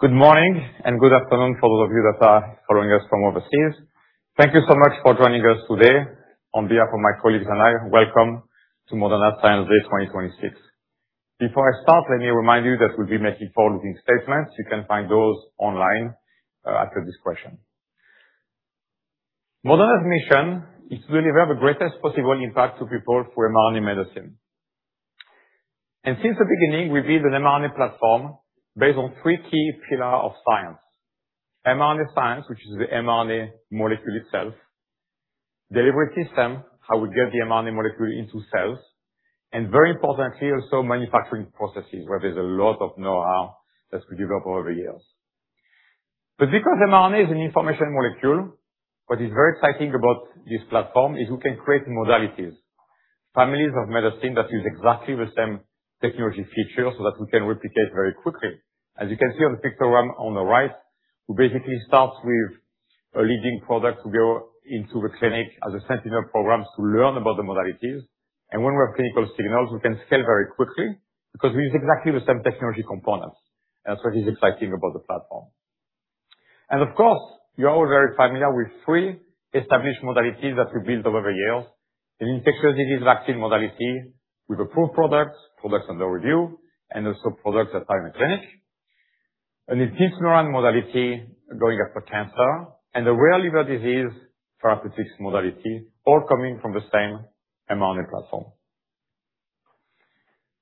Good morning, good afternoon for those of you that are following us from overseas. Thank you so much for joining us today. On behalf of my colleagues and I, welcome to Moderna Science Day 2026. Before I start, let me remind you that we'll be making forward-looking statements. You can find those online at your discretion. Moderna's mission is to deliver the greatest possible impact to people through mRNA medicine. Since the beginning, we've built an mRNA platform based on three key pillars of science. mRNA science, which is the mRNA molecule itself, delivery system, how we get the mRNA molecule into cells, and very importantly also, manufacturing processes, where there's a lot of know-how that we developed over the years. Because mRNA is an information molecule, what is very exciting about this platform is we can create modalities, families of medicine that use exactly the same technology features so that we can replicate very quickly. As you can see on the pictogram on the right, we basically start with a leading product to go into the clinic as a sentinel program to learn about the modalities. When we have clinical signals, we can scale very quickly because we use exactly the same technology components. That's what is exciting about the platform. Of course, you're all very familiar with three established modalities that we built over the years. An infectious disease vaccine modality with approved products under review, and also products that are in the clinic. An immuno-oncology modality going after cancer, and a rare liver disease therapeutics modality, all coming from the same mRNA platform.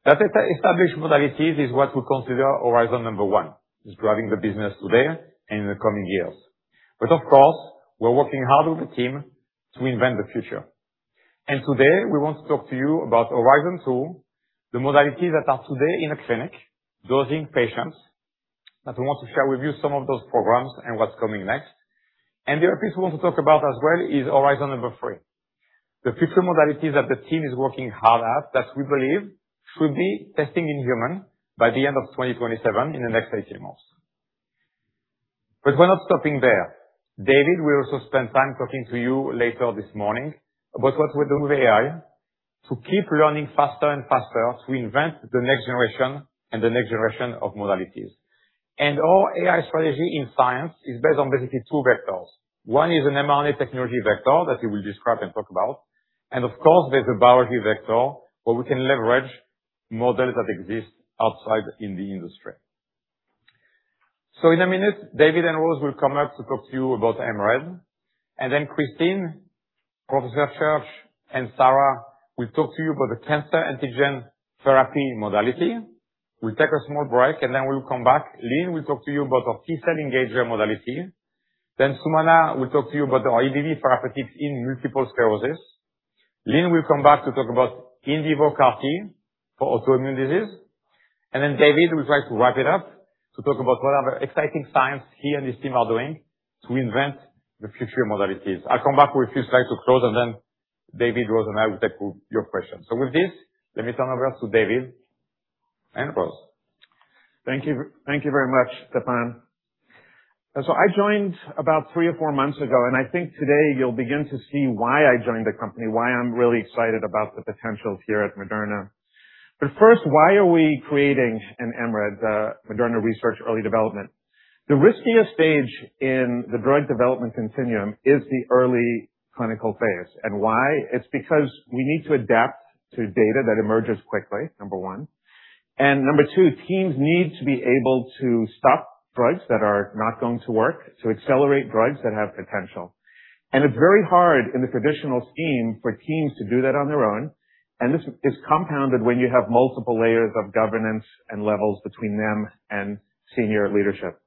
That established modalities is what we consider Horizon 1, is driving the business today and in the coming years. Of course, we're working hard with the team to invent the future. Today, we want to talk to you about Horizon 2, the modalities that are today in a clinic dosing patients, that we want to share with you some of those programs and what's coming next. The other piece we want to talk about as well is Horizon 3, the future modalities that the team is working hard at that we believe should be testing in human by the end of 2027 in the next 18 months. We're not stopping there. David will also spend time talking to you later this morning about what we do with AI to keep learning faster and faster to invent the next generation and the next generation of modalities. Our AI strategy in science is based on basically two vectors. One is an mRNA technology vector that he will describe and talk about. Of course, there's a biology vector where we can leverage models that exist outside in the industry. In a minute, David and Rose will come up to talk to you about M-RED. Kristine, Professor Church, and Sarah will talk to you about the Cancer Antigen Therapy modality. We'll take a small break and then we'll come back. Lin will talk to you about our T-cell engager modality. Sumana will talk to you about our EBV therapeutics in multiple sclerosis. Lin will come back to talk about in vivo CAR-T for autoimmune disease. David will try to wrap it up to talk about what other exciting science he and his team are doing to invent the future modalities. I'll come back with a few slides to close, David, Rose, and I will take your questions. With this, let me turn over to David and Rose. Thank you. Thank you very much, Stéphane. I joined about three or four months ago, I think today you'll begin to see why I joined the company, why I'm really excited about the potential here at Moderna. First, why are we creating an M-RED, Moderna Research and Early Development? The riskiest stage in the drug development continuum is the early clinical phase. Why? It's because we need to adapt to data that emerges quickly, number one. Number two, teams need to be able to stop drugs that are not going to work to accelerate drugs that have potential. It's very hard in the traditional scheme for teams to do that on their own. This is compounded when you have multiple layers of governance and levels between them and senior leadership.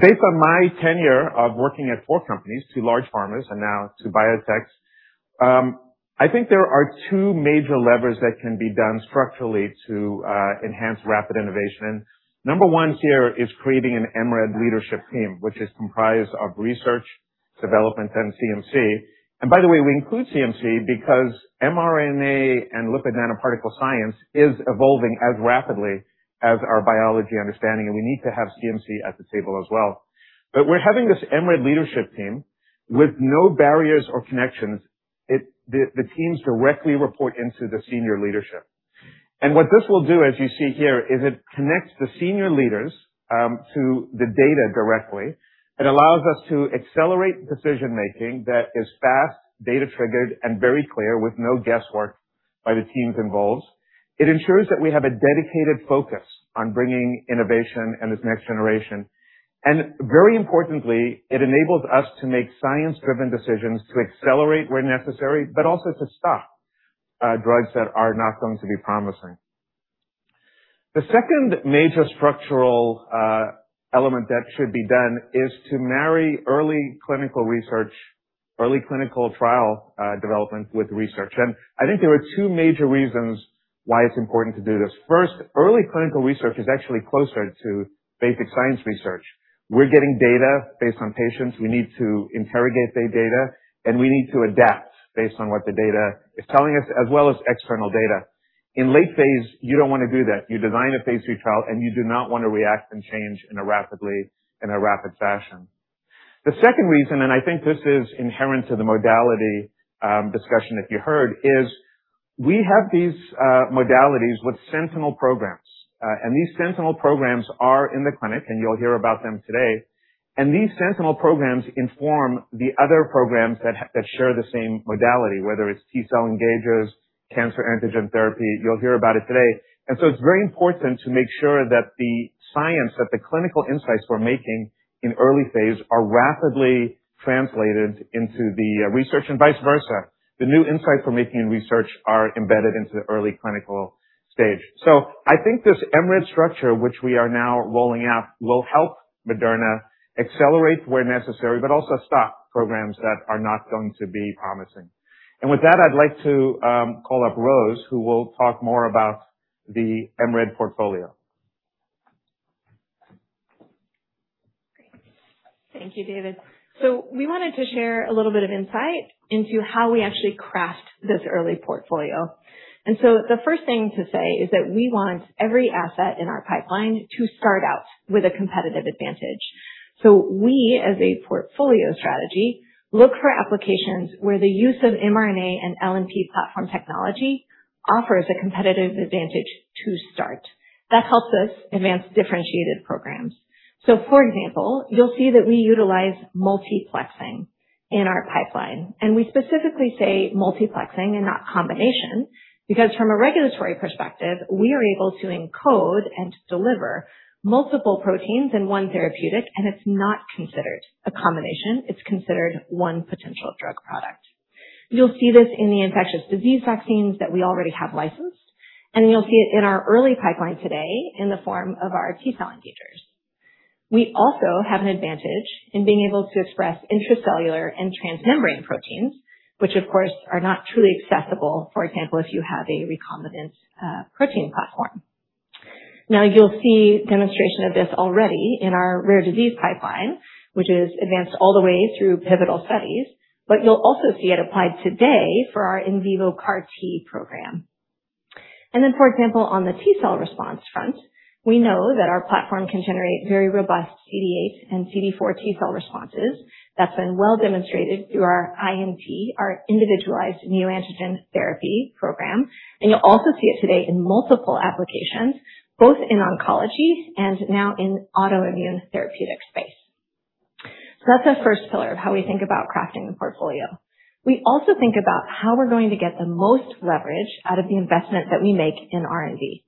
Based on my tenure of working at 4 companies, two large pharmas and now two biotechs, I think there are two major levers that can be done structurally to enhance rapid innovation. Number one here is creating an M-RED leadership team, which is comprised of research, development, and CMC. By the way, we include CMC because mRNA and lipid nanoparticle science is evolving as rapidly as our biology understanding, we need to have CMC at the table as well. We're having this M-RED leadership team with no barriers or connections. The teams directly report into the senior leadership. What this will do, as you see here, is it connects the senior leaders to the data directly. It allows us to accelerate decision-making that is fast, data-triggered, and very clear with no guesswork by the teams involved. It ensures that we have a dedicated focus on bringing innovation and this next generation. Very importantly, it enables us to make science-driven decisions to accelerate where necessary, but also to stop drugs that are not going to be promising. The second major structural element that should be done is to marry early clinical research, early clinical trial development with research. I think there are two major reasons why it's important to do this. First, early clinical research is actually closer to basic science research. We're getting data based on patients. We need to interrogate their data, we need to adapt based on what the data is telling us, as well as external data. In late phase, you don't want to do that. You design a phase III trial, you do not want to react and change in a rapid fashion. I think this is inherent to the modality discussion, if you heard, is we have these modalities with sentinel programs, and these sentinel programs are in the clinic, and you'll hear about them today. These sentinel programs inform the other programs that share the same modality, whether it's T-cell engagers, cancer antigen therapy, you'll hear about it today. It's very important to make sure that the science, that the clinical insights we're making in early phase are rapidly translated into the research and vice versa. The new insights we're making in research are embedded into the early clinical stage. I think this MRID structure, which we are now rolling out, will help Moderna accelerate where necessary, but also stop programs that are not going to be promising. With that, I'd like to call up Rose, who will talk more about the MRID portfolio. Great. Thank you, David. We wanted to share a little bit of insight into how we actually craft this early portfolio. The first thing to say is that we want every asset in our pipeline to start out with a competitive advantage. We, as a portfolio strategy, look for applications where the use of mRNA and LNP platform technology offers a competitive advantage to start. That helps us advance differentiated programs. For example, you'll see that we utilize multiplexing in our pipeline, we specifically say multiplexing and not combination, because from a regulatory perspective, we are able to encode and deliver multiple proteins in one therapeutic, it's not considered a combination, it's considered one potential drug product. You'll see this in the infectious disease vaccines that we already have licensed, you'll see it in our early pipeline today in the form of our T-cell engagers. We also have an advantage in being able to express intracellular and transmembrane proteins, which of course are not truly accessible, for example, if you have a recombinant protein platform. Now you'll see demonstration of this already in our rare disease pipeline, which is advanced all the way through pivotal studies, you'll also see it applied today for our in vivo CAR T program. Then, for example, on the T-cell response front, we know that our platform can generate very robust CD8 and CD4 T-cell responses. That's been well demonstrated through our INT, our Individualized Neoantigen Therapy program, you'll also see it today in multiple applications, both in oncology and now in autoimmune therapeutic space. That's our first pillar of how we think about crafting the portfolio. We also think about how we're going to get the most leverage out of the investment that we make in R&D.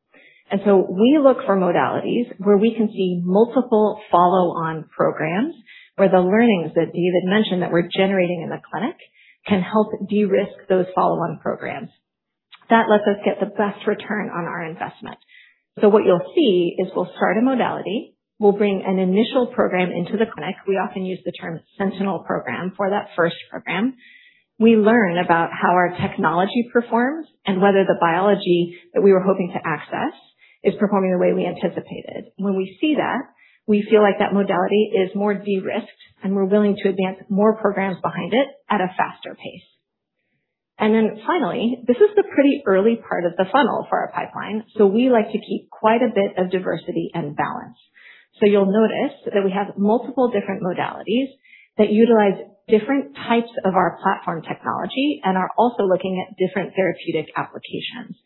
We look for modalities where we can see multiple follow-on programs where the learnings that David mentioned that we're generating in the clinic can help de-risk those follow-on programs. That lets us get the best return on our investment. What you'll see is we'll start a modality, we'll bring an initial program into the clinic. We often use the term "sentinel program" for that first program. We learn about how our technology performs and whether the biology that we were hoping to access is performing the way we anticipated. When we see that, we feel like that modality is more de-risked, and we're willing to advance more programs behind it at a faster pace. Finally, this is the pretty early part of the funnel for our pipeline, we like to keep quite a bit of diversity and balance. You'll notice that we have multiple different modalities that utilize different types of our platform technology and are also looking at different therapeutic applications.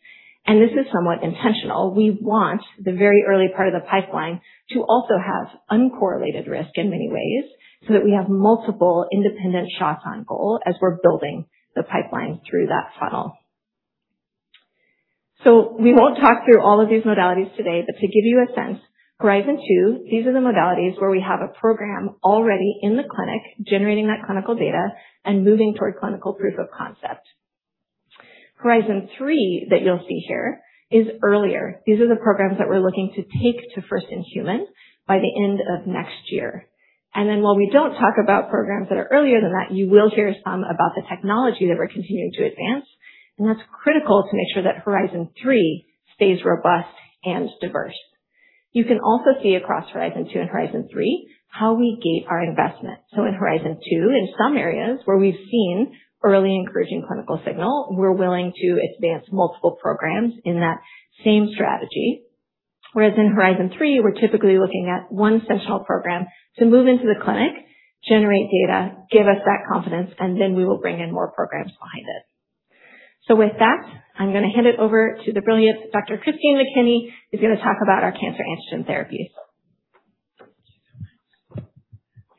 This is somewhat intentional. We want the very early part of the pipeline to also have uncorrelated risk in many ways, that we have multiple independent shots on goal as we're building the pipeline through that funnel. We won't talk through all of these modalities today, but to give you a sense, Horizon 2, these are the modalities where we have a program already in the clinic generating that clinical data and moving toward clinical proof of concept. Horizon 3 that you'll see here is earlier. These are the programs that we're looking to take to first in human by the end of next year. While we don't talk about programs that are earlier than that, you will hear some about the technology that we're continuing to advance, and that's critical to make sure that Horizon 3 stays robust and diverse. You can also see across Horizon 2 and Horizon 3 how we gate our investment. In Horizon 2, in some areas where we've seen early encouraging clinical signal, we're willing to advance multiple programs in that same strategy. Whereas in Horizon 3, we're typically looking at one sentinel program to move into the clinic, generate data, give us that confidence, we will bring in more programs behind it. With that, I'm going to hand it over to the brilliant Dr. Kristine McKinney, who's going to talk about our Cancer Antigen Therapies.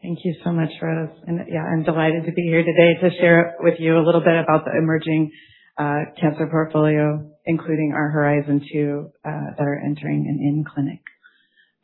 Thank you so much, Rose. Yeah, I'm delighted to be here today to share with you a little bit about the emerging cancer portfolio, including our Horizon 2, that are entering and in clinic.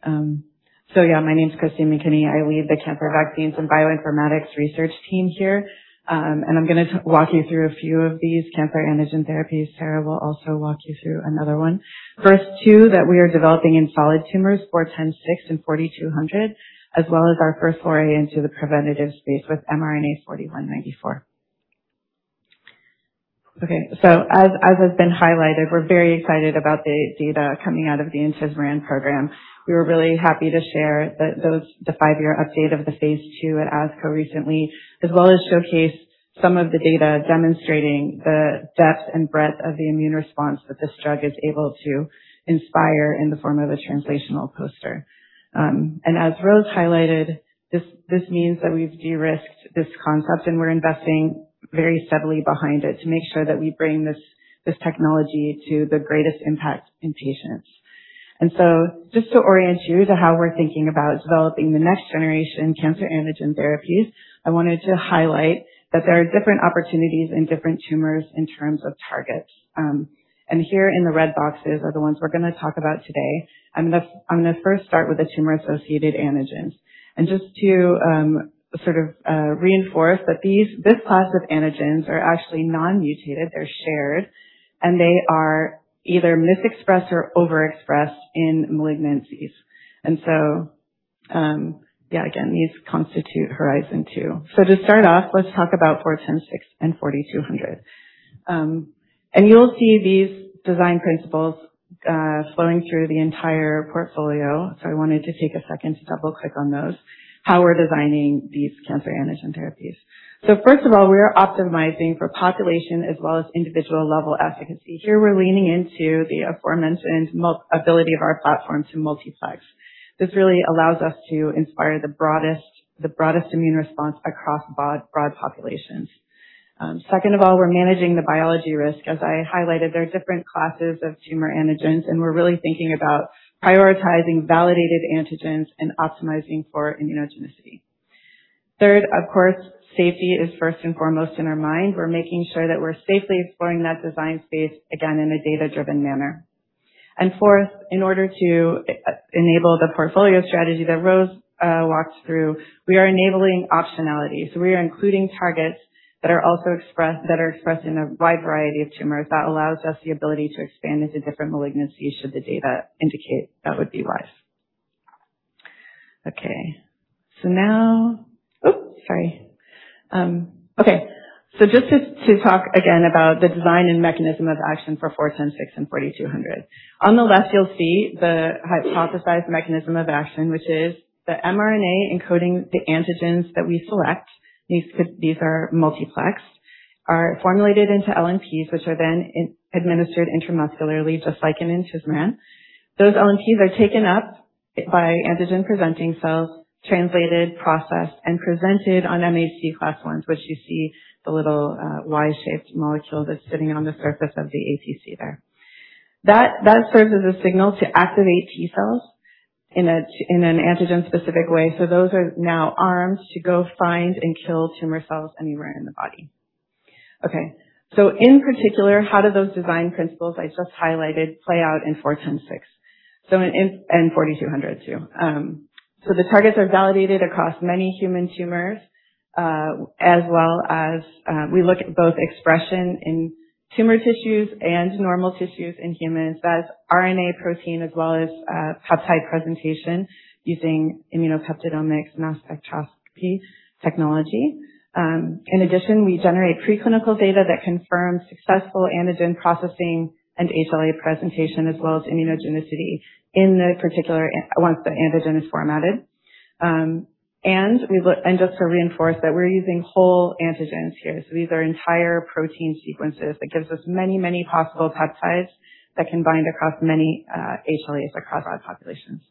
Yeah, my name's Kristine McKinney. I lead the Cancer Vaccines and Bioinformatics Research team here. I'm going to walk you through a few of these Cancer Antigen Therapies. Sarah will also walk you through another one. First two that we are developing in solid tumors, 4106 and 4200, as well as our first foray into the preventative space with mRNA-4194. Okay. As has been highlighted, we're very excited about the data coming out of the intismeran program. We were really happy to share the 5-year update of the phase II at ASCO recently, as well as showcase some of the data demonstrating the depth and breadth of the immune response that this drug is able to inspire in the form of a translational poster. As Rose highlighted, this means that we've de-risked this concept, and we're investing very steadily behind it to make sure that we bring this technology to the greatest impact in patients. Just to orient you to how we're thinking about developing the next generation Cancer Antigen Therapies, I wanted to highlight that there are different opportunities in different tumors in terms of targets. Here in the red boxes are the ones we're going to talk about today. I'm going to first start with the tumor-associated antigens. Just to reinforce that this class of antigens are actually non-mutated, they're shared, and they are either misexpressed or overexpressed in malignancies. Again, these constitute Horizon 2. To start off, let's talk about 4106 and 4200. You'll see these design principles flowing through the entire portfolio. I wanted to take a second to double-click on those, how we're designing these Cancer Antigen Therapies. First of all, we are optimizing for population as well as individual level efficacy. Here we're leaning into the aforementioned ability of our platform to multiplex. This really allows us to inspire the broadest immune response across broad populations. Second of all, we're managing the biology risk. As I highlighted, there are different classes of tumor antigens, and we're really thinking about prioritizing validated antigens and optimizing for immunogenicity. Third, of course, safety is first and foremost in our mind. We're making sure that we're safely exploring that design space, again, in a data-driven manner. Fourth, in order to enable the portfolio strategy that Rose walked through, we are enabling optionality. We are including targets that are expressed in a wide variety of tumors. That allows us the ability to expand into different malignancies should the data indicate that would be wise. Okay. Just to talk again about the design and mechanism of action for mRNA-4106 and mRNA-4200. On the left, you'll see the hypothesized mechanism of action, which is the mRNA encoding the antigens that we select, these are multiplexed, are formulated into LNPs, which are then administered intramuscularly, just like an intismeran. Those LNPs are taken up by antigen-presenting cells, translated, processed, and presented on MHC class 1s, which you see the little Y-shaped molecule that's sitting on the surface of the APC there. That serves as a signal to activate T cells in an antigen-specific way. Those are now armed to go find and kill tumor cells anywhere in the body. Okay, in particular, how do those design principles I just highlighted play out in mRNA-4106 and mRNA-4200 too? The targets are validated across many human tumors, as well as we look at both expression in tumor tissues and normal tissues in humans. That's RNA protein as well as peptide presentation using immunopeptidomics mass spectroscopy technology. In addition, we generate preclinical data that confirms successful antigen processing and HLA presentation, as well as immunogenicity once the antigen is formatted. Just to reinforce that we're using whole antigens here. These are entire protein sequences that gives us many possible peptides that can bind across many HLAs across our populations.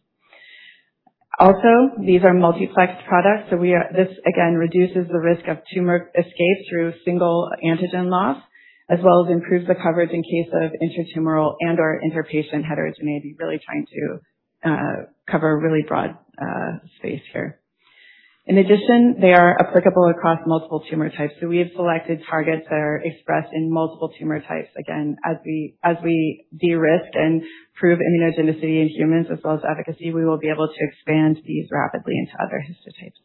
Also, these are multiplexed products. This, again, reduces the risk of tumor escape through single antigen loss, as well as improves the coverage in case of intratumoral and/or interpatient heterogeneity, really trying to cover a really broad space here. In addition, they are applicable across multiple tumor types. We have selected targets that are expressed in multiple tumor types. Again, as we de-risk and prove immunogenicity in humans as well as efficacy, we will be able to expand these rapidly into other histotypes.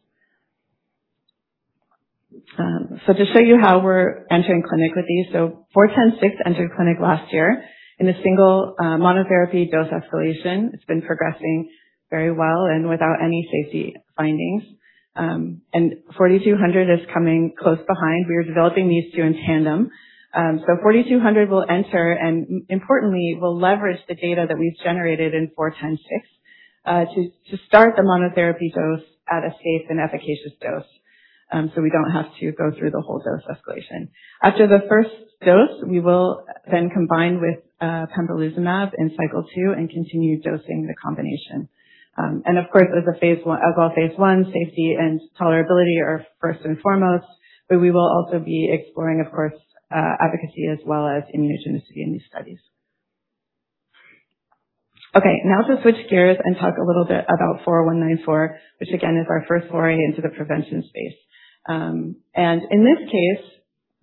To show you how we're entering clinic with these, mRNA-4106 entered clinic last year in a single monotherapy dose escalation. It's been progressing very well and without any safety findings. mRNA-4200 is coming close behind. We are developing these two in tandem. mRNA-4200 will enter and importantly, will leverage the data that we've generated in mRNA-4106 to start the monotherapy dose at a safe and efficacious dose, so we don't have to go through the whole dose escalation. After the first dose, we will then combine with pembrolizumab in cycle 2 and continue dosing the combination. Of course, as all phase I, safety and tolerability are first and foremost, but we will also be exploring, of course, efficacy as well as immunogenicity in these studies. Okay, now to switch gears and talk a little bit about mRNA-4194, which again, is our first foray into the prevention space. In this case,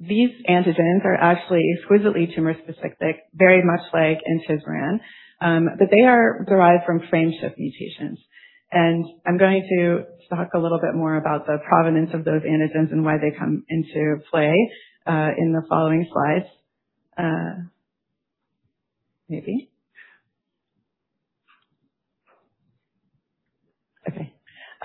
these antigens are actually exquisitely tumor specific, very much like intismeran, but they are derived from frameshift mutations. I'm going to talk a little bit more about the provenance of those antigens and why they come into play in the following slides. Maybe. Okay.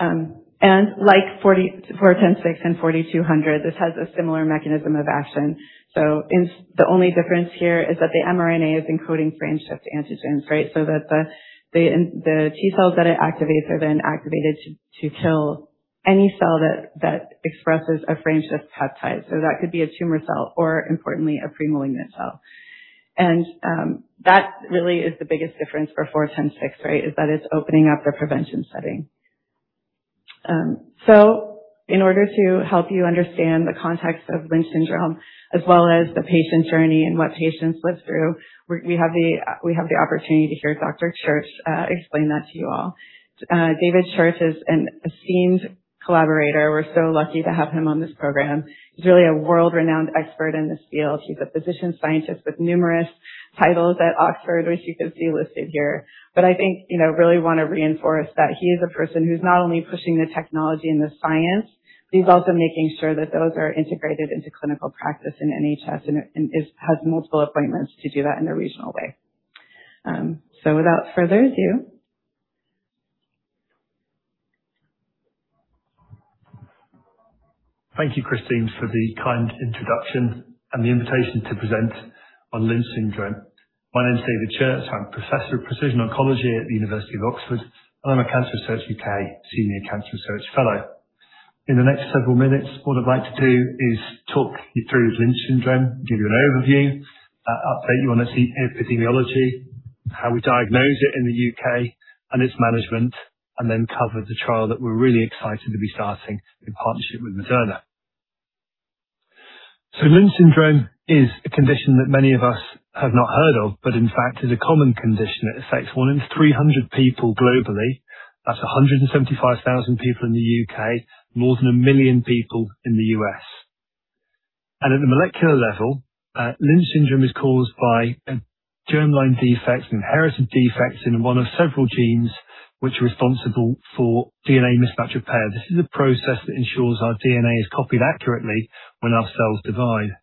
Like 4106 and 4200, this has a similar mechanism of action. The only difference here is that the mRNA is encoding frameshift antigens, right? That the T cells that it activates are then activated to kill any cell that expresses a frameshift peptide. That could be a tumor cell or importantly, a premalignant cell. That really is the biggest difference for 4194, right? Is that it's opening up the prevention setting. In order to help you understand the context of Lynch syndrome as well as the patient journey and what patients live through, we have the opportunity to hear Dr. Church explain that to you all. David Church is an esteemed collaborator. We're so lucky to have him on this program. He's really a world-renowned expert in this field. He's a physician scientist with numerous titles at Oxford, which you can see listed here. I think, really want to reinforce that he is a person who's not only pushing the technology and the science, but he's also making sure that those are integrated into clinical practice in NHS, and has multiple appointments to do that in a regional way. Without further ado. Thank you, Kristine, for the kind introduction and the invitation to present on Lynch syndrome. My name is David Church. I'm Professor of Precision Oncology at the University of Oxford, and I'm a Cancer Research U.K. Senior Cancer Research Fellow. In the next several minutes, what I'd like to do is talk you through Lynch syndrome, give you an overview, update you on its epidemiology, how we diagnose it in the U.K. and its management, and then cover the trial that we're really excited to be starting in partnership with Moderna. Lynch syndrome is a condition that many of us have not heard of, but in fact, is a common condition that affects one in 300 people globally. That's 175,000 people in the U.K., more than 1 million people in the U.S. At the molecular level, Lynch syndrome is caused by a germline defect, an inherited defect in one of several genes which are responsible for DNA mismatch repair. This is a process that ensures our DNA is copied accurately when our cells divide.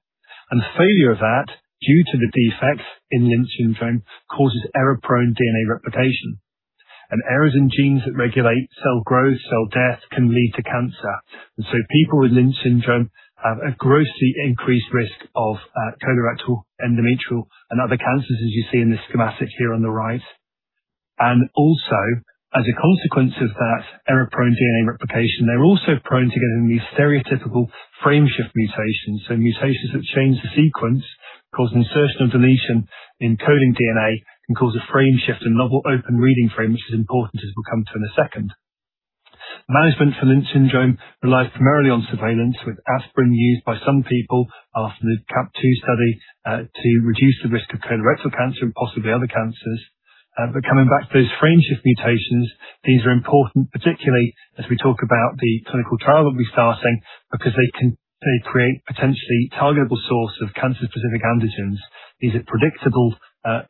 The failure of that, due to the defects in Lynch syndrome, causes error-prone DNA replication, and errors in genes that regulate cell growth, cell death can lead to cancer. People with Lynch syndrome have a grossly increased risk of colorectal, endometrial, and other cancers, as you see in this schematic here on the right. Also, as a consequence of that error-prone DNA replication, they're also prone to getting these stereotypical frameshift mutations. Mutations that change the sequence, cause insertion or deletion in coding DNA, can cause a frameshift in novel open reading frame, which is important as we'll come to in a second. Management for Lynch syndrome relies primarily on surveillance, with aspirin used by some people after the CAPP study, to reduce the risk of colorectal cancer and possibly other cancers. Coming back to those frameshift mutations, these are important, particularly as we talk about the clinical trial that we're starting, because they create potentially targetable source of cancer-specific antigens. These are predictable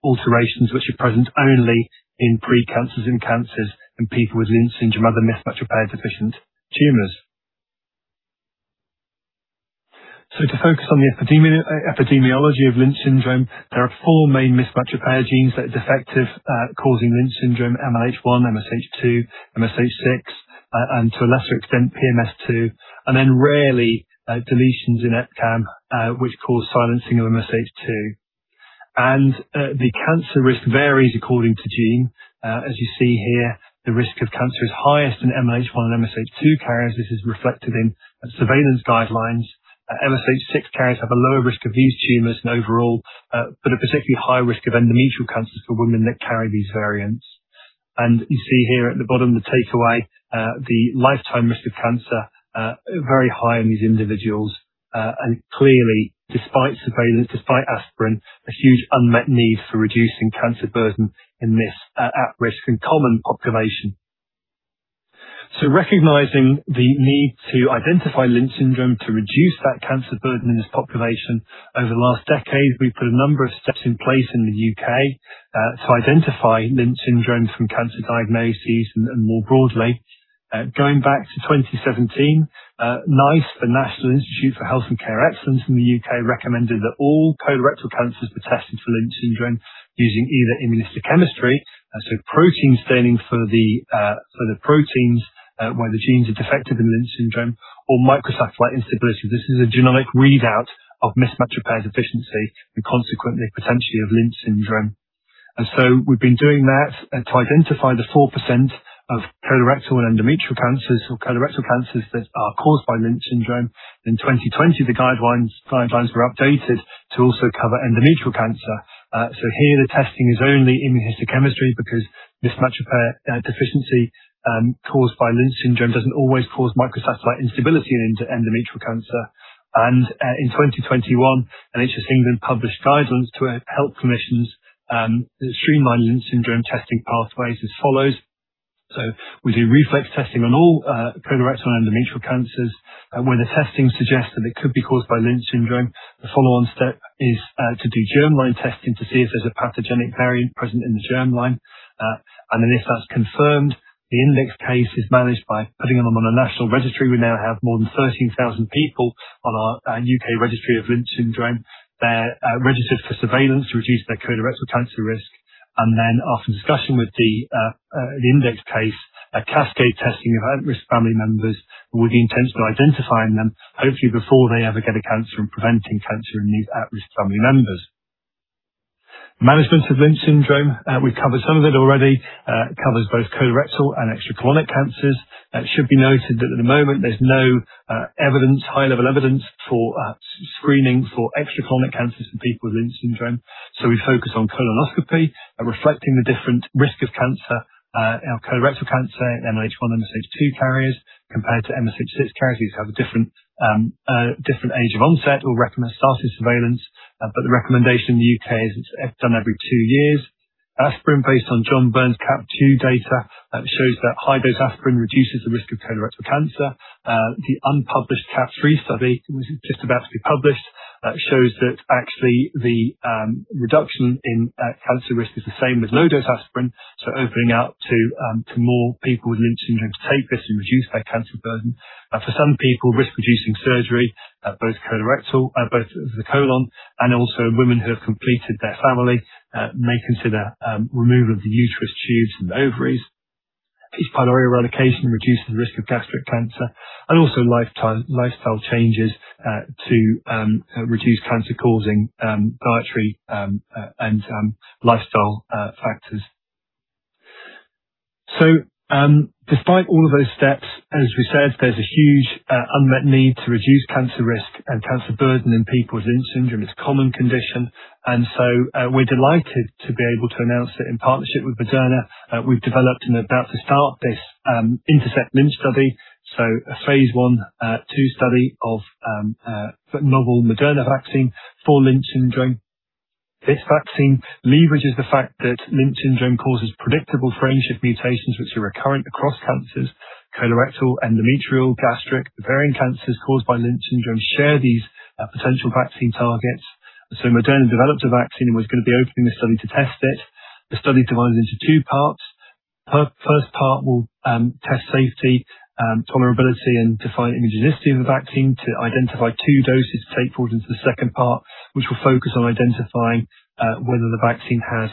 alterations which are present only in pre-cancers, in cancers in people with Lynch syndrome, other mismatch repair deficient tumors. To focus on the epidemiology of Lynch syndrome, there are four main mismatch repair genes that are defective, causing Lynch syndrome, MLH1, MSH2, MSH6, and to a lesser extent, PMS2, and then rarely, deletions in EPCAM, which cause silencing of MSH2. The cancer risk varies according to gene. As you see here, the risk of cancer is highest in MLH1 and MSH2 carriers. This is reflected in surveillance guidelines. MSH6 carriers have a lower risk of these tumors and overall, but a particularly high risk of endometrial cancers for women that carry these variants. You see here at the bottom, the takeaway, the lifetime risk of cancer, very high in these individuals. Clearly, despite surveillance, despite aspirin, a huge unmet need for reducing cancer burden in this at-risk and common population. Recognizing the need to identify Lynch syndrome to reduce that cancer burden in this population, over the last decade, we've put a number of steps in place in the U.K. to identify Lynch syndrome from cancer diagnoses and more broadly. Going back to 2017, NICE, the National Institute for Health and Care Excellence in the U.K., recommended that all colorectal cancers be tested for Lynch syndrome using either immunohistochemistry, protein staining for the proteins where the genes are defective in Lynch syndrome or microsatellite instability. This is a genomic readout of mismatch repair deficiency and consequently, potentially of Lynch syndrome. We've been doing that to identify the four % of colorectal and endometrial cancers or colorectal cancers that are caused by Lynch syndrome. In 2020, the guidelines were updated to also cover endometrial cancer. Here the testing is only immunohistochemistry because mismatch repair deficiency caused by Lynch syndrome doesn't always cause microsatellite instability in endometrial cancer. In 2021, NHS England published guidelines to help clinicians streamline Lynch syndrome testing pathways as follows. We do reflex testing on all colorectal and endometrial cancers. Where the testing suggests that it could be caused by Lynch syndrome, the follow-on step is to do germline testing to see if there's a pathogenic variant present in the germline. If that's confirmed, the index case is managed by putting them on a national registry. We now have more than 13,000 people on our U.K. registry of Lynch syndrome. They're registered for surveillance to reduce their colorectal cancer risk. After discussion with the index case, a cascade testing of at-risk family members with the intent of identifying them, hopefully before they ever get a cancer, and preventing cancer in these at-risk family members. Management of Lynch syndrome, we've covered some of it already. It covers both colorectal and extracolonic cancers. It should be noted that at the moment, there's no high-level evidence for screening for extracolonic cancers for people with Lynch syndrome, so we focus on colonoscopy, reflecting the different risk of cancer in our colorectal cancer, MLH1, MSH2 carriers compared to MSH6 carriers. These have a different age of onset. We'll recommend starting surveillance, but the recommendation in the U.K. is it's done every two years. Aspirin, based on John Burn's CAPP2 data, shows that high-dose aspirin reduces the risk of colorectal cancer. The unpublished CAPP3 study, which is just about to be published, shows that actually the reduction in cancer risk is the same with low-dose aspirin, so opening up to more people with Lynch syndrome to take this and reduce their cancer burden. For some people, risk-reducing surgery at both the colon and also in women who have completed their family may consider removal of the uterus, tubes, and ovaries. H. pylori eradication reduces the risk of gastric cancer, and also lifestyle changes to reduce cancer-causing dietary and lifestyle factors. Despite all of those steps, as we said, there's a huge unmet need to reduce cancer risk and cancer burden in people with Lynch syndrome. It's a common condition. We're delighted to be able to announce that in partnership with Moderna, we've developed and are about to start this INTERCEPT-Lynch study, so a phase I and II study of the novel Moderna vaccine for Lynch syndrome. This vaccine leverages the fact that Lynch syndrome causes predictable frameshift mutations, which are recurrent across cancers. Colorectal, endometrial, gastric, ovarian cancers caused by Lynch syndrome share these potential vaccine targets. Moderna developed a vaccine and was going to be opening a study to test it. The study divides into two parts. The first part will test safety, tolerability, and define immunogenicity of the vaccine to identify two doses to take forward into the second part, which will focus on identifying whether the vaccine has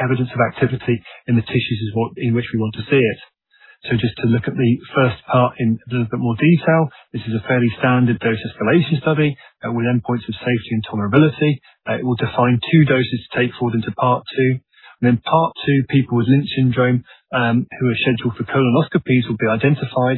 evidence of activity in the tissues in which we want to see it. Just to look at the first part in a little bit more detail, this is a fairly standard dose escalation study with endpoints of safety and tolerability. It will define two doses to take forward into part two. Then part two, people with Lynch syndrome, who are scheduled for colonoscopies will be identified,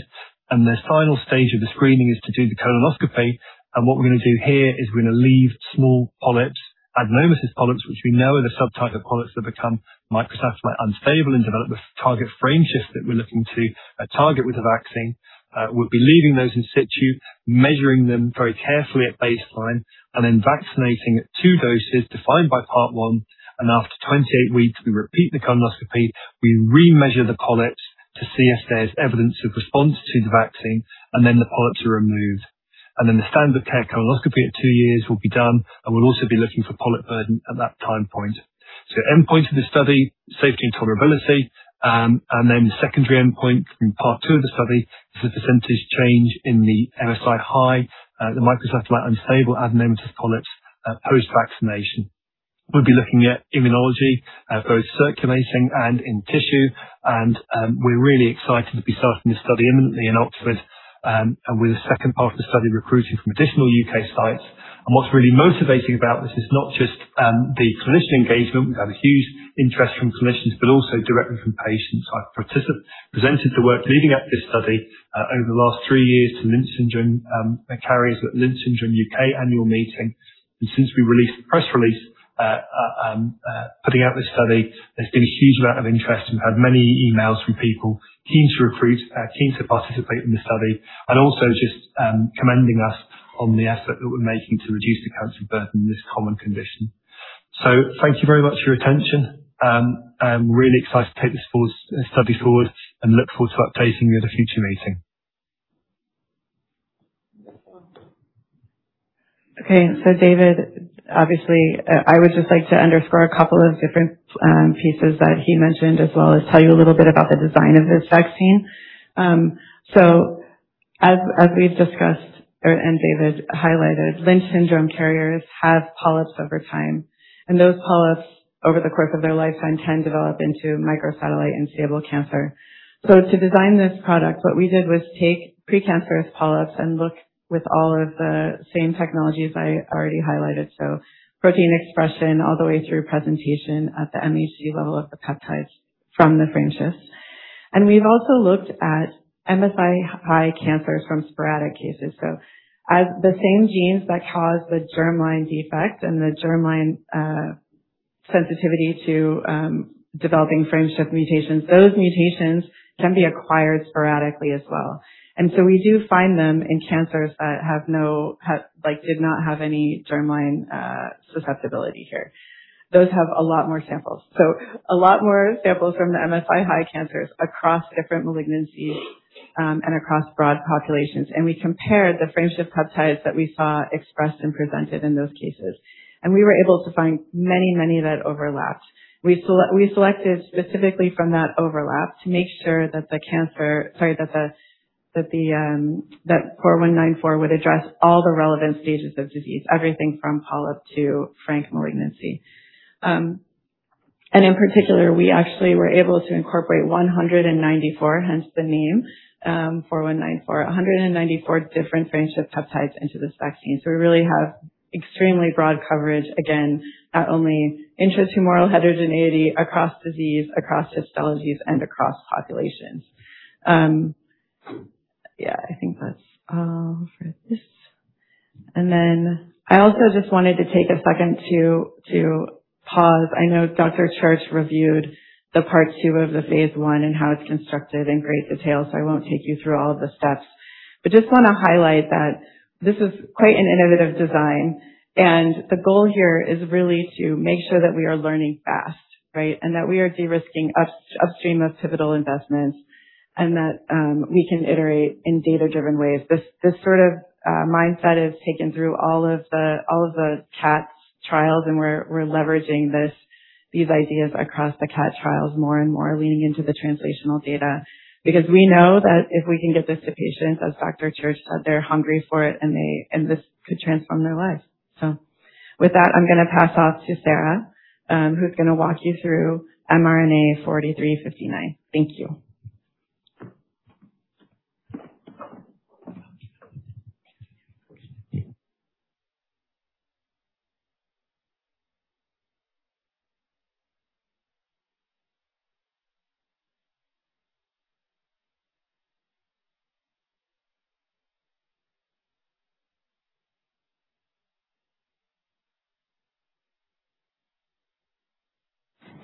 and their final stage of the screening is to do the colonoscopy. What we're going to do here is we're going to leave small polyps, adenomatous polyps, which we know are the subtype of polyps that become microsatellite unstable and develop the target frameshifts that we're looking to target with the vaccine. We'll be leaving those in situ, measuring them very carefully at baseline, and then vaccinating at two doses defined by part one. After 28 weeks, we repeat the colonoscopy, we remeasure the polyps to see if there's evidence of response to the vaccine, then the polyps are removed. Then the standard of care colonoscopy at two years will be done, and we'll also be looking for polyp burden at that time point. Endpoints of the study, safety and tolerability, then the secondary endpoint from part 2 of the study is the percentage change in the MSI-high, the microsatellite unstable adenomatous polyps post-vaccination. We'll be looking at immunology, both circulating and in tissue, and we're really excited to be starting this study imminently in Oxford, and with the second part of the study recruiting from additional U.K. sites. What's really motivating about this is not just the clinician engagement, we've had a huge interest from clinicians, but also directly from patients. I've presented the work leading up to this study over the last three years to Lynch syndrome carriers at the Lynch Syndrome UK annual meeting. Since we released the press release putting out this study, there's been a huge amount of interest and we've had many emails from people keen to recruit, keen to participate in the study, and also just commending us on the effort that we're making to reduce the cancer burden in this common condition. Thank you very much for your attention. I'm really excited to take this study forward and look forward to updating you at a future meeting. Okay. David, obviously, I would just like to underscore a couple of different pieces that he mentioned, as well as tell you a little bit about the design of this vaccine. As we've discussed, and David highlighted, Lynch syndrome carriers have polyps over time, and those polyps, over the course of their lifetime, can develop into microsatellite unstable cancer. To design this product, what we did was take pre-cancerous polyps and look with all of the same technologies I already highlighted, protein expression all the way through presentation at the MHC level of the peptides from the frameshift. We've also looked at MSI-high cancers from sporadic cases. As the same genes that cause the germline defect and the germline sensitivity to developing frameshift mutations, those mutations can be acquired sporadically as well. We do find them in cancers that did not have any germline susceptibility here. Those have a lot more samples. A lot more samples from the MSI-high cancers across different malignancies, and across broad populations. We compared the frameshift peptides that we saw expressed and presented in those cases. We were able to find many that overlapped. We selected specifically from that overlap to make sure that 4194 would address all the relevant stages of disease, everything from polyp to frank malignancy. In particular, we actually were able to incorporate 194, hence the name 4194. 194 different frameshift peptides into this vaccine. We really have extremely broad coverage, again, not only intra-tumoral heterogeneity across disease, across histologies, and across populations. Yeah, I think that's all for this. I also just wanted to take a second to pause. I know Dr. Church reviewed the part 2 of the phase I and how it's constructed in great detail, so I won't take you through all of the steps. Just want to highlight that this is quite an innovative design, and the goal here is really to make sure that we are learning fast, right? That we are de-risking upstream of pivotal investments and that we can iterate in data-driven ways. This sort of mindset is taken through all of the CATs trials, and we're leveraging these ideas across the CAT trials more and more, leaning into the translational data. We know that if we can get this to patients, as Dr. Church said, they're hungry for it, and this could transform their lives. With that, I'm going to pass off to Sarah, who's going to walk you through mRNA-4359. Thank you.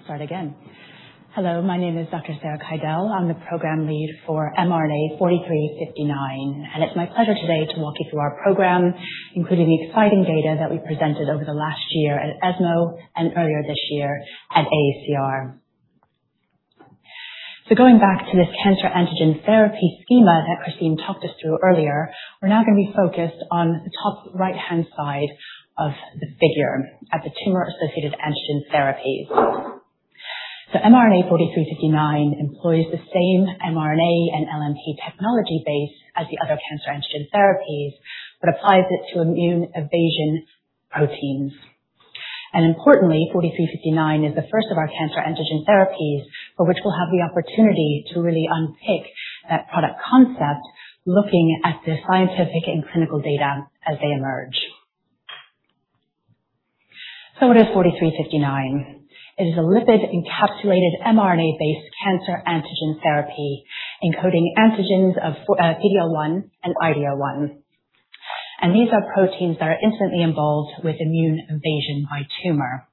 Start again. Hello, my name is Dr. Sarah Keidel. I'm the program lead for mRNA-4359, and it's my pleasure today to walk you through our program, including the exciting data that we presented over the last year at ESMO and earlier this year at AACR. Going back to this cancer antigen therapy schema that Kristine McKinney talked us through earlier, we're now going to be focused on the top right-hand side of the figure at the tumor-associated antigen therapies. mRNA-4359 employs the same mRNA and LNP technology base as the other cancer antigen therapies, but applies it to immune evasion proteins. Importantly, 4359 is the first of our cancer antigen therapies for which we'll have the opportunity to really unpick that product concept, looking at the scientific and clinical data as they emerge. What is 4359? It is a lipid encapsulated mRNA-based cancer antigen therapy encoding antigens of PD-L1 and IDO1. These are proteins that are instantly involved with immune evasion by tumor.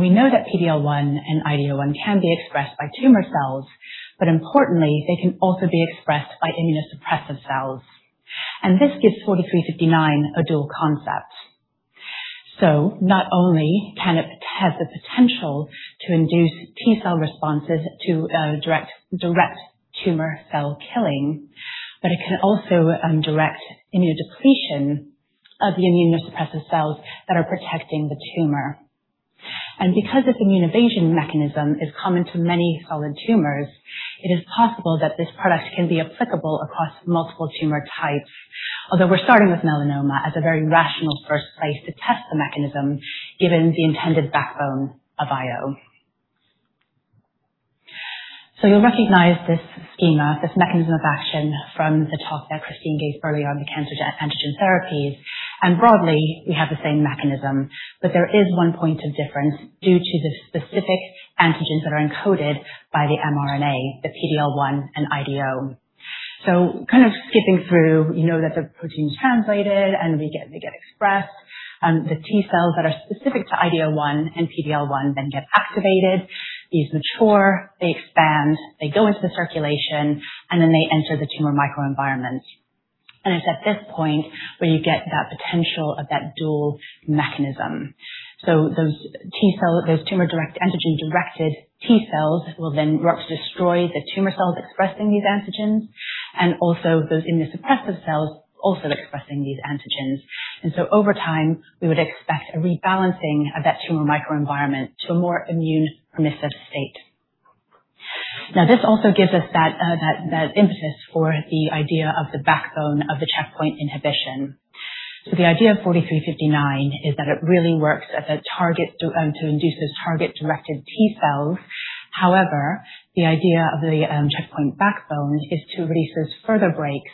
We know that PD-L1 and IDO1 can be expressed by tumor cells, but importantly, they can also be expressed by immunosuppressive cells. This gives 4359 a dual concept. Not only can it have the potential to induce T cell responses to direct tumor cell killing, but it can also direct immune depletion of the immunosuppressive cells that are protecting the tumor. Because this immune evasion mechanism is common to many solid tumors, it is possible that this product can be applicable across multiple tumor types, although we're starting with melanoma as a very rational first place to test the mechanism, given the intended backbone of IO. You'll recognize this schema, this mechanism of action from the talk that Christine gave earlier on the Cancer Antigen Therapies, and broadly, we have the same mechanism. But there is one point of difference due to the specific antigens that are encoded by the mRNA, the PD-L1 and IDO1. Kind of skipping through, you know that the protein is translated, and they get expressed. The T cells that are specific to IDO1 and PD-L1 then get activated. These mature, they expand, they go into the circulation, and then they enter the tumor microenvironment. It's at this point where you get that potential of that dual mechanism. Those tumor direct antigen-directed T cells will then rush to destroy the tumor cells expressing these antigens and also those immunosuppressive cells also expressing these antigens. Over time, we would expect a rebalancing of that tumor microenvironment to a more immune-permissive state. Now, this also gives us that impetus for the idea of the backbone of the checkpoint inhibition. The idea of mRNA-4359 is that it really works as a target to induce those target-directed T cells. However, the idea of the checkpoint backbone is to release those further breaks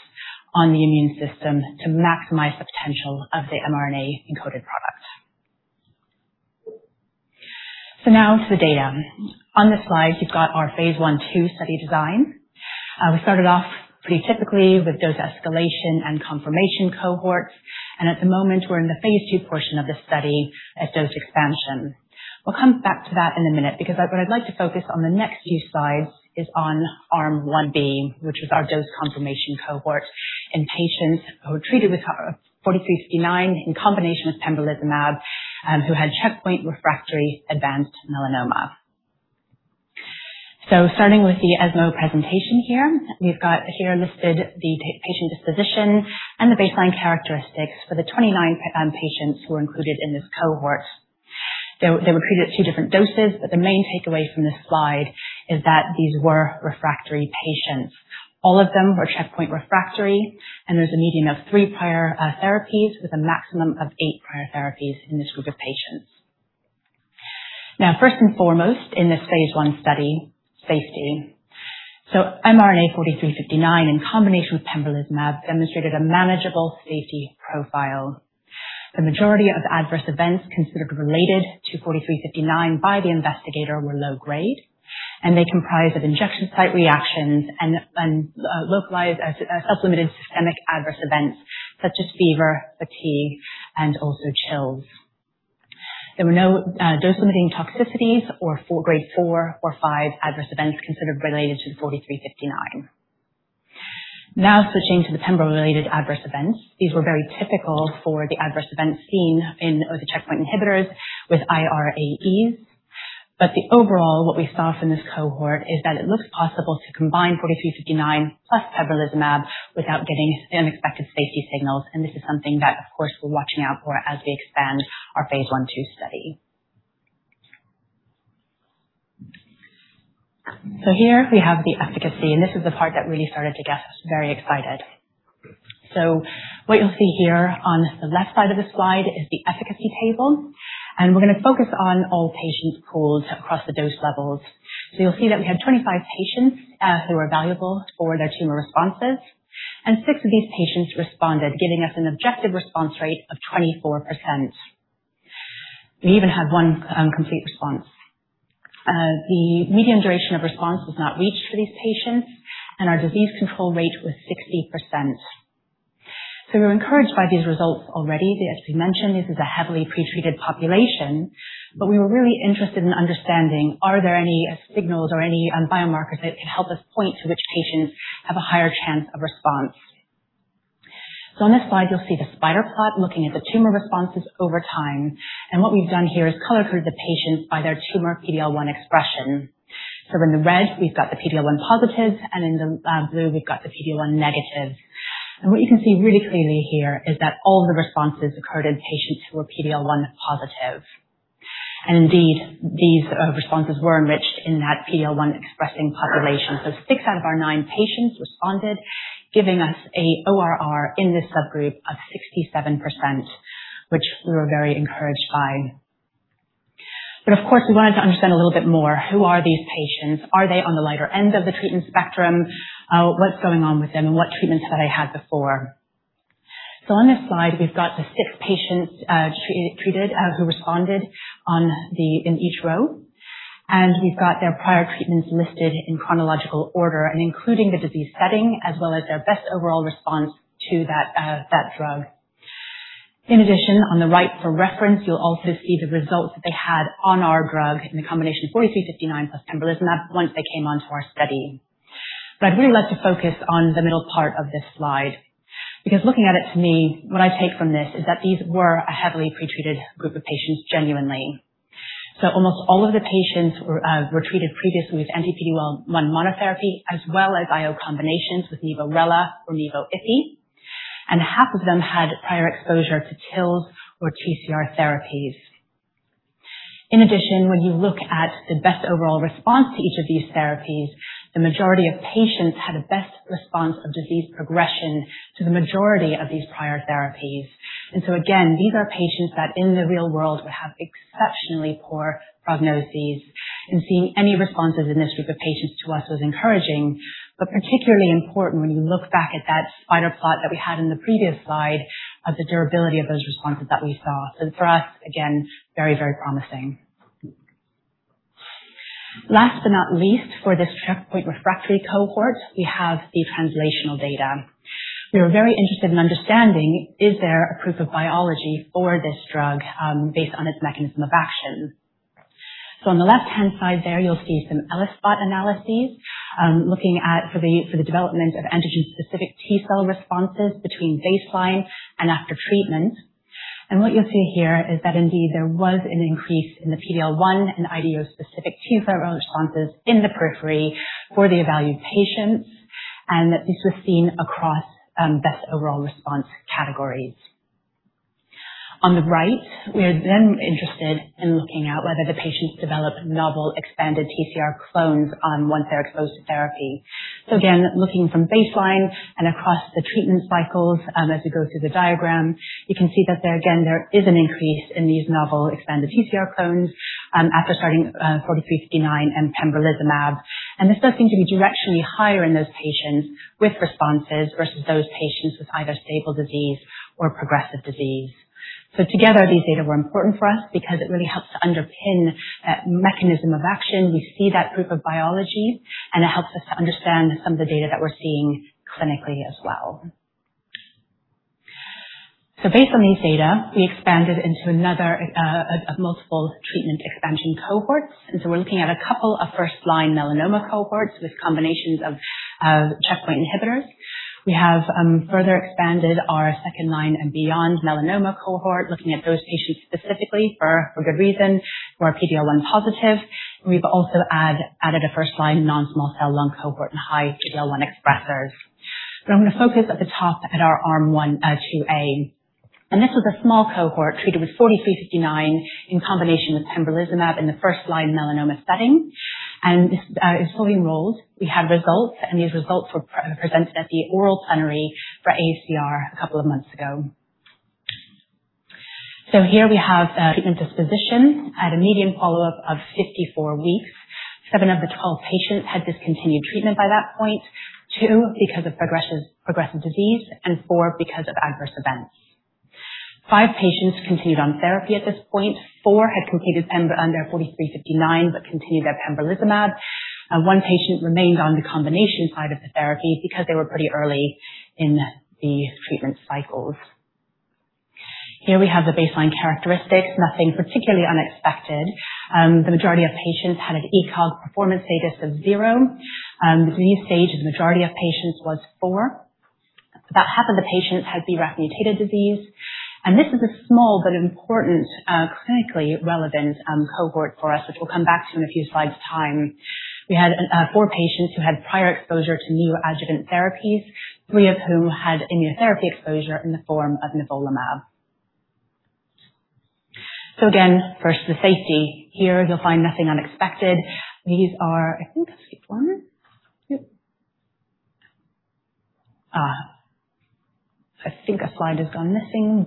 on the immune system to maximize the potential of the mRNA-encoded product. Now to the data. On this slide, you've got our phase I/II study design. We started off pretty typically with dose escalation and confirmation cohorts, and at the moment, we're in the phase II portion of the study at dose expansion. We'll come back to that in a minute because what I'd like to focus on the next few slides is on Arm 1B, which was our dose confirmation cohort in patients who were treated with mRNA-4359 in combination with pembrolizumab who had checkpoint-refractory advanced melanoma. Starting with the ESMO presentation here, we've got here listed the patient disposition and the baseline characteristics for the 29 patients who were included in this cohort. They were treated at two different doses, but the main takeaway from this slide is that these were refractory patients. All of them were checkpoint refractory, and there's a median of three prior therapies with a maximum of eight prior therapies in this group of patients. Now, first and foremost, in this phase I study, safety. mRNA-4359 in combination with pembrolizumab demonstrated a manageable safety profile. The majority of adverse events considered related to mRNA-4359 by the investigator were low grade, and they comprised of injection site reactions and localized sublimited systemic adverse events such as fever, fatigue, and also chills. There were no dose-limiting toxicities or grade 4 or 5 adverse events considered related to the mRNA-4359. Now switching to the pembro-related adverse events. These were very typical for the adverse events seen in the checkpoint inhibitors with irAEs. The overall, what we saw from this cohort is that it looks possible to combine mRNA-4359 plus pembrolizumab without getting unexpected safety signals, and this is something that, of course, we're watching out for as we expand our phase I/II study. Here we have the efficacy, and this is the part that really started to get very excited. What you'll see here on the left side of the slide is the efficacy table. We're going to focus on all patients pooled across the dose levels. You'll see that we had 25 patients who were valuable for their tumor responses. Six of these patients responded, giving us an objective response rate of 24%. We even had one complete response. The median duration of response was not reached for these patients, and our disease control rate was 60%. We were encouraged by these results already. As we mentioned, this is a heavily pretreated population, but we were really interested in understanding are there any signals or any biomarkers that can help us point to which patients have a higher chance of response. On this slide you'll see the spider plot looking at the tumor responses over time. What we've done here is color-coded the patients by their tumor PD-L1 expression. In the red we've got the PD-L1 positive, and in the blue we've got the PD-L1 negative. What you can see really clearly here is that all the responses occurred in patients who were PD-L1 positive. Indeed, these responses were enriched in that PD-L1-expressing population. Six out of our nine patients responded, giving us a ORR in this subgroup of 67%, which we were very encouraged by. Of course, we wanted to understand a little bit more, who are these patients? Are they on the lighter end of the treatment spectrum? What's going on with them, and what treatments have they had before? On this slide, we've got the six patients treated who responded in each row. We've got their prior treatments listed in chronological order, including the disease setting as well as their best overall response to that drug. In addition, on the right for reference, you'll also see the results that they had on our drug in the combination mRNA-4359 plus pembrolizumab once they came onto our study. I'd really like to focus on the middle part of this slide, because looking at it to me, what I take from this is that these were a heavily pretreated group of patients, genuinely. Almost all of the patients were treated previously with anti-PD-L1 monotherapy, as well as IO combinations with nivo-rela or nivo-ipi, and half of them had prior exposure to TILs or TCR therapies. In addition, when you look at the best overall response to each of these therapies, the majority of patients had a best response of disease progression to the majority of these prior therapies. Again, these are patients that in the real world would have exceptionally poor prognoses. Seeing any responses in this group of patients to us was encouraging, particularly important when you look back at that spider plot that we had in the previous slide of the durability of those responses that we saw. For us, again, very, very promising. Last but not least, for this checkpoint refractory cohort, we have the translational data. We were very interested in understanding is there a proof of biology for this drug based on its mechanism of action. On the left-hand side there, you'll see some ELISpot analyses, looking at for the development of antigen-specific T cell responses between baseline and after treatment. What you'll see here is that indeed there was an increase in the PD-L1 and IDO-specific T cell responses in the periphery for the evaluated patients, and that this was seen across best overall response categories. On the right, we are then interested in looking at whether the patients developed novel expanded TCR clones once they're exposed to therapy. Again, looking from baseline and across the treatment cycles as we go through the diagram, you can see that there again, there is an increase in these novel expanded TCR clones after starting 4359 and pembrolizumab. This does seem to be directionally higher in those patients with responses versus those patients with either stable disease or progressive disease. Together, these data were important for us because it really helps to underpin that mechanism of action. We see that proof of biology, it helps us to understand some of the data that we're seeing clinically as well. Based on these data, we expanded into another of multiple treatment expansion cohorts, we're looking at a couple of first-line melanoma cohorts with combinations of checkpoint inhibitors. We have further expanded our second-line and beyond melanoma cohort, looking at those patients specifically for good reason who are PD-L1 positive. We've also added a first-line non-small cell lung cohort in high PD-L1 expressers. I'm going to focus at the top at our arm 1, 2A. This was a small cohort treated with 4359 in combination with pembrolizumab in the first-line melanoma setting. This is fully enrolled. We had results, these results were presented at the oral plenary for AACR a couple of months ago. Here we have treatment disposition at a median follow-up of 54 weeks. Seven of the 12 patients had discontinued treatment by that point, two because of progressive disease and four because of adverse events. Five patients continued on therapy at this point. Four had completed pembro under 4359 but continued their pembrolizumab. One patient remained on the combination side of the therapy because they were pretty early in the treatment cycles. Here we have the baseline characteristics, nothing particularly unexpected. The majority of patients had an ECOG performance status of zero. Disease stage of the majority of patients was 4. About half of the patients had BRAF mutated disease. This is a small but important clinically relevant cohort for us, which we'll come back to in a few slides time. We had four patients who had prior exposure to new adjuvant therapies, three of whom had immunotherapy exposure in the form of nivolumab. Again, first, the safety. Here you'll find nothing unexpected. These are, I think, one. Yep. I think a slide has gone missing,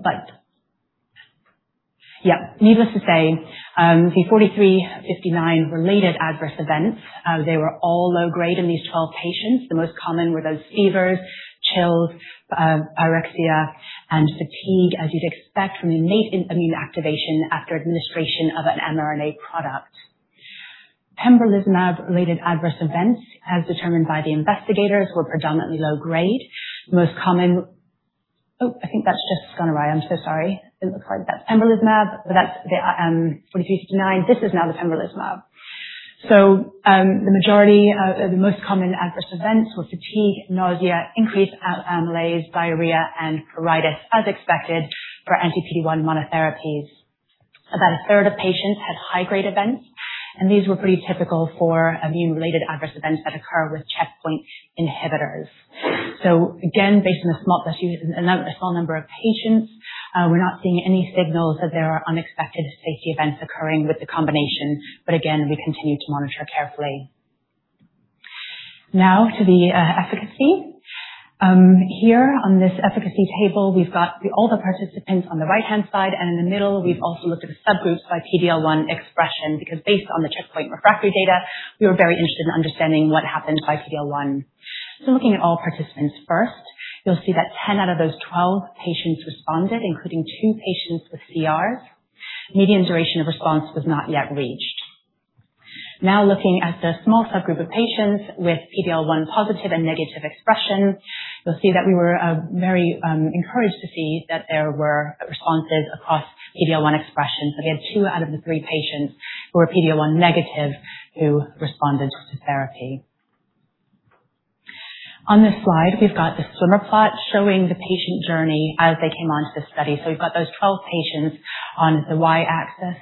yeah. Needless to say, the 4359-related adverse events, they were all low-grade in these 12 patients. The most common were those fevers, chills, anorexia, and fatigue, as you'd expect from innate immune activation after administration of an mRNA product. Pembrolizumab-related adverse events, as determined by the investigators, were predominantly low-grade. Most common Oh, I think that's just gone awry. I'm so sorry. It looks like that's pembrolizumab, that's the 4359. This is now the pembrolizumab. The majority of the most common adverse events were fatigue, nausea, increased amylase, diarrhea, and pruritus, as expected for anti-PD-1 monotherapies. About a third of patients had high-grade events, and these were pretty typical for immune-related adverse events that occur with checkpoint inhibitors. Again, based on the small number of patients, we are not seeing any signals that there are unexpected safety events occurring with the combination. Again, we continue to monitor carefully. To the efficacy. Here on this efficacy table, we have got all the participants on the right-hand side, and in the middle, we have also looked at the subgroups by PD-L1 expression because based on the checkpoint refractory data, we were very interested in understanding what happened by PD-L1. Looking at all participants first, you will see that 10 out of those 12 patients responded, including 2 patients with CR. Median duration of response was not yet reached. Looking at the small subgroup of patients with PD-L1 positive and negative expression, you will see that we were very encouraged to see that there were responses across PD-L1 expression. We had 2 out of the 3 patients who were PD-L1 negative who responded to therapy. On this slide, we have got the swimmer plot showing the patient journey as they came onto this study. We have got those 12 patients on the Y-axis.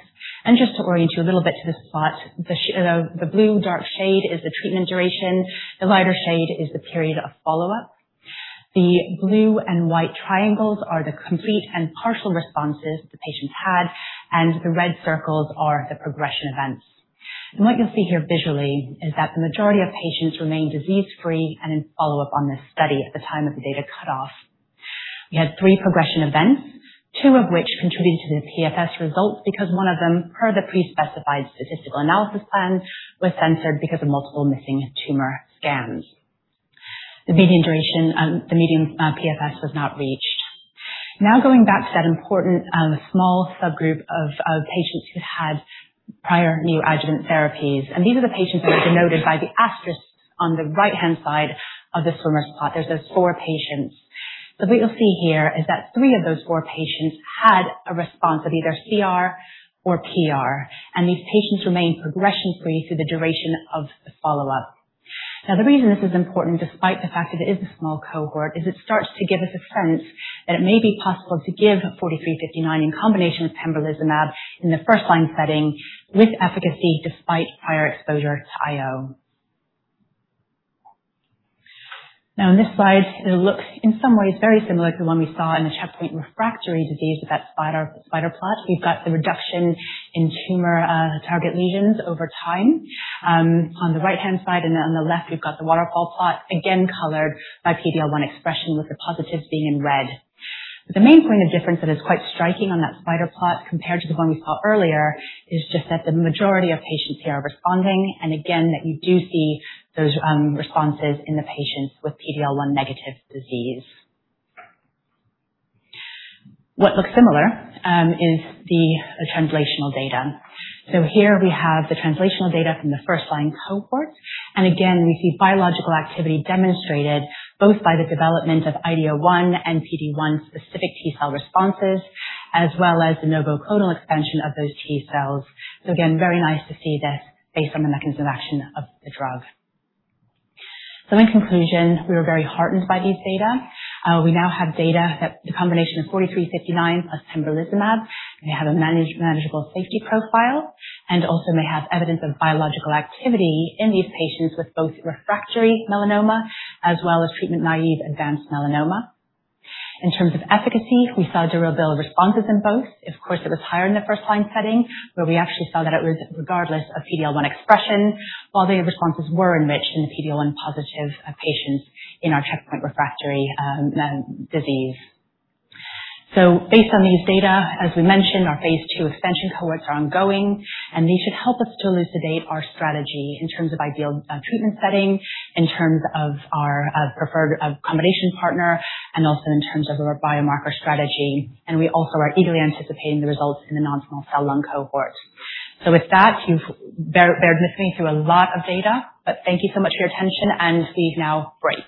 Just to orient you a little bit to this plot, the blue dark shade is the treatment duration. The lighter shade is the period of follow-up. The blue and white triangles are the complete and partial responses the patients had, and the red circles are the progression events. What you will see here visually is that the majority of patients remain disease-free and in follow-up on this study at the time of the data cut-off. We had 3 progression events, 2 of which contributed to the PFS results because 1 of them, per the pre-specified statistical analysis plan, was censored because of multiple missing tumor scans. The median duration, the median PFS was not reached. Going back to that important small subgroup of patients who had prior new adjuvant therapies, these are the patients that are denoted by the asterisk on the right-hand side of the swimmer plot. There are those 4 patients. What you will see here is that 3 of those 4 patients had a response of either CR or PR, and these patients remained progression-free through the duration of the follow-up. The reason this is important, despite the fact that it is a small cohort, is it starts to give us a sense that it may be possible to give 4359 in combination with pembrolizumab in the first-line setting with efficacy despite prior exposure to IO. In this slide, it looks in some ways very similar to the one we saw in the checkpoint refractory disease with that spider plot. We have got the reduction in tumor target lesions over time. On the right-hand side and on the left, we have got the waterfall plot, again colored by PD-L1 expression, with the positive being in red. The main point of difference that is quite striking on that spider plot compared to the one we saw earlier is just that the majority of patients here are responding, and again, that you do see those responses in the patients with PD-L1 negative disease. What looks similar is the translational data. Here we have the translational data from the first-line cohort. Again, we see biological activity demonstrated both by the development of IDO1 and PD-1 specific T cell responses, as well as the novel clonal expansion of those T cells. Again, very nice to see this based on the mechanism of action of the drug. In conclusion, we were very heartened by these data. We now have data that the combination of 4359 plus pembrolizumab may have a manageable safety profile and also may have evidence of biological activity in these patients with both refractory melanoma as well as treatment-naive advanced melanoma. In terms of efficacy, we saw durable responses in both. It was higher in the first-line setting, where we actually saw that it was regardless of PD-L1 expression, while the responses were enriched in the PD-L1 positive patients in our checkpoint refractory disease. Based on these data, as we mentioned, our phase II extension cohorts are ongoing, and these should help us to elucidate our strategy in terms of ideal treatment setting, in terms of our preferred combination partner, and also in terms of our biomarker strategy. We also are eagerly anticipating the results in the non-small cell lung cohort. With that, you've bear with me through a lot of data, but thank you so much for your attention. We now break.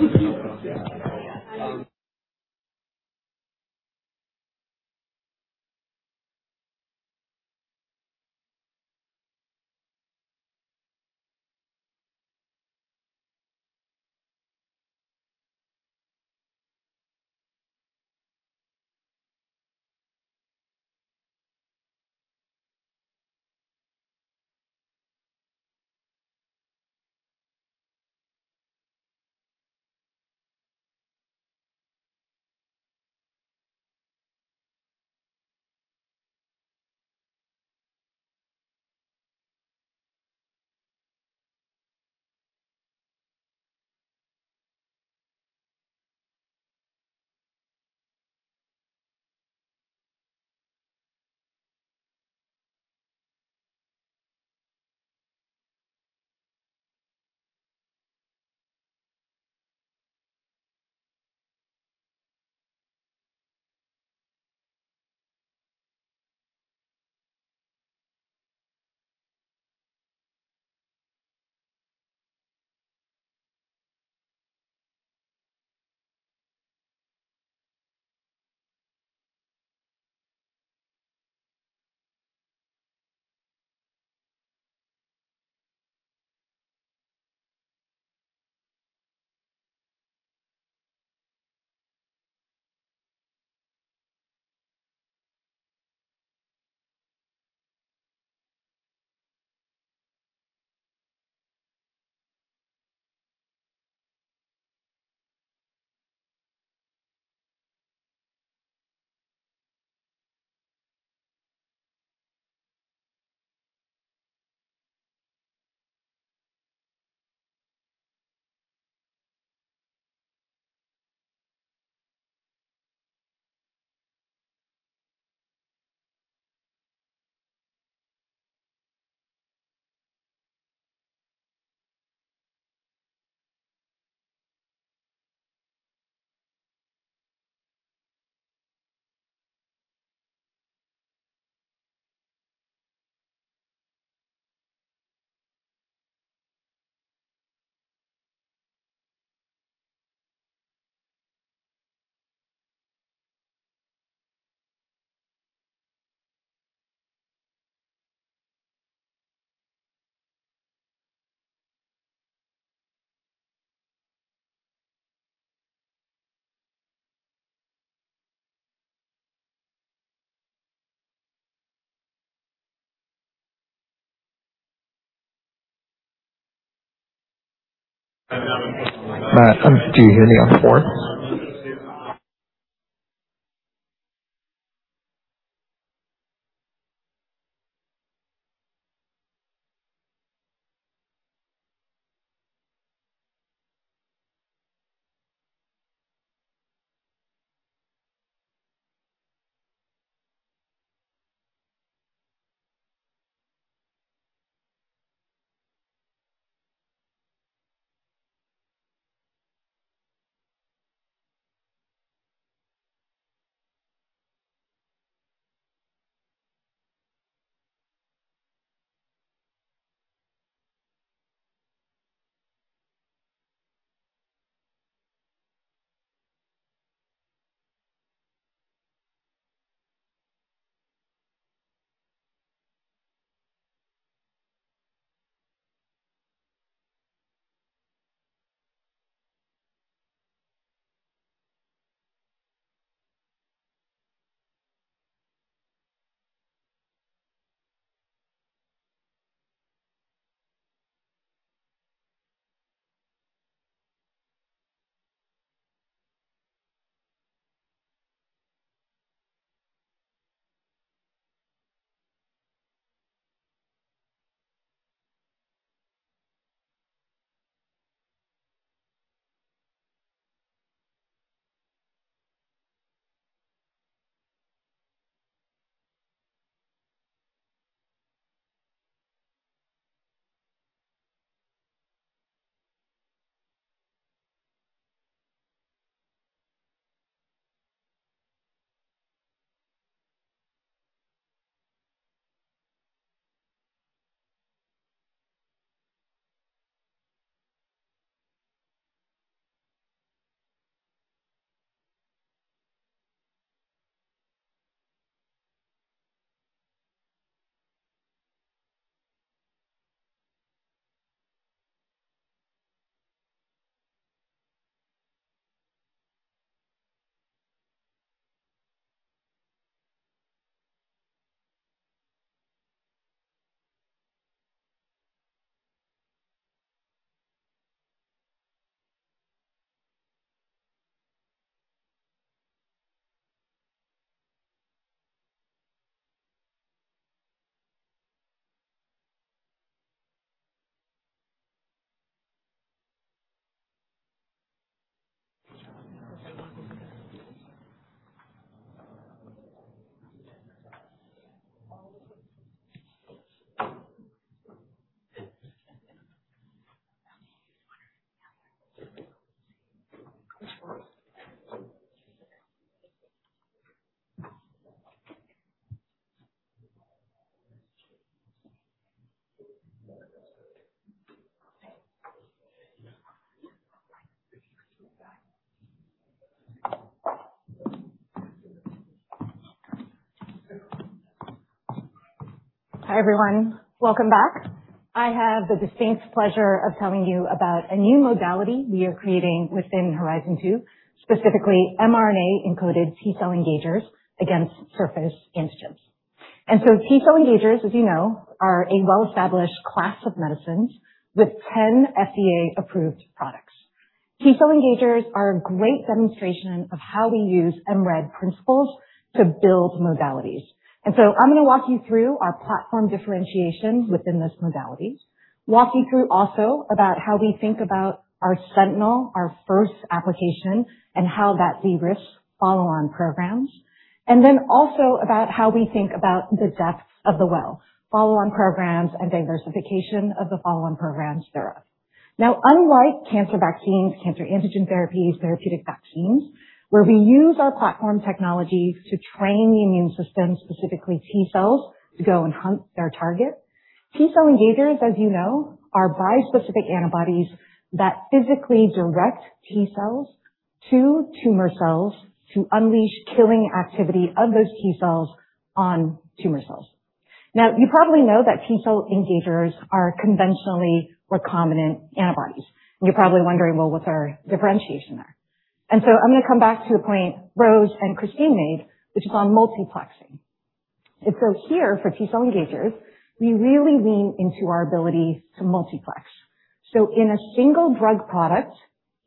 Thank you. Matt, do you hear me on four? Hi everyone. Welcome back. I have the distinct pleasure of telling you about a new modality we are creating within Horizon 2, specifically mRNA-encoded T-cell engagers against surface antigens. T-cell engagers, as you know, are a well-established class of medicines with 10 FDA-approved products. T-cell engagers are a great demonstration of how we use mRED principles to build modalities. I'm going to walk you through our platform differentiation within this modality, walking through also about how we think about our sentinel, our first application, and how that de-risks follow-on programs. Also about how we think about the depth of the well, follow-on programs and diversification of the follow-on programs thereof. Unlike Cancer Antigen Therapies, therapeutic vaccines, where we use our platform technologies to train the immune system, specifically T cells, to go and hunt their target, T-cell engagers, as you know, are bispecific antibodies that physically direct T cells to tumor cells to unleash killing activity of those T cells on tumor cells. You probably know that T-cell engagers are conventionally recombinant antibodies, and you're probably wondering, well, what's our differentiation there? I'm going to come back to a point Rose and Kristine made, which is on multiplexing. Here for T-cell engagers, we really lean into our ability to multiplex. So in a single drug product,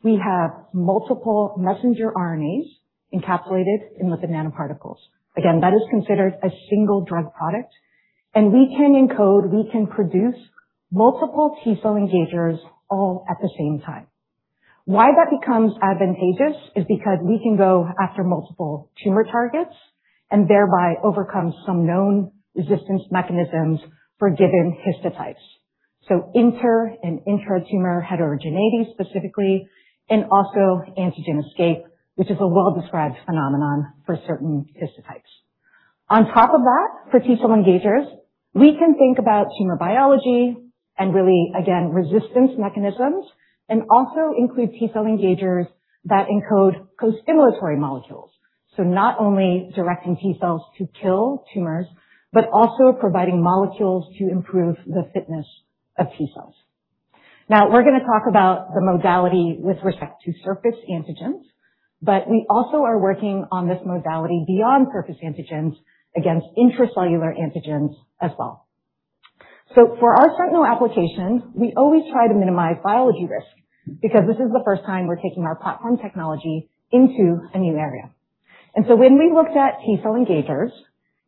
we have multiple mRNAs encapsulated in lipid nanoparticles. Again, that is considered a single drug product, and we can encode, we can produce multiple T-cell engagers all at the same time. Why that becomes advantageous is because we can go after multiple tumor targets and thereby overcome some known resistance mechanisms for given histotypes. Inter and intra-tumor heterogeneity specifically, and also antigen escape, which is a well-described phenomenon for certain histotypes. On top of that, for T-cell engagers, we can think about tumor biology and really, again, resistance mechanisms and also include T-cell engagers that encode costimulatory molecules. Not only directing T cells to kill tumors, but also providing molecules to improve the fitness of T cells. We're going to talk about the modality with respect to surface antigens, but we also are working on this modality beyond surface antigens against intracellular antigens as well. For our sentinel applications, we always try to minimize biology risk because this is the first time we're taking our platform technology into a new area. When we looked at T-cell engagers,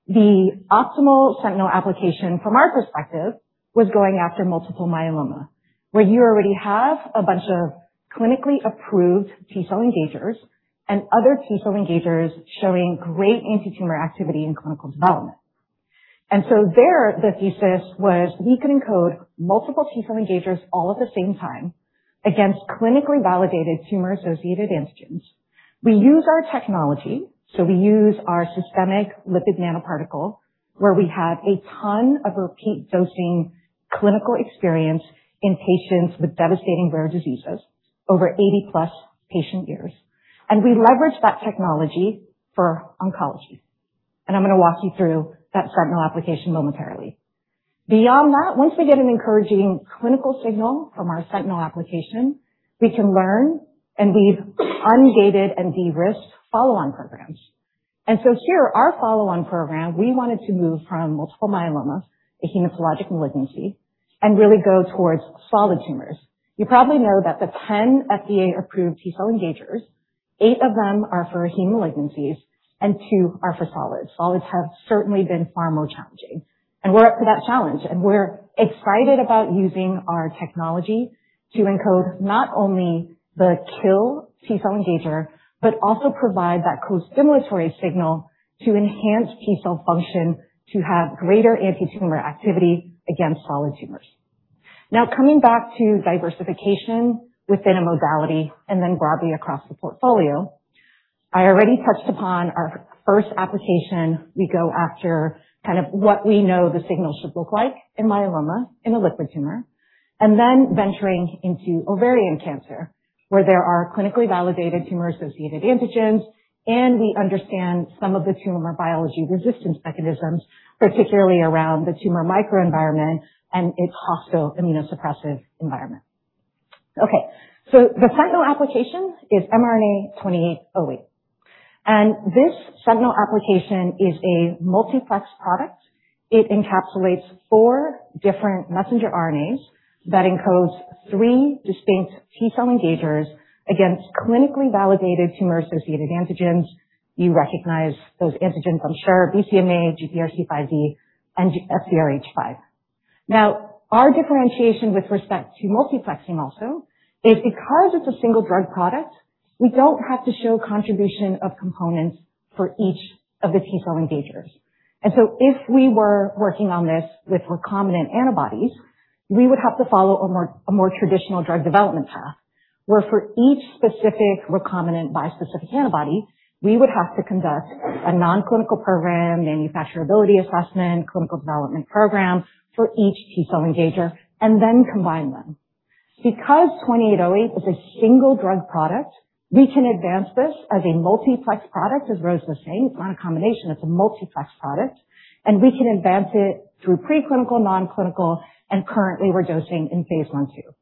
the optimal sentinel application from our perspective was going after multiple myeloma, where you already have a bunch of clinically approved T-cell engagers and other T-cell engagers showing great anti-tumor activity in clinical development. There the thesis was we can encode multiple T-cell engagers all at the same time against clinically validated tumor-associated antigens. We use our technology, so we use our systemic lipid nanoparticle, where we have a ton of repeat dosing clinical experience in patients with devastating rare diseases, over 80-plus patient years. We leverage that technology for oncology. I'm going to walk you through that sentinel application momentarily. Beyond that, once we get an encouraging clinical signal from our sentinel application, we can learn and weave ungated and de-risked follow-on programs. Here, our follow-on program, we wanted to move from multiple myeloma, a hematologic malignancy, and really go towards solid tumors. You probably know that the 10 FDA-approved T cell engagers, 8 of them are for heme malignancies and 2 are for solids. Solids have certainly been far more challenging, and we're up for that challenge, and we're excited about using our technology to encode not only the kill T cell engager, but also provide that costimulatory signal to enhance T cell function to have greater anti-tumor activity against solid tumors. Coming back to diversification within a modality and then broadly across the portfolio, I already touched upon our first application. We go after kind of what we know the signal should look like in myeloma, in a liquid tumor, and then venturing into ovarian cancer, where there are clinically validated tumor-associated antigens, and we understand some of the tumor biology resistance mechanisms, particularly around the tumor microenvironment and its hostile immunosuppressive environment. The sentinel application is mRNA-2808, and this sentinel application is a multiplex product. It encapsulates four different messenger RNAs that encodes three distinct T cell engagers against clinically validated tumor-associated antigens. You recognize those antigens, I'm sure, BCMA, GPRC5D, and FCRH5. Our differentiation with respect to multiplexing also is because it's a single drug product, we don't have to show contribution of components for each of the T cell engagers. If we were working on this with recombinant antibodies, we would have to follow a more traditional drug development path, where for each specific recombinant bispecific antibody, we would have to conduct a non-clinical program, manufacturability assessment, clinical development program for each T cell engager, and then combine them. Because 2808 is a single drug product, we can advance this as a multiplex product, as Rose was saying. It's not a combination, it's a multiplex product, and we can advance it through preclinical, non-clinical, and currently we're dosing in phase I, II.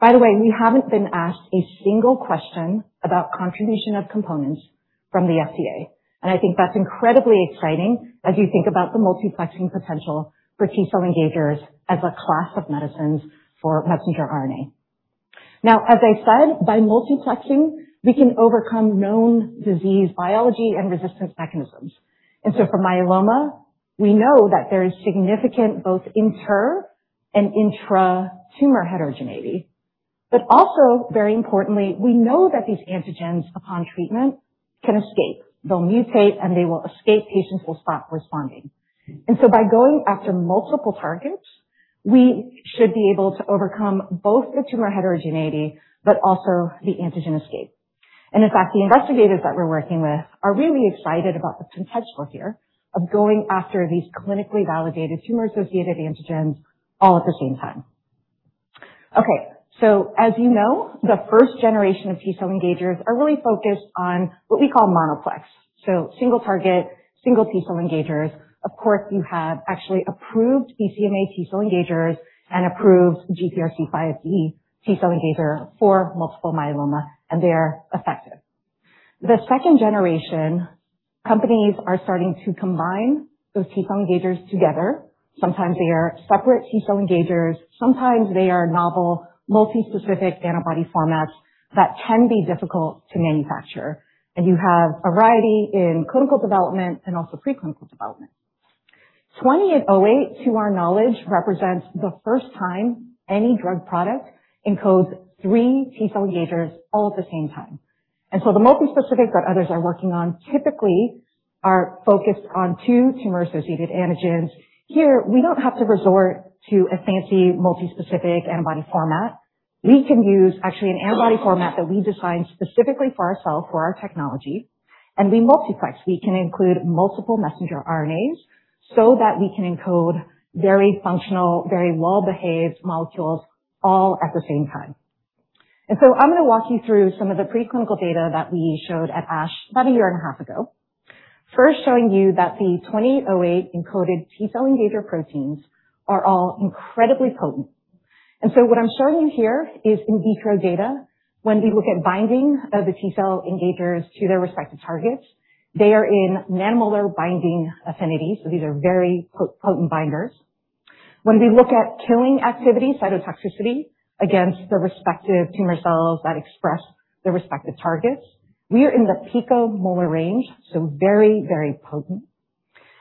By the way, we haven't been asked a single question about contribution of components from the FDA, and I think that's incredibly exciting as you think about the multiplexing potential for T cell engagers as a class of medicines for messenger RNA. As I said, by multiplexing, we can overcome known disease biology and resistance mechanisms. For myeloma, we know that there is significant both inter and intra-tumor heterogeneity. Very importantly, we know that these antigens upon treatment can escape. They'll mutate, and they will escape. Patients will stop responding. By going after multiple targets, we should be able to overcome both the tumor heterogeneity but also the antigen escape. The investigators that we're working with are really excited about this potential here of going after these clinically validated tumor-associated antigens all at the same time. As you know, the first generation of T cell engagers are really focused on what we call monoplex. Single target, single T cell engagers. Of course, you have actually approved BCMA T cell engagers and approved GPRC5D T cell engager for multiple myeloma, and they are effective. The second generation, companies are starting to combine those T-cell engagers together. Sometimes they are separate T-cell engagers. Sometimes they are novel multi-specific antibody formats that can be difficult to manufacture. You have a variety in clinical development and also preclinical development. mRNA-2808, to our knowledge, represents the first time any drug product encodes three T-cell engagers all at the same time. The multi-specific that others are working on typically are focused on two tumor-associated antigens. Here, we don't have to resort to a fancy multi-specific antibody format. We can use actually an antibody format that we designed specifically for ourselves, for our technology, and we multiplex. We can include multiple messenger RNAs so that we can encode very functional, very well-behaved molecules all at the same time. I'm going to walk you through some of the preclinical data that we showed at ASH about a year and a half ago. First showing you that the mRNA-2808 encoded T-cell engager proteins are all incredibly potent. What I'm showing here is in vitro data. When we look at binding of the T-cell engagers to their respective targets, they are in nanomolar binding affinity, so these are very potent binders. When we look at killing activity, cytotoxicity against the respective tumor cells that express the respective targets, we are in the picomolar range, so very, very potent.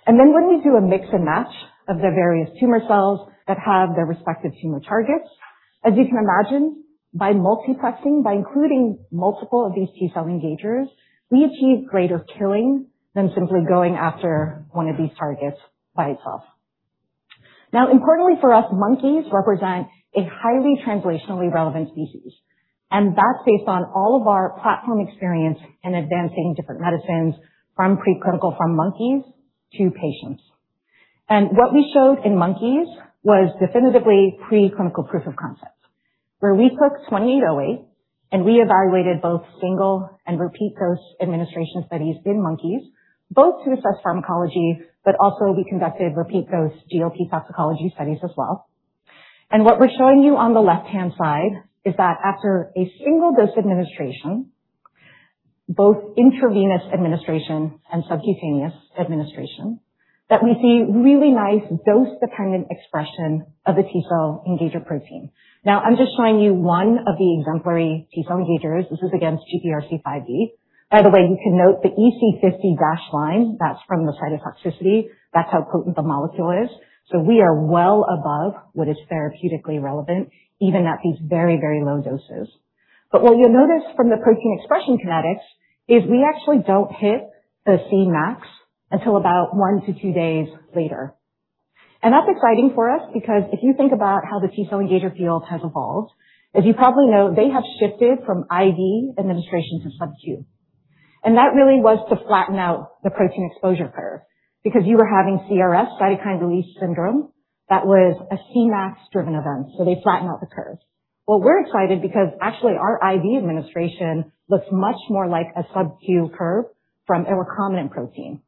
When we do a mix and match of the various tumor cells that have their respective tumor targets, as you can imagine, by multiplexing, by including multiple of these T-cell engagers, we achieve greater killing than simply going after one of these targets by itself. Importantly for us, monkeys represent a highly translationally relevant species, and that's based on all of our platform experience in advancing different medicines from preclinical from monkeys to patients. What we showed in monkeys was definitively preclinical proof of concept, where we took mRNA-2808 and we evaluated both single and repeat dose administration studies in monkeys, both to assess pharmacology, but also we conducted repeat dose GLP toxicology studies as well. What we're showing you on the left-hand side is that after a single dose administration, both intravenous administration and subcutaneous administration, that we see really nice dose-dependent expression of the T-cell engager protein. I'm just showing you one of the exemplary T-cell engagers. This is against GPRC5D. By the way, you can note the EC50 dashed line. That's from the cytotoxicity. That's how potent the molecule is. We are well above what is therapeutically relevant, even at these very, very low doses. What you'll notice from the protein expression kinetics is we actually don't hit the Cmax until about one to two days later. That's exciting for us because if you think about how the T-cell engager field has evolved, as you probably know, they have shifted from IV administration to subcu. That really was to flatten out the protein exposure curve because you were having CRS, cytokine release syndrome, that was a Cmax-driven event. They flatten out the curve. We're excited because actually our IV administration looks much more like a subcu curve from a recombinant protein.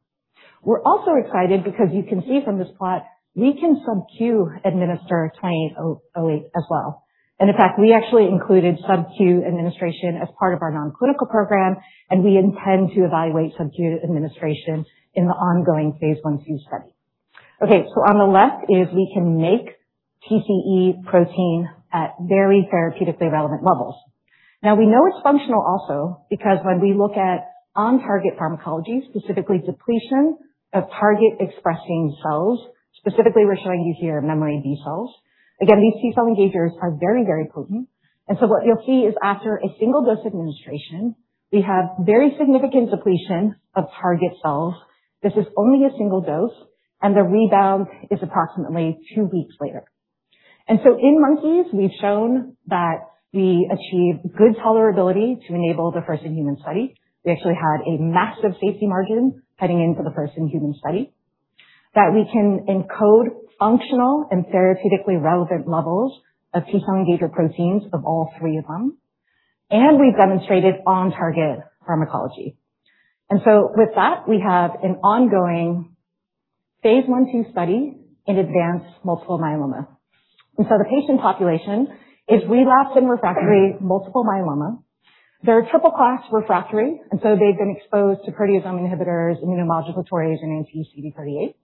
We're also excited because you can see from this plot we can subcu administer mRNA-2808 as well. In fact, we actually included subcu administration as part of our non-clinical program, and we intend to evaluate subcu administration in the ongoing phase I/II study. On the left is we can make TCE protein at very therapeutically relevant levels. Now we know it's functional also because when we look at on-target pharmacology, specifically depletion of target expressing cells, specifically we're showing you here memory B cells. Again, these T-cell engagers are very, very potent. What you'll see is after a single dose administration, we have very significant depletion of target cells. This is only a single dose and the rebound is approximately two weeks later. In monkeys, we've shown that we achieve good tolerability to enable the first-in-human study. We actually had a massive safety margin heading into the first-in-human study that we can encode functional and therapeutically relevant levels of T-cell engager proteins of all three of them, and we've demonstrated on-target pharmacology. With that, we have an ongoing phase I/II study in advanced multiple myeloma. The patient population is relapsed and refractory multiple myeloma. They're triple class refractory. They've been exposed to proteasome inhibitors, immunomodulatory agents, and CD38.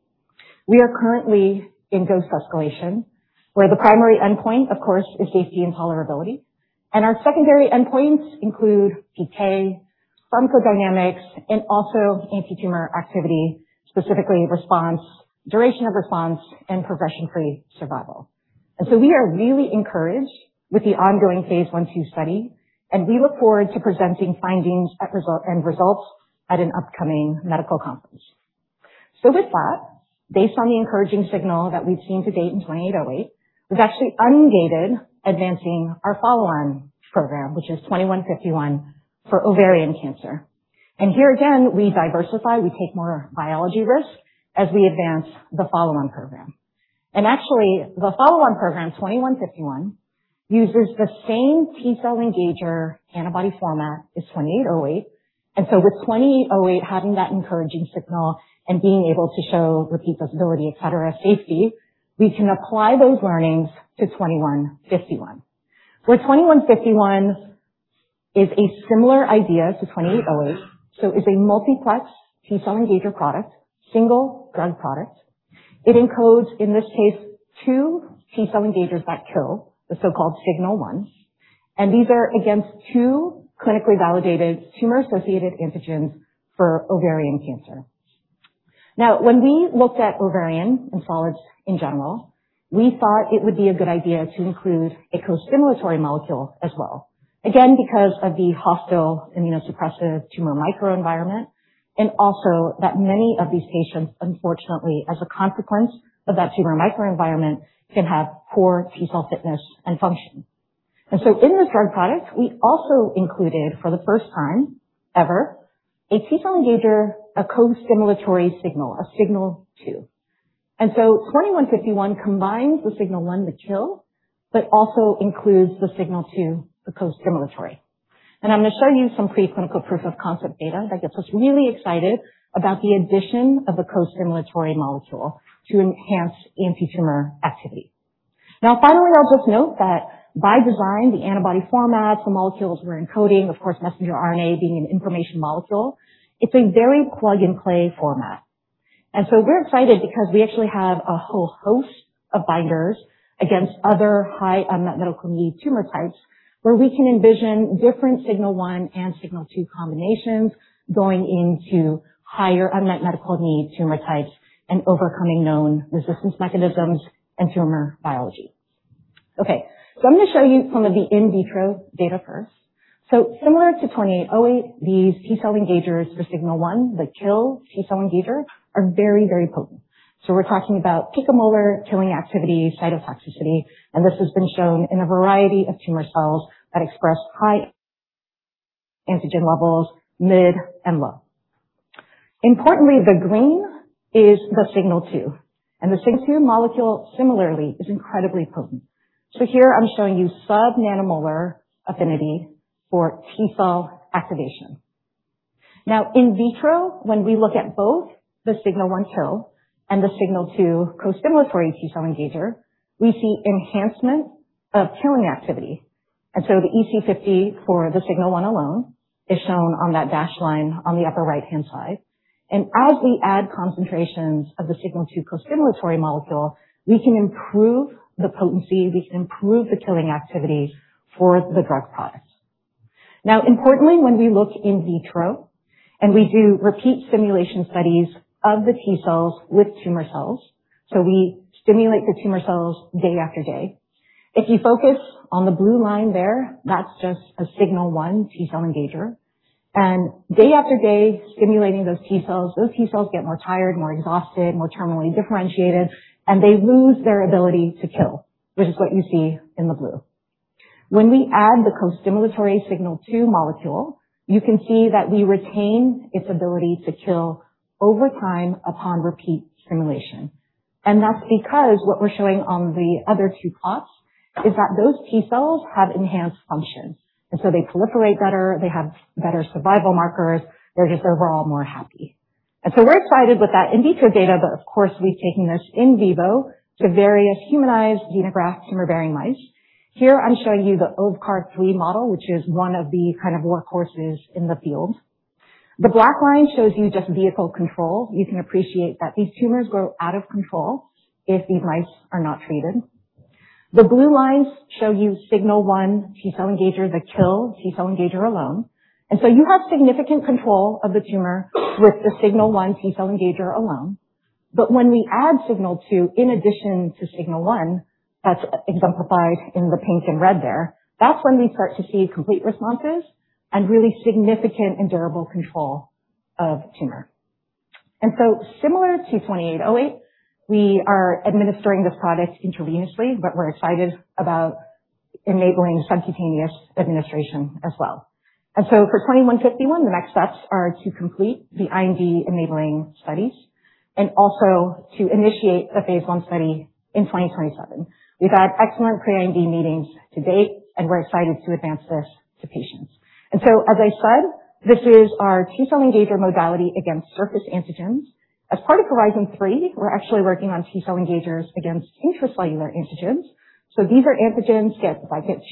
We are currently in dose escalation, where the primary endpoint, of course, is safety intolerability, and our secondary endpoints include PK, pharmacodynamics, and also anti-tumor activity, specifically response, duration of response, and progression-free survival. We are really encouraged with the ongoing phase I/II study, and we look forward to presenting findings and results at an upcoming medical conference. With that, based on the encouraging signal that we've seen to date in 2808, we've actually ungated advancing our follow-on program, which is 2151 for ovarian cancer. Here again, we diversify, we take more biology risk as we advance the follow-on program. Actually, the follow-on program, 2151, uses the same T-cell engager antibody format as 2808. With 2808 having that encouraging signal and being able to show repeat stability, et cetera, safety, we can apply those learnings to 2151. Where 2151 is a similar idea to 2808, it's a multiplex T-cell engager product, single drug product. It encodes, in this case, two T-cell engagers that kill, the so-called Signal one, and these are against two clinically validated tumor-associated antigens for ovarian cancer. Now, when we looked at ovarian and solids in general, we thought it would be a good idea to include a costimulatory molecule as well. Again, because of the hostile immunosuppressive tumor microenvironment, and also that many of these patients, unfortunately, as a consequence of that tumor microenvironment, can have poor T-cell fitness and function. In this drug product, we also included, for the first time ever, a T-cell engager, a costimulatory signal, a Signal two. 2151 combines the Signal one to kill but also includes the Signal two, the costimulatory. I'm going to show you some preclinical proof of concept data that gets us really excited about the addition of a costimulatory molecule to enhance anti-tumor activity. Finally, I'll just note that by design, the antibody format, the molecules we're encoding, of course, messenger RNA being an information molecule, it's a very plug-and-play format. We're excited because we actually have a whole host of binders against other high unmet medical need tumor types, where we can envision different Signal one and Signal two combinations going into higher unmet medical need tumor types and overcoming known resistance mechanisms and tumor biology. I'm going to show you some of the in vitro data first. Similar to 2808, these T-cell engagers for Signal one, the kill T-cell engager, are very, very potent. We're talking about picomolar killing activity, cytotoxicity, and this has been shown in a variety of tumor cells that express high antigen levels, mid, and low. Importantly, the green is the Signal two, the Signal two molecule similarly is incredibly potent. Here I'm showing you sub-nanomolar affinity for T-cell activation. In vitro, when we look at both the Signal one kill and the Signal two costimulatory T-cell engager, we see enhancement of killing activity. The EC50 for the Signal one alone is shown on that dashed line on the upper right-hand side. As we add concentrations of the Signal two costimulatory molecule, we can improve the potency, we can improve the killing activity for the drug product. Importantly, when we look in vitro and we do repeat stimulation studies of the T-cells with tumor cells, so we stimulate the tumor cells day after day. If you focus on the blue line there, that's just a Signal one T-cell engager. Day after day, stimulating those T-cells, those T-cells get more tired, more exhausted, more terminally differentiated, and they lose their ability to kill, which is what you see in the blue. When we add the costimulatory Signal two molecule, you can see that we retain its ability to kill over time upon repeat stimulation. That's because what we're showing on the other two plots is that those T-cells have enhanced function, they proliferate better, they have better survival markers, they're just overall more happy. We're excited with that in vitro data, but of course, we've taken this in vivo to various humanized xenograft tumor-bearing mice. Here I'm showing you the OVCAR-3 model, which is one of the kind of workhorses in the field. The black line shows you just vehicle control. You can appreciate that these tumors grow out of control if these mice are not treated. The blue lines show you Signal one T-cell engager, the kill T-cell engager alone. You have significant control of the tumor with the Signal one T-cell engager alone. When we add Signal two in addition to Signal one, that's exemplified in the pink and red there, that's when we start to see complete responses and really significant and durable control of tumor. Similar to 2808, we are administering this product intravenously, but we're excited about enabling subcutaneous administration as well. For 2151, the next steps are to complete the IND-enabling studies and also to initiate a phase I study in 2027. We've had excellent pre-IND meetings to date, we're excited to advance this to patients. As I said, this is our T-cell engager modality against surface antigens. As part of Horizon 3, we're actually working on T-cell engagers against intracellular antigens. These are antigens get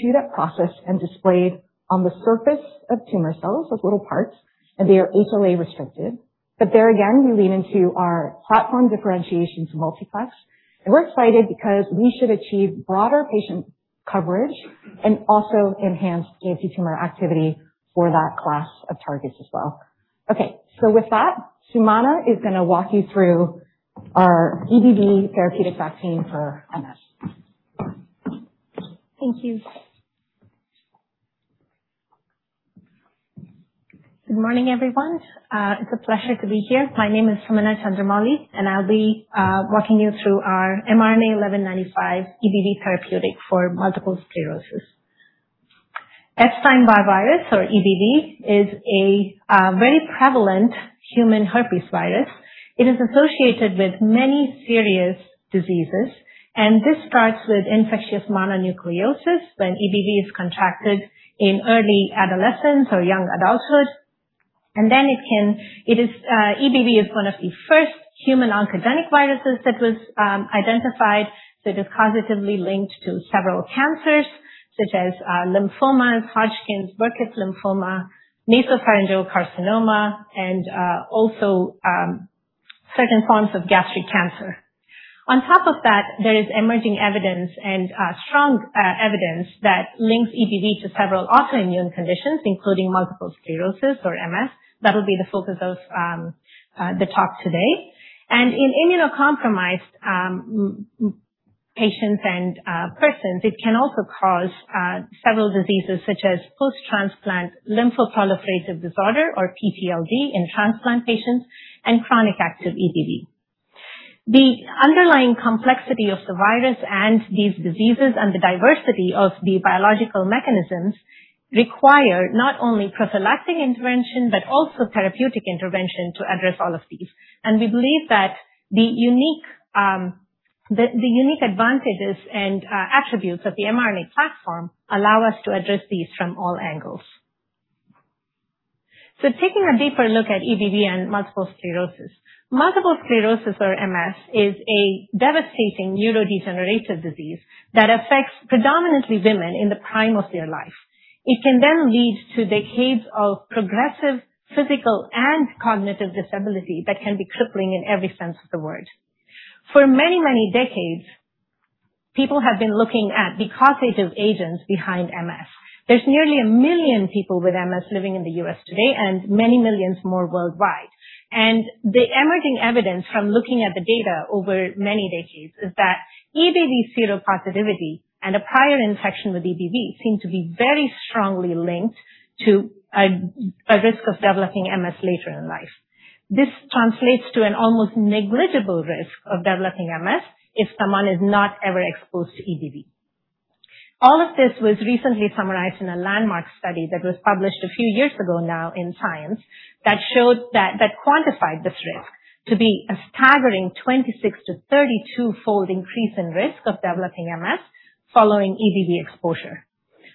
chewed up, processed, and displayed on the surface of tumor cells, those little parts, and they are HLA restricted. There again, we lean into our platform differentiation to multiplex, and we're excited because we should achieve broader patient coverage and also enhance anti-tumor activity for that class of targets as well. Okay. Sumana is going to walk you through our EBV therapeutic vaccine for MS. Thank you. Good morning, everyone. It's a pleasure to be here. My name is Sumana Chandramouli, and I'll be walking you through our mRNA-1195 EBV therapeutic for multiple sclerosis. Epstein-Barr virus or EBV is a very prevalent human herpes virus. It is associated with many serious diseases, and this starts with infectious mononucleosis when EBV is contracted in early adolescence or young adulthood. EBV is one of the first human oncogenic viruses that was identified that is causatively linked to several cancers such as lymphomas, Hodgkin's, Burkitt lymphoma, nasopharyngeal carcinoma, and also certain forms of gastric cancer. On top of that, there is emerging evidence and strong evidence that links EBV to several autoimmune conditions, including multiple sclerosis or MS. That will be the focus of the talk today. In immunocompromised patients and persons, it can also cause several diseases such as post-transplant lymphoproliferative disorder or PTLD in transplant patients and chronic active EBV. The underlying complexity of the virus and these diseases and the diversity of the biological mechanisms require not only prophylactic intervention, but also therapeutic intervention to address all of these. We believe that the unique advantages and attributes of the mRNA platform allow us to address these from all angles. Taking a deeper look at EBV and multiple sclerosis. Multiple sclerosis or MS is a devastating neurodegenerative disease that affects predominantly women in the prime of their life. It can then lead to decades of progressive physical and cognitive disability that can be crippling in every sense of the word. For many, many decades, people have been looking at the causative agents behind MS. There's nearly 1 million people with MS living in the U.S. today and many millions more worldwide. The emerging evidence from looking at the data over many decades is that EBV seropositivity and a prior infection with EBV seem to be very strongly linked to a risk of developing MS later in life. This translates to an almost negligible risk of developing MS if someone is not ever exposed to EBV. All of this was recently summarized in a landmark study that was published a few years ago now in Science that quantified this risk to be a staggering 26-fold to 32-fold increase in risk of developing MS following EBV exposure.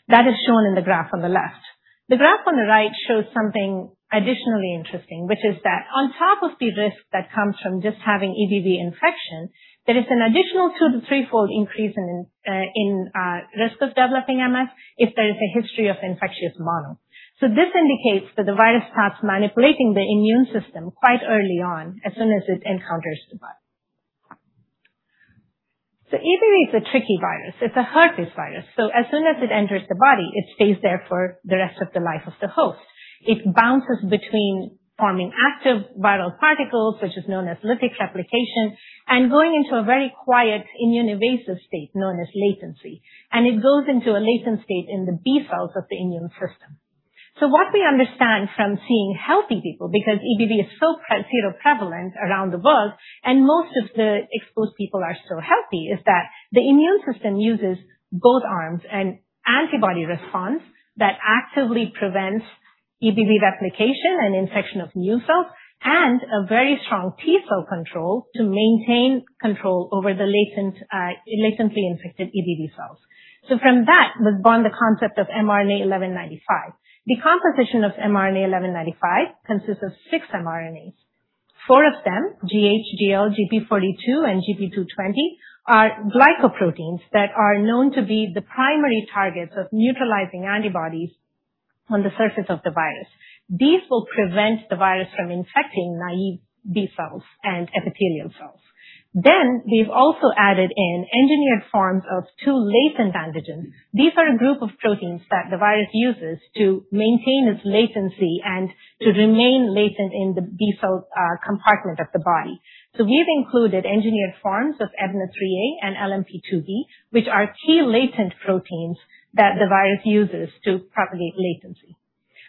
That is shown in the graph on the left. The graph on the right shows something additionally interesting, which is that on top of the risk that comes from just having EBV infection, there is an additional two to threefold increase in risk of developing MS if there is a history of infectious mono. This indicates that the virus starts manipulating the immune system quite early on as soon as it encounters the body. EBV is a tricky virus. It is a herpes virus, so as soon as it enters the body, it stays there for the rest of the life of the host. It bounces between forming active viral particles, which is known as lytic replication, and going into a very quiet immune-invasive state known as latency. It goes into a latent state in the B cells of the immune system. What we understand from seeing healthy people, because EBV is so seroprevalent around the world and most of the exposed people are still healthy, is that the immune system uses both arms and antibody response that actively prevents EBV replication and infection of new cells, and a very strong T cell control to maintain control over the latently infected EBV cells. From that was born the concept of mRNA-1195. The composition of mRNA-1195 consists of six mRNAs. Four of them, GH, GL, GP42, and GP220 are glycoproteins that are known to be the primary targets of neutralizing antibodies on the surface of the virus. These will prevent the virus from infecting naive B cells and epithelial cells. We have also added in engineered forms of two latent antigens. These are a group of proteins that the virus uses to maintain its latency and to remain latent in the B cell compartment of the body. We have included engineered forms of EBNA3A and LMP2B, which are key latent proteins that the virus uses to propagate latency.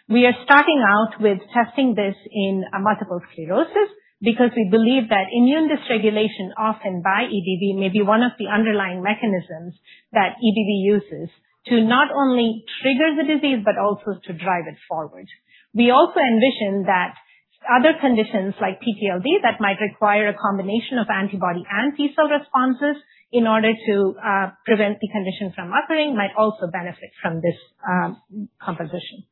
We are starting out with testing this in multiple sclerosis because we believe that immune dysregulation often by EBV may be one of the underlying mechanisms that EBV uses to not only trigger the disease but also to drive it forward. We also envision that other conditions like PTLD that might require a combination of antibody and T cell responses in order to prevent the condition from occurring might also benefit from this composition.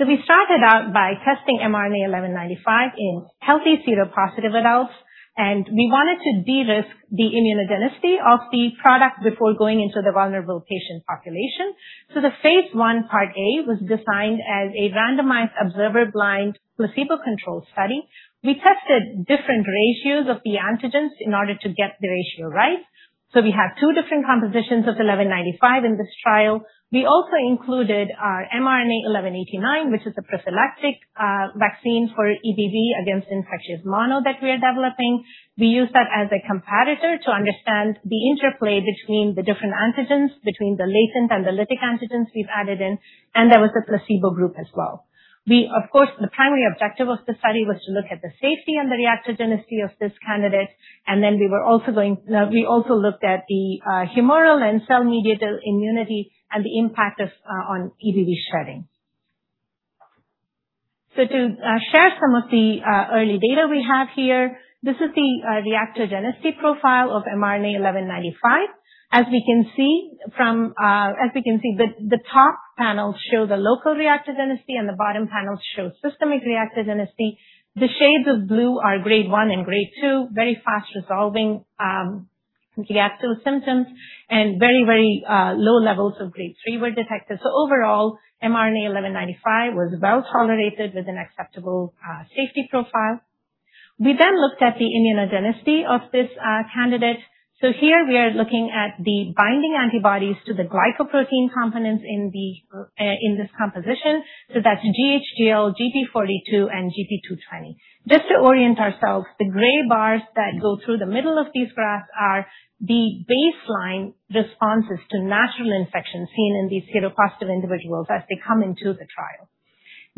We started out by testing mRNA-1195 in healthy seropositive adults, and we wanted to de-risk the immunogenicity of the product before going into the vulnerable patient population. The phase I, part A, was designed as a randomized observer blind placebo-controlled study. We tested different ratios of the antigens in order to get the ratio right. We have two different compositions of 1195 in this trial. We also included our mRNA-1189, which is a prophylactic vaccine for EBV against infectious mono that we are developing. We use that as a comparator to understand the interplay between the different antigens, between the latent and the lytic antigens we have added in. There was a placebo group as well. Of course, the primary objective of the study was to look at the safety and the reactogenicity of this candidate. We also looked at the humoral and cell-mediated immunity and the impact on EBV shedding. To share some of the early data we have here, this is the reactogenicity profile of mRNA-1195. The top panels show the local reactogenicity and the bottom panels show systemic reactogenicity. The shades of blue are grade 1 and grade 2, very fast resolving reactogenic symptoms, and very low levels of grade 3 were detected. Overall, mRNA-1195 was well-tolerated with an acceptable safety profile. We looked at the immunogenicity of this candidate. Here we are looking at the binding antibodies to the glycoprotein components in this composition. That's GHL, GP42, and GP220. Just to orient ourselves, the gray bars that go through the middle of these graphs are the baseline responses to natural infections seen in these seropositive individuals as they come into the trial.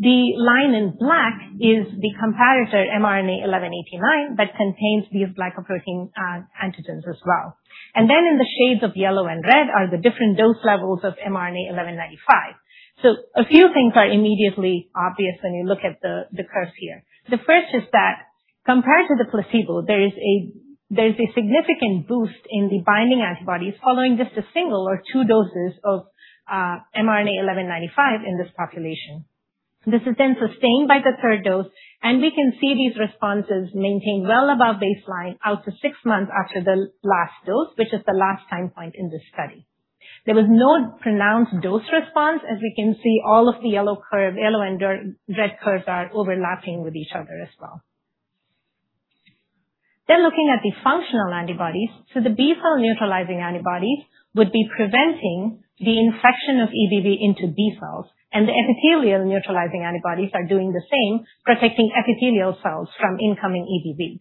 The line in black is the comparator mRNA-1189 that contains these glycoprotein antigens as well. In the shades of yellow and red are the different dose levels of mRNA-1195. A few things are immediately obvious when you look at the curves here. The first is that compared to the placebo, there is a significant boost in the binding antibodies following just a single or two doses of mRNA-1195 in this population. This is sustained by the third dose, and we can see these responses maintained well above baseline out to six months after the last dose, which is the last time point in this study. There was no pronounced dose response. We can see, all of the yellow curve, yellow and red curves are overlapping with each other as well. Looking at the functional antibodies. The B-cell neutralizing antibodies would be preventing the infection of EBV into B cells, and the epithelial neutralizing antibodies are doing the same, protecting epithelial cells from incoming EBV.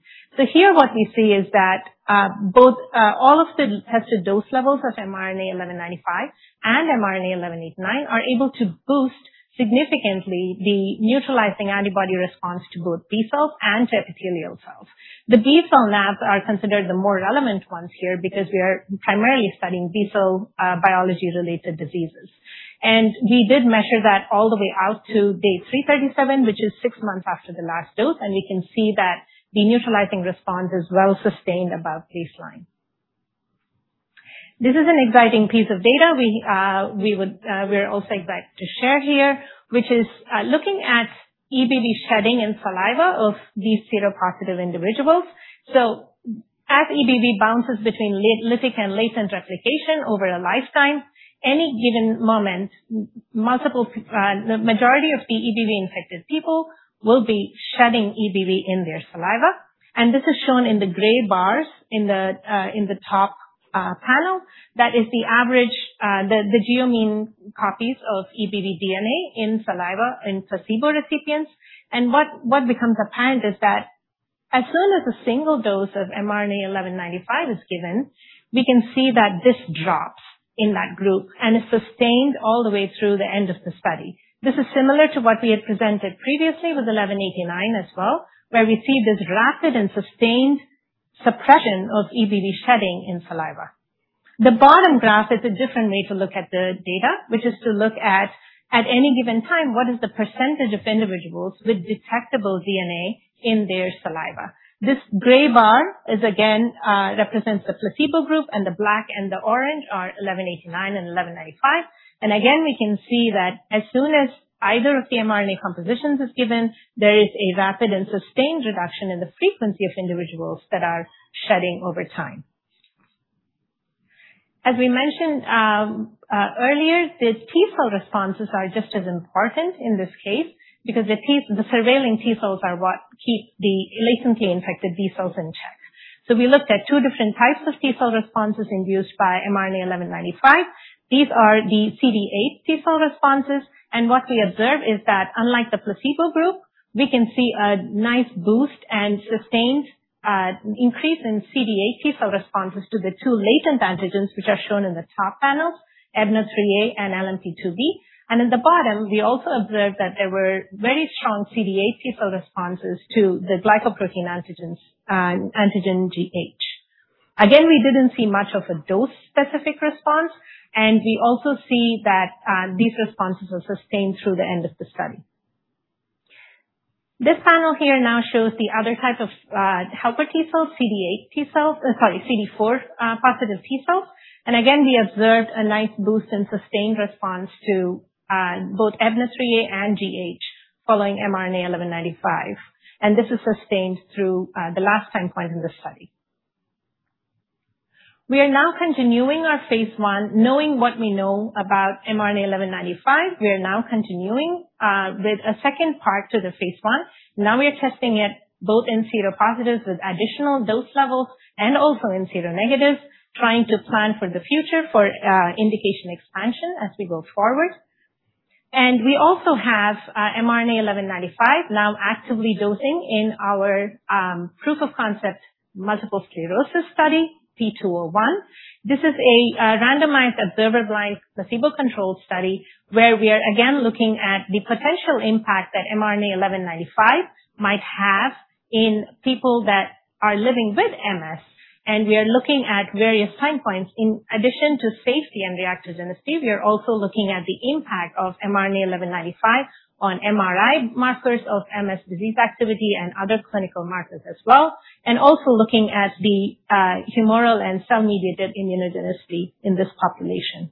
Here what we see is that all of the tested dose levels of mRNA-1195 and mRNA-1189 are able to boost significantly the neutralizing antibody response to both B cells and to epithelial cells. The B-cell nabs are considered the more relevant ones here because we are primarily studying B-cell biology-related diseases. We did measure that all the way out to day 337, which is six months after the last dose, and we can see that the neutralizing response is well-sustained above baseline. This is an exciting piece of data we're also excited to share here, which is looking at EBV shedding in saliva of these seropositive individuals. As EBV bounces between lytic and latent replication over a lifetime, any given moment, the majority of the EBV-infected people will be shedding EBV in their saliva. This is shown in the gray bars in the top panel. That is the average, the geomean copies of EBV DNA in saliva in placebo recipients. What becomes apparent is that as soon as a single dose of mRNA-1195 is given, we can see that this drops in that group and is sustained all the way through the end of the study. This is similar to what we had presented previously with 1189 as well, where we see this rapid and sustained suppression of EBV shedding in saliva. The bottom graph is a different way to look at the data, which is to look at any given time, what is the percentage of individuals with detectable DNA in their saliva? This gray bar, again, represents the placebo group, and the black and the orange are 1189 and 1195. Again, we can see that as soon as either of the mRNA compositions is given, there is a rapid and sustained reduction in the frequency of individuals that are shedding over time. As we mentioned earlier, the T cell responses are just as important in this case because the surveilling T cells are what keep the latently infected B cells in check. We looked at two different types of T cell responses induced by mRNA-1195. These are the CD8 T cell responses, and what we observe is that unlike the placebo group, we can see a nice boost and sustained increase in CD8 T cell responses to the two latent antigens, which are shown in the top panels, EBNA3A and LMP2B. At the bottom, we also observed that there were very strong CD8 T cell responses to the glycoprotein antigen GH. Again, we didn't see much of a dose-specific response, and we also see that these responses were sustained through the end of the study. This panel here now shows the other type of helper T cells, CD4 positive T cells. Again, we observed a nice boost in sustained response to both EBNA3A and GH following mRNA-1195, and this is sustained through the last time point in the study. We are now continuing our phase I, knowing what we know about mRNA-1195, we are now continuing with a second part to the phase I. We are testing it both in seropositives with additional dose levels and also in seronegatives, trying to plan for the future for indication expansion as we go forward. We also have mRNA-1195 now actively dosing in our proof of concept multiple sclerosis study, P201. This is a randomized observer blind placebo-controlled study where we are again looking at the potential impact that mRNA-1195 might have in people that are living with MS. We are looking at various time points in addition to safety and reactogenicity, we are also looking at the impact of mRNA-1195 on MRI markers of MS disease activity and other clinical markers as well, and also looking at the humoral and cell-mediated immunogenicity in this population.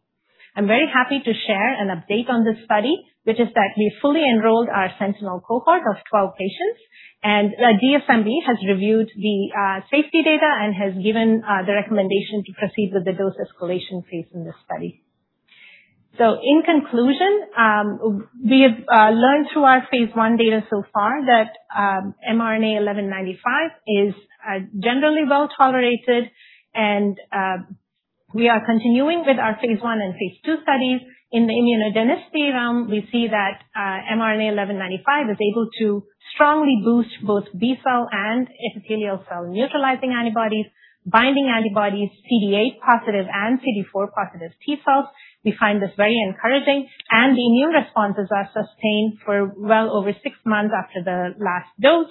I'm very happy to share an update on this study, which is that we fully enrolled our sentinel cohort of 12 patients, and the DSMB has reviewed the safety data and has given the recommendation to proceed with the dose escalation phase in this study. In conclusion, we have learned through our phase I data so far that mRNA-1195 is generally well-tolerated, and we are continuing with our phase I and phase II studies. In the immunogenicity realm, we see that mRNA-1195 is able to strongly boost both B cell and epithelial cell neutralizing antibodies, binding antibodies, CD8 positive and CD4 positive T cells. We find this very encouraging, and the immune responses are sustained for well over six months after the last dose.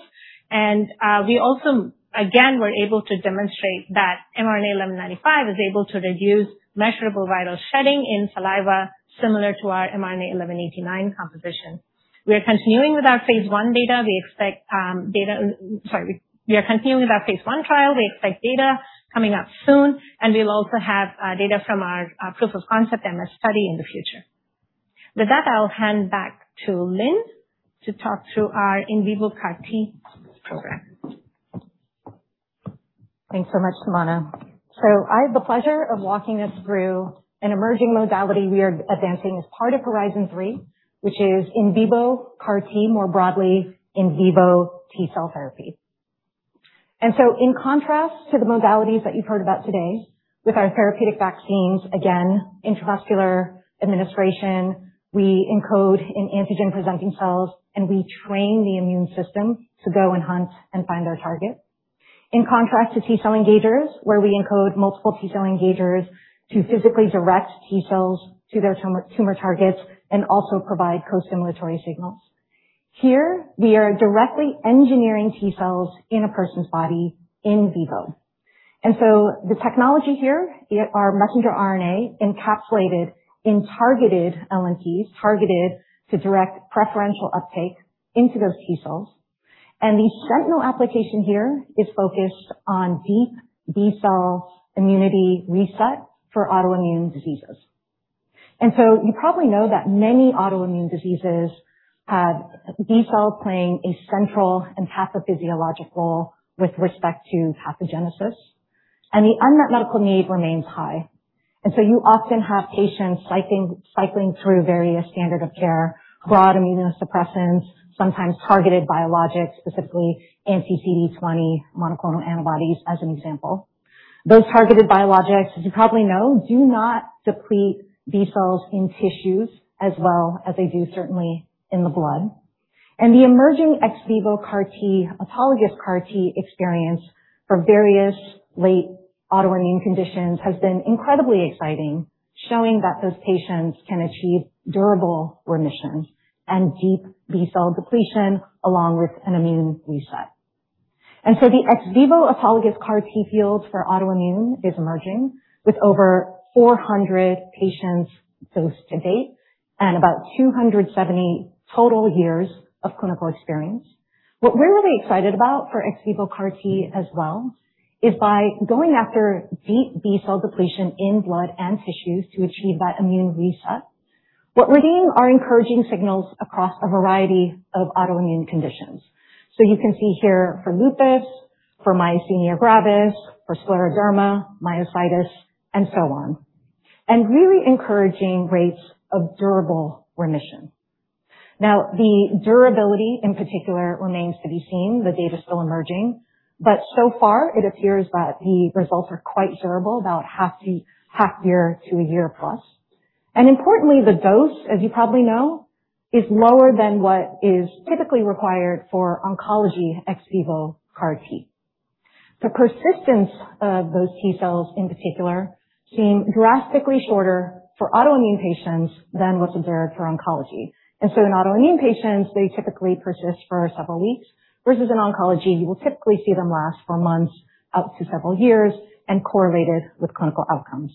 We also, again, were able to demonstrate that mRNA-1195 is able to reduce measurable viral shedding in saliva similar to our mRNA-1189 composition. We are continuing with our phase I trial. We expect data coming out soon, and we'll also have data from our proof of concept MS study in the future. With that, I'll hand back to Lin to talk through our in vivo CAR T program. Thanks so much, Sumana. I have the pleasure of walking us through an emerging modality we are advancing as part of Horizon 3.0, which is in vivo CAR-T, more broadly in vivo T cell therapy. In contrast to the modalities that you've heard about today with our therapeutic vaccines, again, intramuscular administration, we encode in antigen-presenting cells, and we train the immune system to go and hunt and find their target. In contrast to T cell engagers, where we encode multiple T cell engagers to physically direct T cells to their tumor targets and also provide co-stimulatory signals. Here, we are directly engineering T cells in a person's body in vivo. The technology here is our messenger RNA encapsulated in targeted LNPs, targeted to direct preferential uptake into those T cells. The sentinel application here is focused on deep B-cell immunity reset for autoimmune diseases. You probably know that many autoimmune diseases have B cells playing a central and pathophysiological role with respect to pathogenesis, and the unmet medical need remains high. You often have patients cycling through various standard of care, broad immunosuppressants, sometimes targeted biologics, specifically anti-CD20 monoclonal antibodies as an example. Those targeted biologics, as you probably know, do not deplete B cells in tissues as well as they do certainly in the blood. The emerging ex vivo autologous CAR-T experience for various late autoimmune conditions has been incredibly exciting, showing that those patients can achieve durable remission and deep B-cell depletion along with an immune reset. The ex vivo autologous CAR-T field for autoimmune is emerging with over 400 patients dosed to date and about 270 total years of clinical experience. What we're really excited about for ex vivo CAR-T as well is by going after deep B-cell depletion in blood and tissues to achieve that immune reset, what we're seeing are encouraging signals across a variety of autoimmune conditions. You can see here for lupus, for myasthenia gravis, for scleroderma, myositis, and so on, and really encouraging rates of durable remission. Now, the durability in particular remains to be seen. The data is still emerging, but so far it appears that the results are quite durable, about half year to 1 year plus. Importantly, the dose, as you probably know, is lower than what is typically required for oncology ex vivo CAR-T. The persistence of those T cells in particular seem drastically shorter for autoimmune patients than what's observed for oncology. In autoimmune patients, they typically persist for several weeks, versus in oncology, you will typically see them last for months up to several years and correlated with clinical outcomes.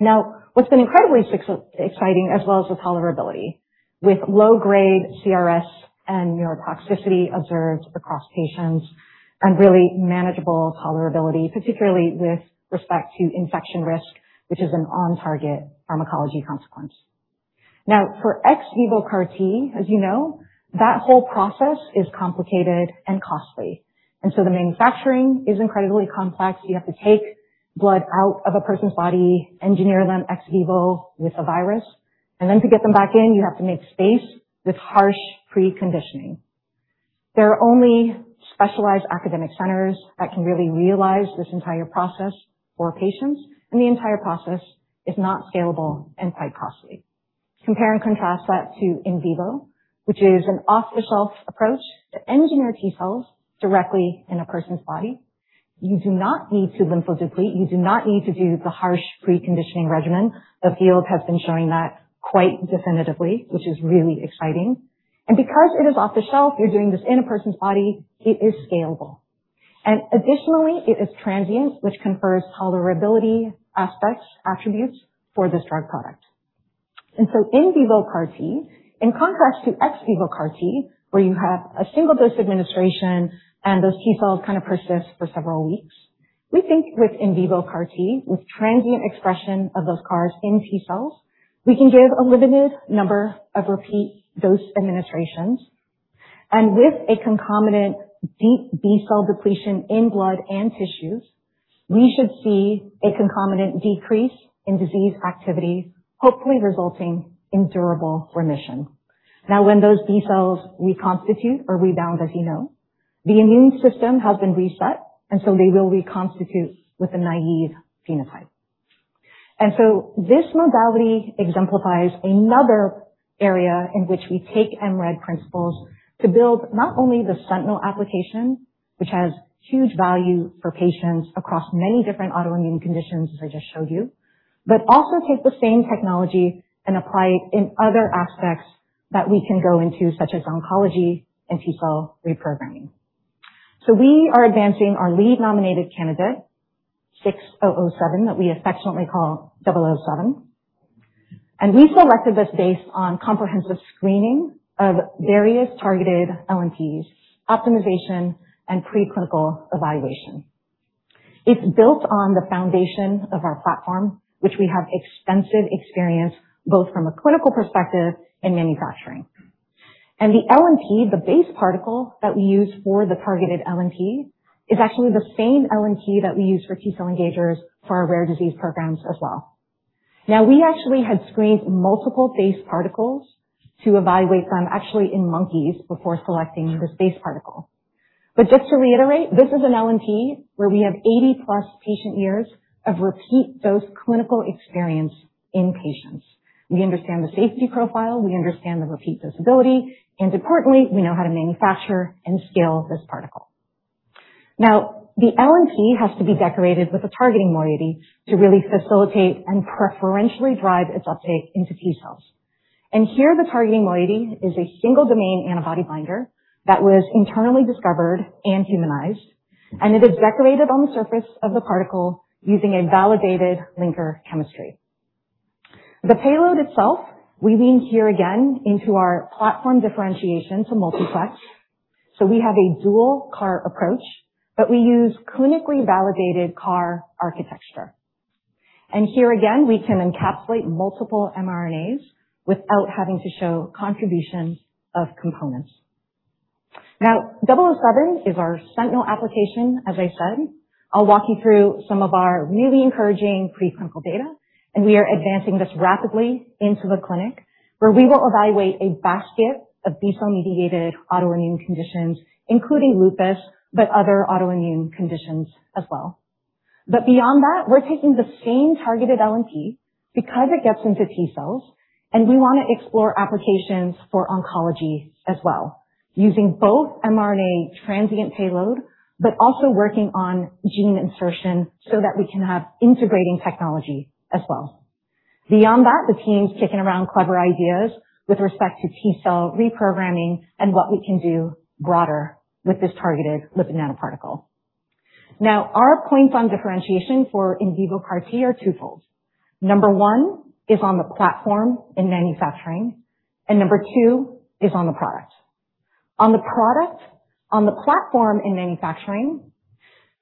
Now, what's been incredibly exciting, as well as the tolerability, with low-grade CRS and neurotoxicity observed across patients and really manageable tolerability, particularly with respect to infection risk, which is an on-target pharmacology consequence. Now, for ex vivo CAR-T, as you know, that whole process is complicated and costly. The manufacturing is incredibly complex. You have to take blood out of a person's body, engineer them ex vivo with a virus, and then to get them back in, you have to make space with harsh preconditioning. There are only specialized academic centers that can really realize this entire process for patients, the entire process is not scalable and quite costly. Compare and contrast that to in vivo, which is an off-the-shelf approach to engineer T-cells directly in a person's body. You do not need to lymphodeplete, you do not need to do the harsh preconditioning regimen. The field has been showing that quite definitively, which is really exciting. Because it is off the shelf, you're doing this in a person's body, it is scalable. Additionally, it is transient, which confers tolerability aspects, attributes for this drug product. In vivo CAR T, in contrast to ex vivo CAR T, where you have a single dose administration and those T-cells kind of persist for several weeks, we think with in vivo CAR T, with transient expression of those CARs in T-cells, we can give a limited number of repeat dose administrations. With a concomitant deep B-cell depletion in blood and tissues, we should see a concomitant decrease in disease activity, hopefully resulting in durable remission. Now, when those B-cells reconstitute or rebound, as you know, the immune system has been reset, so they will reconstitute with a naive phenotype. This modality exemplifies another area in which we take mRED principles to build not only the sentinel application, which has huge value for patients across many different autoimmune conditions, as I just showed you, but also take the same technology and apply it in other aspects that we can go into, such as oncology and T-cell reprogramming. So we are advancing our lead nominated candidate, 6007, that we affectionately call 007. We selected this based on comprehensive screening of various targeted LNPs, optimization, and preclinical evaluation. It's built on the foundation of our platform, which we have extensive experience, both from a clinical perspective and manufacturing. The LNP, the base particle that we use for the targeted LNP, is actually the same LNP that we use for T-cell engagers for our rare disease programs as well. Now, we actually had screened multiple base particles to evaluate them, actually in monkeys, before selecting this base particle. Just to reiterate, this is an LNP where we have 80-plus patient years of repeat dose clinical experience in patients. We understand the safety profile, we understand the repeat disability, importantly, we know how to manufacture and scale this particle. Now, the LNP has to be decorated with a targeting moiety to really facilitate and preferentially drive its uptake into T-cells. Here the targeting moiety is a single domain antibody binder that was internally discovered and humanized, and it is decorated on the surface of the particle using a validated linker chemistry. The payload itself, we lean here again into our platform differentiation to multiplex. So we have a dual CAR approach, but we use clinically validated CAR architecture. Here again, we can encapsulate multiple mRNAs without having to show contributions of components. 007 is our sentinel application, as I said. I'll walk you through some of our really encouraging preclinical data. We are advancing this rapidly into the clinic, where we will evaluate a basket of B-cell-mediated autoimmune conditions, including lupus. Other autoimmune conditions as well. Beyond that, we're taking the same targeted LNP because it gets into T cells. We want to explore applications for oncology as well, using both mRNA transient payload. Also working on gene insertion so that we can have integrating technology as well. Beyond that, the team's kicking around clever ideas with respect to T cell reprogramming and what we can do broader with this targeted lipid nanoparticle. Our points on differentiation for in vivo CAR T are twofold. Number one is on the platform in manufacturing. Number two is on the product. On the product, on the platform in manufacturing,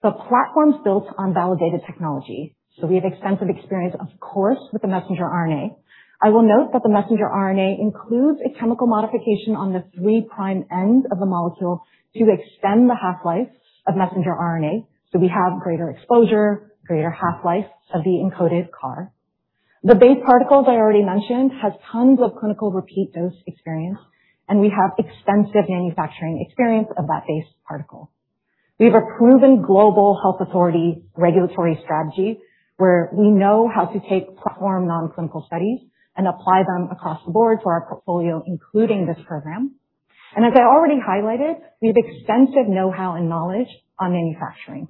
the platform's built on validated technology. We have extensive experience, of course, with the messenger RNA. I will note that the messenger RNA includes a chemical modification on the three-prime ends of the molecule to extend the half-life of messenger RNA. We have greater exposure, greater half-life of the encoded CAR. The base particle, as I already mentioned, has tons of clinical repeat dose experience. We have extensive manufacturing experience of that base particle. We have a proven global health authority regulatory strategy, where we know how to take platform non-clinical studies and apply them across the board to our portfolio, including this program. As I already highlighted, we have extensive know-how and knowledge on manufacturing.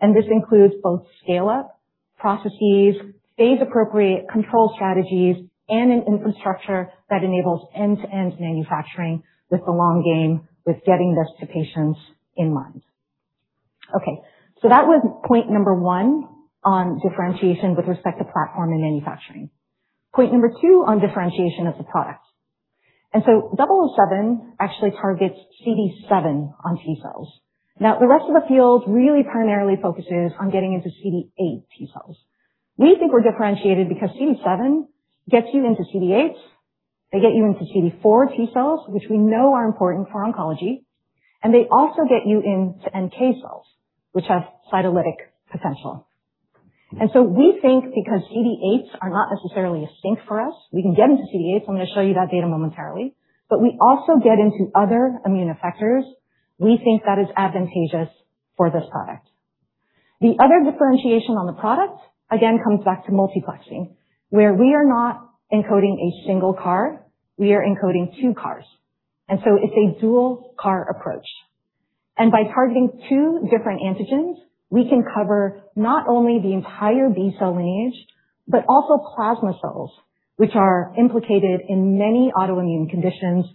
This includes both scale-up processes, phase-appropriate control strategies, and an infrastructure that enables end-to-end manufacturing with the long game with getting this to patients in mind. That was point number one on differentiation with respect to platform and manufacturing. Point number two on differentiation is the product. 007 actually targets CD7 on T cells. The rest of the field really primarily focuses on getting into CD8 T cells. We think we're differentiated because CD7 gets you into CD8s, they get you into CD4 T cells, which we know are important for oncology, and they also get you into NK cells, which have cytolytic potential. We think because CD8s are not necessarily a sink for us, we can get into CD8s. I'm going to show you that data momentarily. We also get into other immune effectors. We think that is advantageous for this product. The other differentiation on the product, again, comes back to multiplexing, where we are not encoding a single CAR. We are encoding two CARs. It's a dual CAR approach. By targeting two different antigens, we can cover not only the entire B-cell lineage, but also plasma cells, which are implicated in many autoimmune conditions.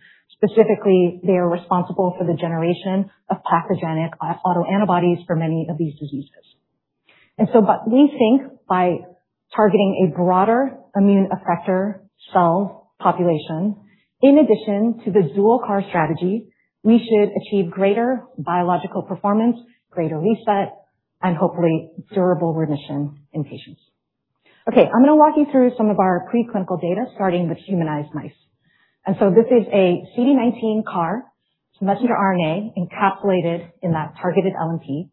Specifically, they are responsible for the generation of pathogenic autoantibodies for many of these diseases. We think by targeting a broader immune effector cell population, in addition to the dual CAR strategy, we should achieve greater biological performance, greater reset, and hopefully durable remission in patients. I'm going to walk you through some of our preclinical data, starting with humanized mice. This is a CD19 CAR messenger RNA encapsulated in that targeted LNP.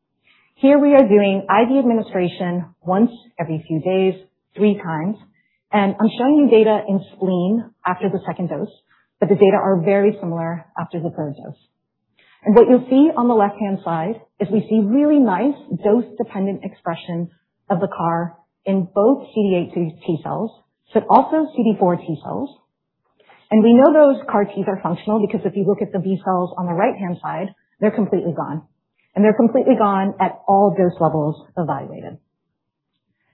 Here we are doing IV administration once every few days, three times. I'm showing you data in spleen after the second dose, but the data are very similar after the third dose. What you'll see on the left-hand side is we see really nice dose-dependent expression of the CAR in both CD8 T cells, but also CD4 T cells. We know those CAR Ts are functional because if you look at the B cells on the right-hand side, they're completely gone. They're completely gone at all dose levels evaluated.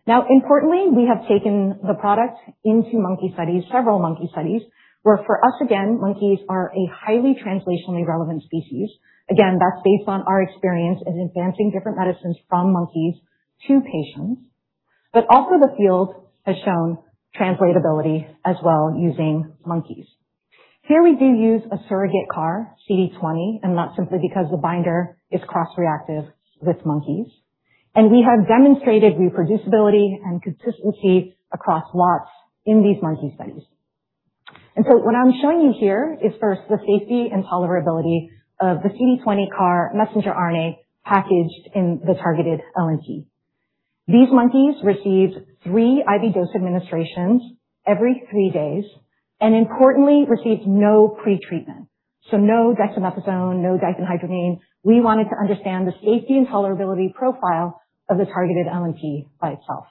Importantly, we have taken the product into monkey studies, several monkey studies, where for us, again, monkeys are a highly translationally relevant species. That's based on our experience in advancing different medicines from monkeys to patients. Also the field has shown translatability as well using monkeys. Here we do use a surrogate CAR, CD20, and that's simply because the binder is cross-reactive with monkeys. We have demonstrated reproducibility and consistency across lots in these monkey studies. What I'm showing you here is first the safety and tolerability of the CD20 CAR messenger RNA packaged in the targeted LNP. These monkeys received three IV dose administrations every three days and importantly, received no pretreatment. No dexamethasone, no diphenhydramine. We wanted to understand the safety and tolerability profile of the targeted LNP by itself.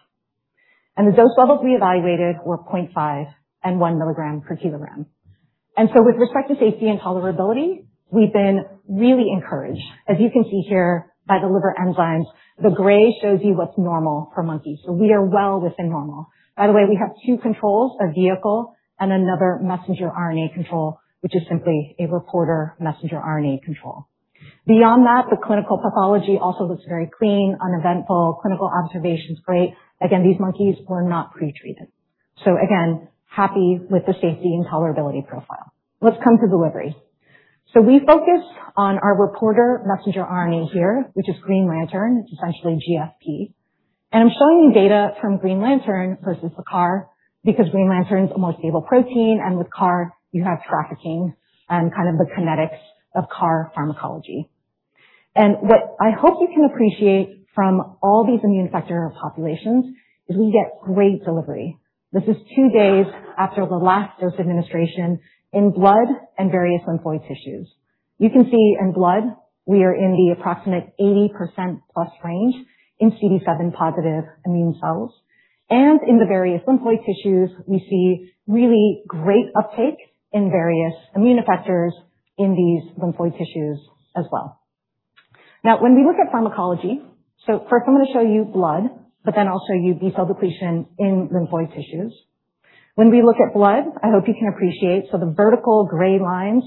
The dose levels we evaluated were 0.5 and 1 milligram per kilogram. With respect to safety and tolerability, we've been really encouraged. As you can see here by the liver enzymes, the gray shows you what's normal for monkeys. We are well within normal. By the way, we have two controls, a vehicle and another messenger RNA control, which is simply a reporter messenger RNA control. Beyond that, the clinical pathology also looks very clean, uneventful, clinical observations great. These monkeys were not pretreated. Again, happy with the safety and tolerability profile. Let's come to delivery. We focused on our reporter messenger RNA here, which is GreenLantern, essentially GFP. I'm showing you data from GreenLantern versus the CAR because GreenLantern is a more stable protein, and with CAR, you have trafficking and kind of the kinetics of CAR pharmacology. What I hope you can appreciate from all these immune effector populations is we get great delivery. This is 2 days after the last dose administration in blood and various lymphoid tissues. You can see in blood, we are in the approximate 80% plus range in CD7 positive immune cells, and in the various lymphoid tissues, we see really great uptake in various immune effectors in these lymphoid tissues as well. When we look at pharmacology, first I'm going to show you blood, then I'll show you B cell depletion in lymphoid tissues. When we look at blood, I hope you can appreciate, the vertical gray lines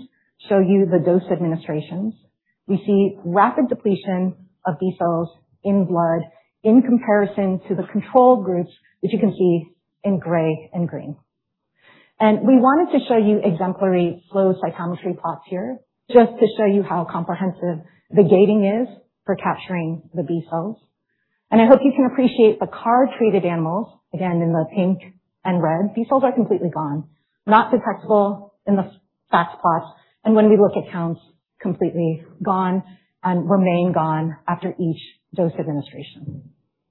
show you the dose administrations. We see rapid depletion of B cells in blood in comparison to the control groups which you can see in gray and green. We wanted to show you exemplary flow cytometry plots here just to show you how comprehensive the gating is for capturing the B cells. I hope you can appreciate the CAR-treated animals, again, in the pink and red. B cells are completely gone, not detectable in the FACS plots, and when we look at counts, completely gone and remain gone after each dose administration.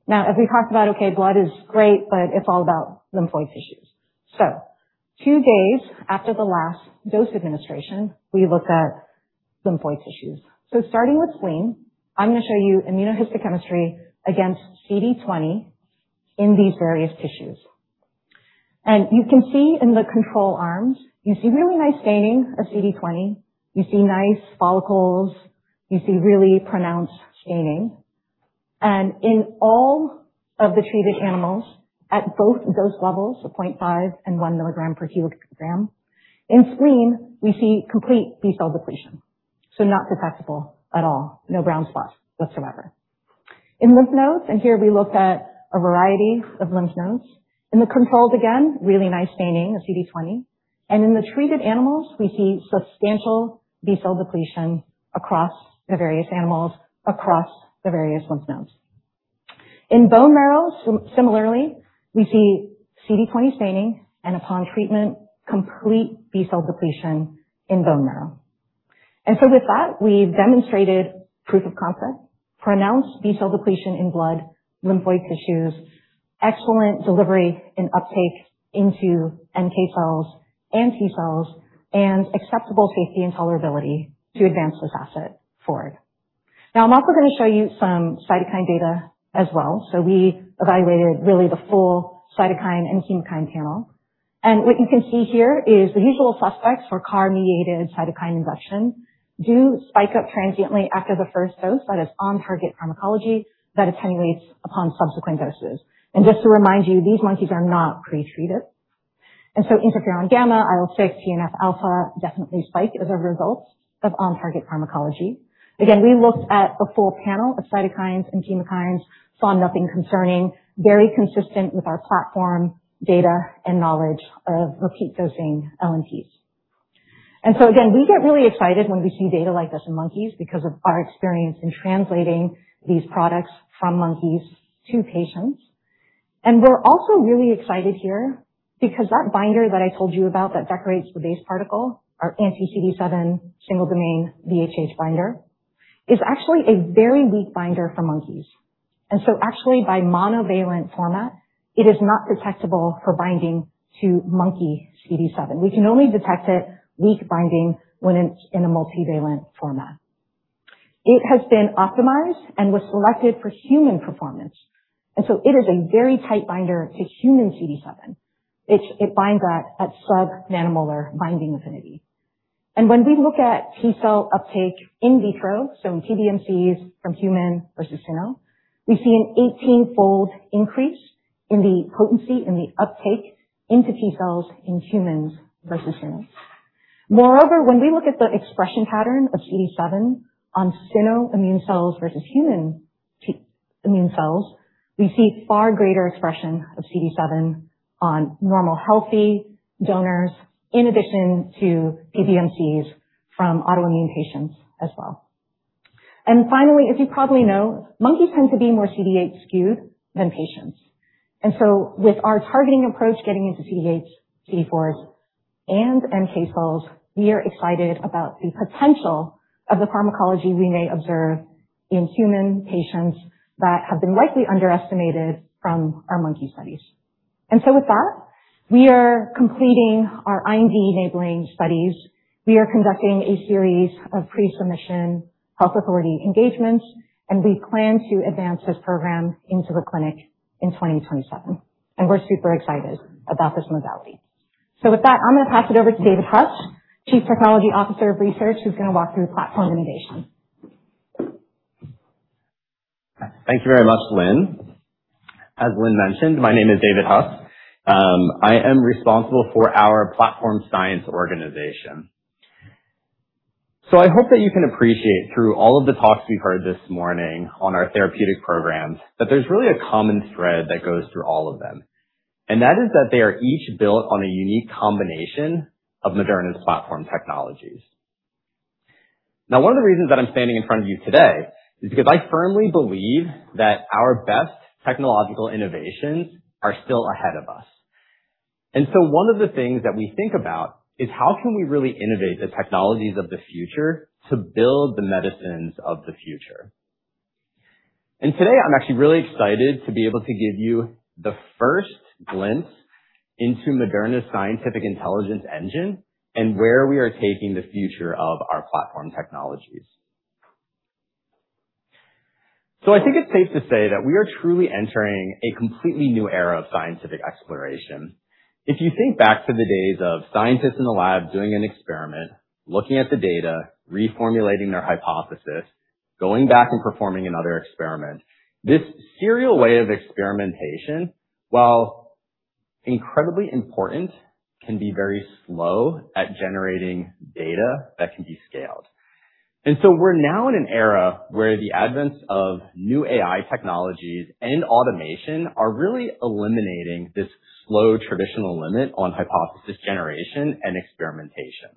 As we talked about, blood is great, but it's all about lymphoid tissues. Two days after the last dose administration, we look at lymphoid tissues. Starting with spleen, I'm going to show you immunohistochemistry against CD20 in these various tissues. You can see in the control arms, you see really nice staining of CD20. You see nice follicles. You see really pronounced staining. In all of the treated animals at both dose levels, 0.5 and one milligram per kilogram, in spleen, we see complete B-cell depletion, not detectable at all, no brown spots whatsoever. In lymph nodes, here we looked at a variety of lymph nodes. In the controls again, really nice staining, the CD20. In the treated animals, we see substantial B-cell depletion across the various animals, across the various lymph nodes. In bone marrow, similarly, we see CD20 staining and upon treatment, complete B-cell depletion in bone marrow. With that, we've demonstrated proof of concept, pronounced B-cell depletion in blood, lymphoid tissues, excellent delivery and uptake into NK cells and T cells, and acceptable safety and tolerability to advance this asset forward. I'm also going to show you some cytokine data as well. We evaluated really the full cytokine and chemokine panel. What you can see here is the usual suspects for CAR-mediated cytokine induction do spike up transiently after the first dose. That is on-target pharmacology that attenuates upon subsequent doses. Just to remind you, these monkeys are not pre-treated. Interferon-gamma, IL-6, TNF-alpha definitely spike as a result of on-target pharmacology. We looked at the full panel of cytokines and chemokines, saw nothing concerning, very consistent with our platform data and knowledge of repeat-dosing LMTs. Again, we get really excited when we see data like this in monkeys because of our experience in translating these products from monkeys to patients. We're also really excited here because that binder that I told you about that decorates the base particle, our anti-CD7 single domain VHH binder, is actually a very weak binder for monkeys. Actually by monovalent format, it is not detectable for binding to monkey CD7. We can only detect it weak binding when it's in a multivalent format. It has been optimized and was selected for human performance, it is a very tight binder to human CD7. It binds at sub-nanomolar binding affinity. When we look at T-cell uptake in vitro, PBMCs from human versus cyno, we see an 18-fold increase in the potency and the uptake into T cells in humans versus cynos. Moreover, when we look at the expression pattern of CD7 on cyno immune cells versus human immune cells, we see far greater expression of CD7 on normal healthy donors in addition to PBMCs from autoimmune patients as well. Finally, as you probably know, monkeys tend to be more CD8 skewed than patients. With our targeting approach getting into CD8, CD4s, and NK cells, we are excited about the potential of the pharmacology we may observe in human patients that have been likely underestimated from our monkey studies. With that, we are completing our IND-enabling studies. We are conducting a series of pre-submission health authority engagements, and we plan to advance this program into the clinic in 2027. We're super excited about this modality. With that, I'm going to pass it over to David Huss, Chief Technology Officer of Research, who's going to walk through platform innovation. Thank you very much, Lin. As Lin mentioned, my name is David Huss. I am responsible for our platform science organization. I hope that you can appreciate through all of the talks we've heard this morning on our therapeutic programs, that there's really a common thread that goes through all of them. That is that they are each built on a unique combination of Moderna's platform technologies. One of the reasons that I'm standing in front of you today is because I firmly believe that our best technological innovations are still ahead of us. One of the things that we think about is how can we really innovate the technologies of the future to build the medicines of the future? Today, I'm actually really excited to be able to give you the first glimpse into Moderna's Scientific Intelligence Engine and where we are taking the future of our platform technologies. I think it's safe to say that we are truly entering a completely new era of scientific exploration. If you think back to the days of scientists in the lab doing an experiment, looking at the data, reformulating their hypothesis, going back and performing another experiment, this serial way of experimentation, while incredibly important, can be very slow at generating data that can be scaled. We're now in an era where the advent of new AI technologies and automation are really eliminating this slow, traditional limit on hypothesis generation and experimentation.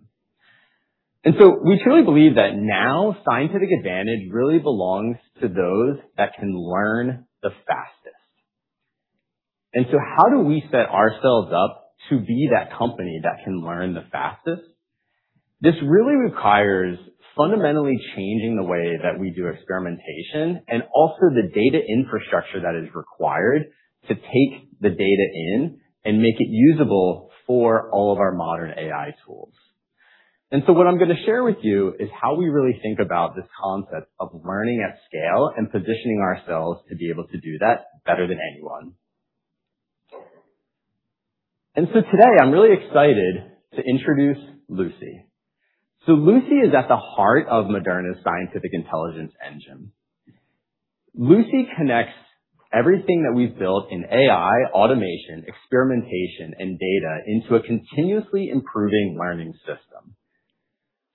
We truly believe that now scientific advantage really belongs to those that can learn the fastest. How do we set ourselves up to be that company that can learn the fastest? This really requires fundamentally changing the way that we do experimentation and also the data infrastructure that is required to take the data in and make it usable for all of our modern AI tools. What I'm going to share with you is how we really think about this concept of learning at scale and positioning ourselves to be able to do that better than anyone. Today I'm really excited to introduce Lucy. Lucy is at the heart of Moderna's Scientific Intelligence Engine. Lucy connects everything that we've built in AI, automation, experimentation, and data into a continuously improving learning system.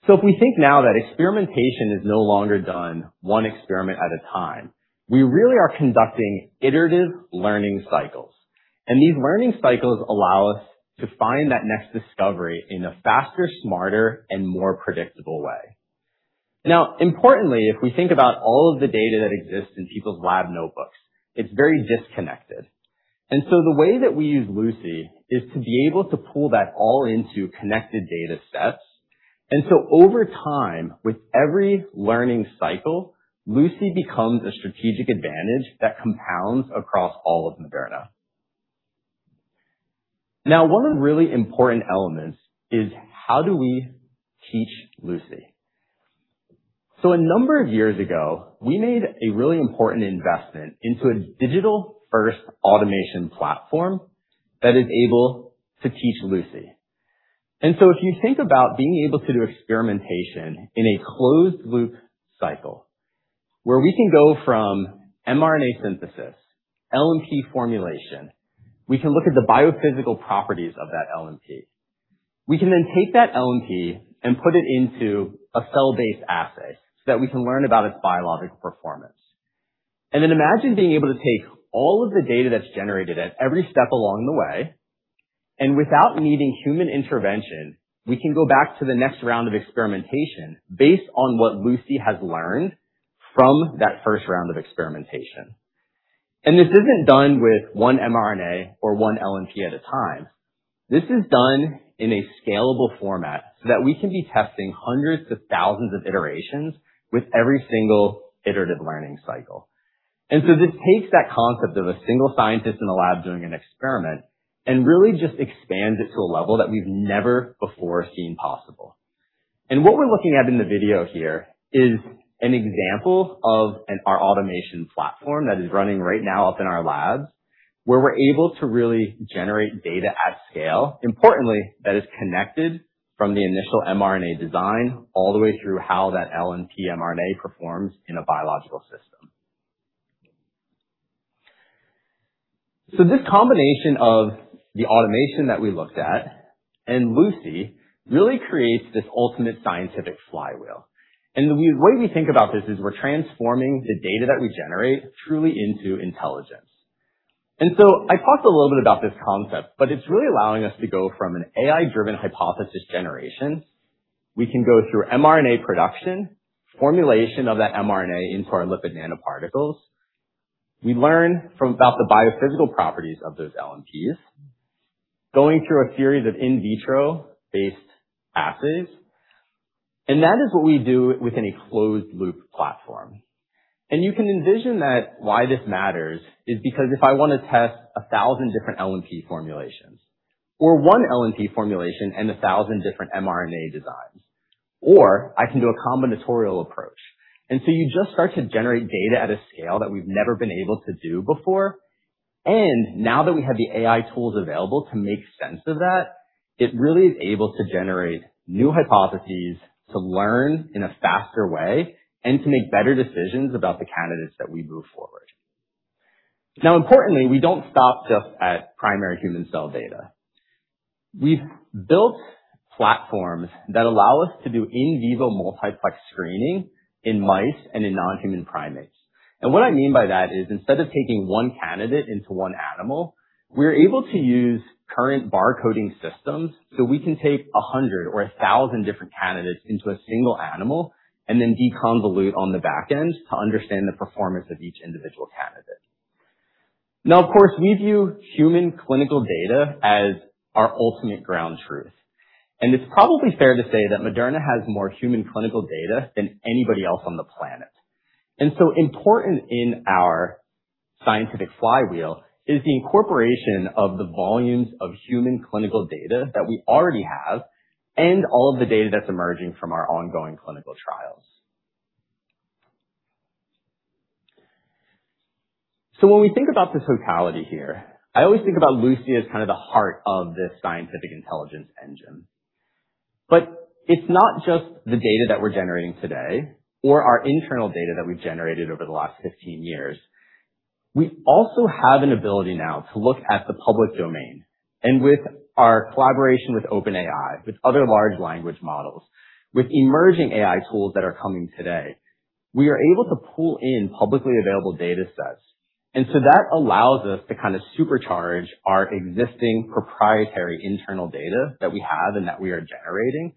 If we think now that experimentation is no longer done one experiment at a time, we really are conducting iterative learning cycles, and these learning cycles allow us to find that next discovery in a faster, smarter, and more predictable way. Importantly, if we think about all of the data that exists in people's lab notebooks, it's very disconnected. The way that we use Lucy is to be able to pull that all into connected data sets. Over time, with every learning cycle, Lucy becomes a strategic advantage that compounds across all of Moderna. One of the really important elements is how do we teach Lucy? A number of years ago, we made a really important investment into a digital-first automation platform that is able to teach Lucy. If you think about being able to do experimentation in a closed loop cycle where we can go from mRNA synthesis, LNP formulation, we can look at the biophysical properties of that LNP. We can then take that LNP and put it into a cell-based assay so that we can learn about its biologic performance. Imagine being able to take all of the data that's generated at every step along the way, and without needing human intervention, we can go back to the next round of experimentation based on what Lucy has learned from that first round of experimentation. This isn't done with one mRNA or one LNP at a time. This is done in a scalable format so that we can be testing hundreds to thousands of iterations with every single iterative learning cycle. This takes that concept of a single scientist in a lab doing an experiment and really just expands it to a level that we've never before seen possible. What we're looking at in the video here is an example of our automation platform that is running right now up in our labs, where we're able to really generate data at scale, importantly, that is connected from the initial mRNA design all the way through how that LNP mRNA performs in a biological system. This combination of the automation that we looked at and Lucy really creates this ultimate scientific flywheel. The way we think about this is we're transforming the data that we generate truly into intelligence. I talked a little bit about this concept, but it's really allowing us to go from an AI-driven hypothesis generation. We can go through mRNA production, formulation of that mRNA into our lipid nanoparticles. We learn from about the biophysical properties of those LNPs, going through a series of in vitro-based assays, and that is what we do with a closed loop platform. You can envision that why this matters is because if I want to test 1,000 different LNP formulations or one LNP formulation and 1,000 different mRNA designs, or I can do a combinatorial approach. You just start to generate data at a scale that we've never been able to do before. Now that we have the AI tools available to make sense of that, it really is able to generate new hypotheses to learn in a faster way and to make better decisions about the candidates that we move forward. Importantly, we don't stop just at primary human cell data. We've built platforms that allow us to do in vivo multiplex screening in mice and in non-human primates. I mean by that is, instead of taking one candidate into one animal, we are able to use current bar coding systems, so we can take 100 or 1,000 different candidates into a single animal and then deconvolute on the back end to understand the performance of each individual candidate. Now, of course, we view human clinical data as our ultimate ground truth, and it's probably fair to say that Moderna has more human clinical data than anybody else on the planet. Important in our Scientific Intelligence Engine is the incorporation of the volumes of human clinical data that we already have and all of the data that's emerging from our ongoing clinical trials. When we think about this totality here, I always think about Lucy as the heart of this Scientific Intelligence Engine. But it's not just the data that we are generating today or our internal data that we've generated over the last 15 years. We also have an ability now to look at the public domain and with our collaboration with OpenAI, with other large language models, with emerging AI tools that are coming today, we are able to pull in publicly available data sets. That allows us to supercharge our existing proprietary internal data that we have and that we are generating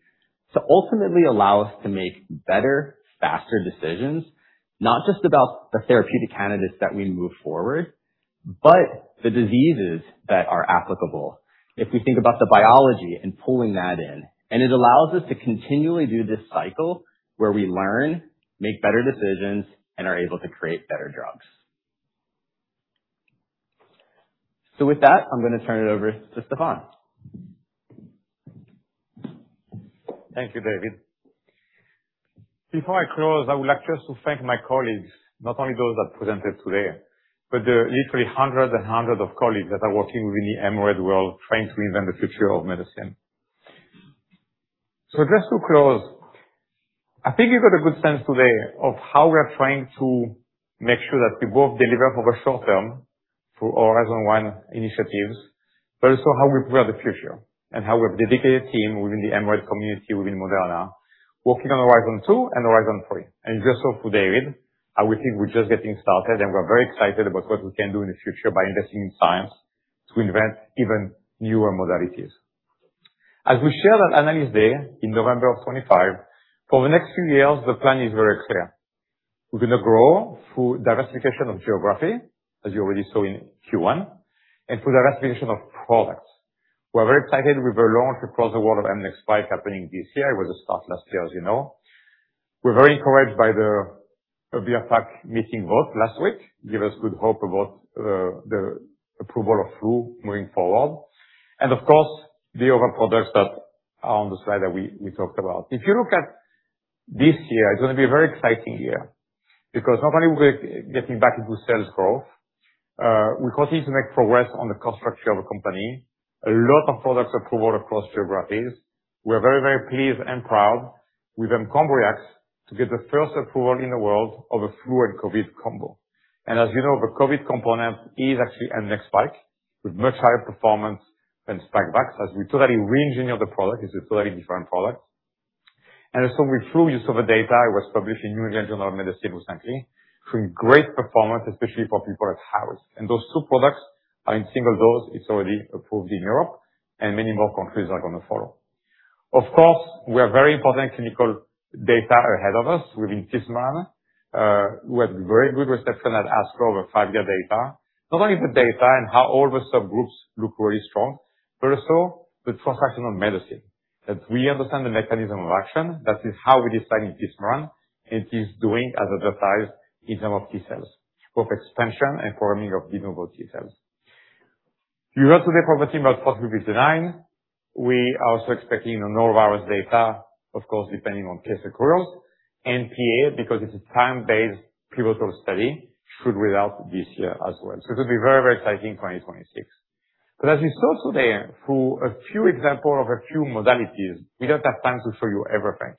to ultimately allow us to make better, faster decisions, not just about the therapeutic candidates that we move forward, but the diseases that are applicable. If we think about the biology and pulling that in, and it allows us to continually do this cycle where we learn, make better decisions, and are able to create better drugs. With that, I'm going to turn it over to Stéphane. Thank you, David. Before I close, I would like just to thank my colleagues, not only those that presented today, but the literally hundreds and hundreds of colleagues that are working within the mRNA world, trying to invent the future of medicine. Just to close, I think you got a good sense today of how we are trying to make sure that we both deliver over short term through our Horizon One initiatives, but also how we prepare the future and how we have a dedicated team within the mRNA community, within Moderna, working on Horizon 2 and Horizon 3. Just talk to David, how we think we're just getting started, and we're very excited about what we can do in the future by investing in science to invent even newer modalities. As we shared at Analyst Day in November of 2025, for the next few years, the plan is very clear. We're going to grow through diversification of geography, as you already saw in Q1, and through diversification of products. We're very excited with the launch across the world of mNEXSPIKE happening this year. With a start last year, as you know. We're very encouraged by the FDA meeting both last week, give us good hope about the approval of flu moving forward and of course, the other products that are on the slide that we talked about. If you look at this year, it's going to be a very exciting year, because not only are we getting back into sales growth, we continue to make progress on the cost structure of the company. A lot of products approval across geographies. We're very pleased and proud with mCombriax to get the first approval in the world of a flu and COVID combo. As you know, the COVID component is actually mNEXSPIKE with much higher performance than Spikevax. As we totally re-engineer the product, it's a totally different product. With flu, you saw the data, it was published in New England Journal of Medicine recently, showing great performance, especially for people at house. Those two products are in single dose. It's already approved in Europe and many more countries are going to follow. Of course, we have very important clinical data ahead of us with intismeran, who had very good reception at ASCO over five-year data. Not only the data and how all the subgroups look really strong, but also the translational medicine that we understand the mechanism of action. That is how we design intismeran, it is doing as advertised in terms of T cells, both expansion and forming of de novo T cells. You heard today from the team about possibly design. We are also expecting norovirus data, of course, depending on case accruals. PA, because it's a time-based pivotal study, should roll out this year as well. It will be very exciting 2026. As you saw today, through a few examples of a few modalities, we don't have time to show you everything.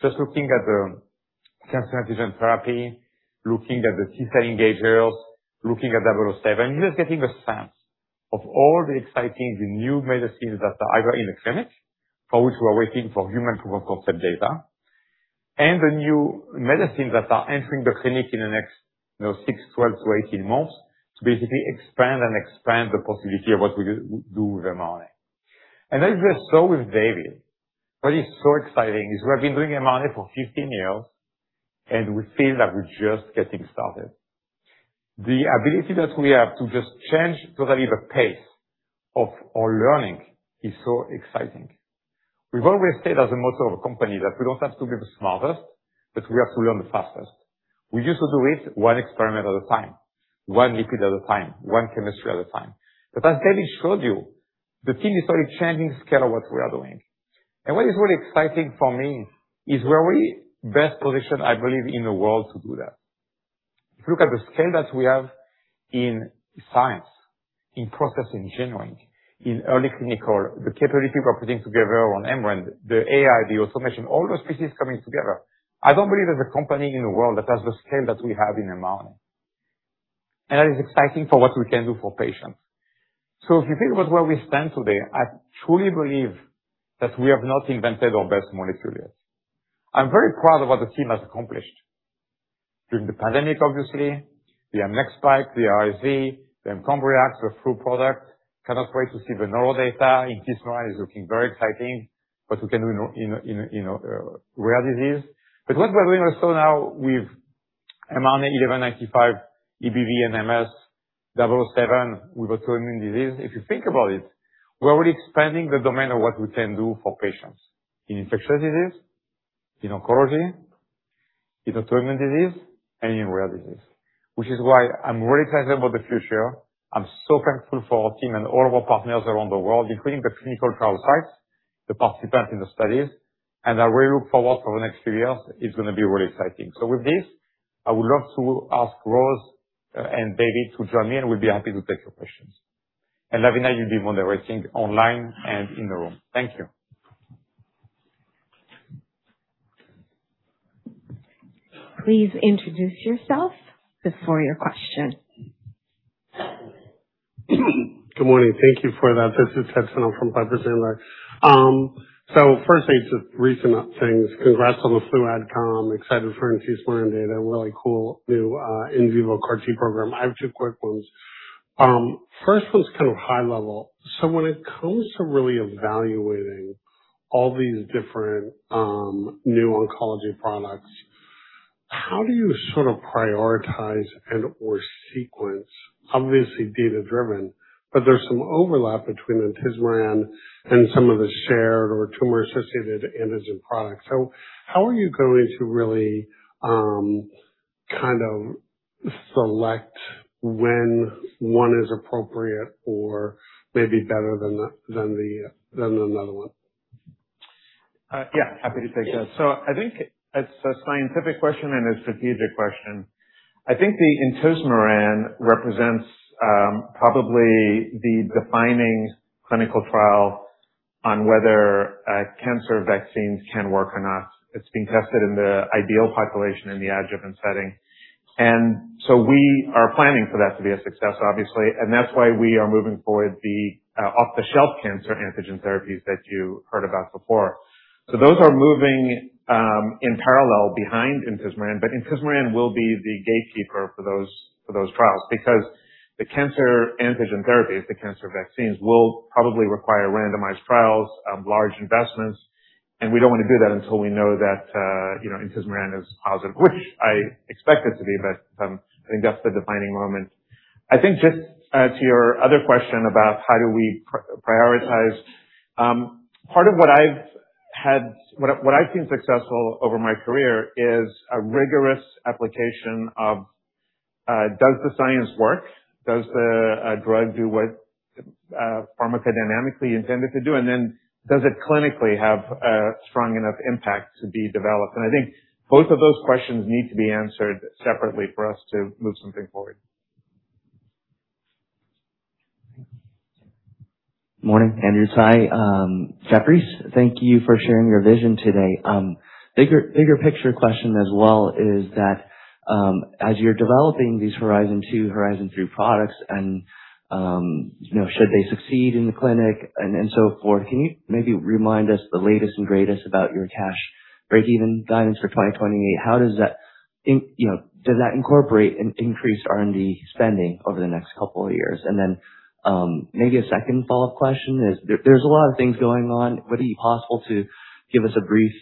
Just looking at the Cancer Antigen Therapy, looking at the T-cell engagers, looking at 007, you're just getting a sense of all the exciting, the new medicines that are either in the clinic or which we are waiting for human proof of concept data and the new medicines that are entering the clinic in the next six, 12 to 18 months to basically expand and expand the possibility of what we do with mRNA. As I saw with David, what is so exciting is we have been doing mRNA for 15 years, we feel that we're just getting started. The ability that we have to just change totally the pace of our learning is so exciting. We've always said as a motto of a company that we don't have to be the smartest, but we have to learn the fastest. We used to do it one experiment at a time, one lipid at a time, one chemistry at a time. As David showed you, the team is totally changing scale of what we are doing. What is really exciting for me is we're really best positioned, I believe, in the world to do that. If you look at the scale that we have in science, in processing, engineering, in early clinical, the capability we're putting together on mRNA, the AI, the automation, all those pieces coming together. I don't believe there's a company in the world that has the scale that we have in mRNA, and that is exciting for what we can do for patients. If you think about where we stand today, I truly believe that we have not invented our best molecule yet. I'm very proud of what the team has accomplished during the pandemic, obviously. The mNEXSPIKE, the RSV, the mCombriax, the flu product. Cannot wait to see the noro data. Intismeran is looking very exciting. What we can do in a rare disease. What we're doing also now with mRNA-1195, EBV and MS, 007 with autoimmune disease. If you think about it, we're already expanding the domain of what we can do for patients in infectious disease, in oncology, in autoimmune disease, and in rare disease. Which is why I'm really excited about the future. I'm so thankful for our team and all of our partners around the world, including the clinical trial sites, the participants in the studies, I really look forward for the next few years. It's going to be really exciting. With this, I would love to ask Rose and David to join me, we'll be happy to take your questions. Lavina, you leave them on the raising online and in the room. Thank you. Please introduce yourself before your question. Good morning. Thank you for that. This is Hudson. I'm from Piper Sandler. Firstly, just recent things. Congrats on the flu adcom. Excited for intismeran data. Really cool new in vivo CAR-T program. I have two quick ones. First one's kind of high level. When it comes to really evaluating all these different new oncology products, how do you sort of prioritize and/or sequence? Obviously data driven, but there's some overlap between the intismeran and some of the shared or tumor-associated antigen products. How are you going to really kind of select when one is appropriate or maybe better than another one. Yeah, happy to take that. I think it's a scientific question and a strategic question. I think the intismeran represents probably the defining clinical trial on whether cancer vaccines can work or not. It's being tested in the ideal population in the adjuvant setting. We are planning for that to be a success, obviously, and that's why we are moving forward the off-the-shelf cancer antigen therapies that you heard about before. Those are moving in parallel behind intismeran. Intismeran will be the gatekeeper for those trials because the cancer antigen therapies, the cancer vaccines, will probably require randomized trials, large investments, and we don't want to do that until we know that intismeran is positive, which I expect it to be. I think that's the defining moment. I think just to your other question about how do we prioritize. Part of what I've seen successful over my career is a rigorous application of does the science work, does the drug do what pharmacodynamically intended to do, and then does it clinically have a strong enough impact to be developed? I think both of those questions need to be answered separately for us to move something forward. Morning, Andrew Tsai, Jefferies. Thank you for sharing your vision today. Bigger picture question as well is that, as you're developing these Horizon 2, Horizon 3 products and should they succeed in the clinic and so forth, can you maybe remind us the latest and greatest about your cash breakeven guidance for 2028? Does that incorporate an increased R&D spending over the next couple of years? Maybe a second follow-up question is, there's a lot of things going on. Would it be possible to give us a brief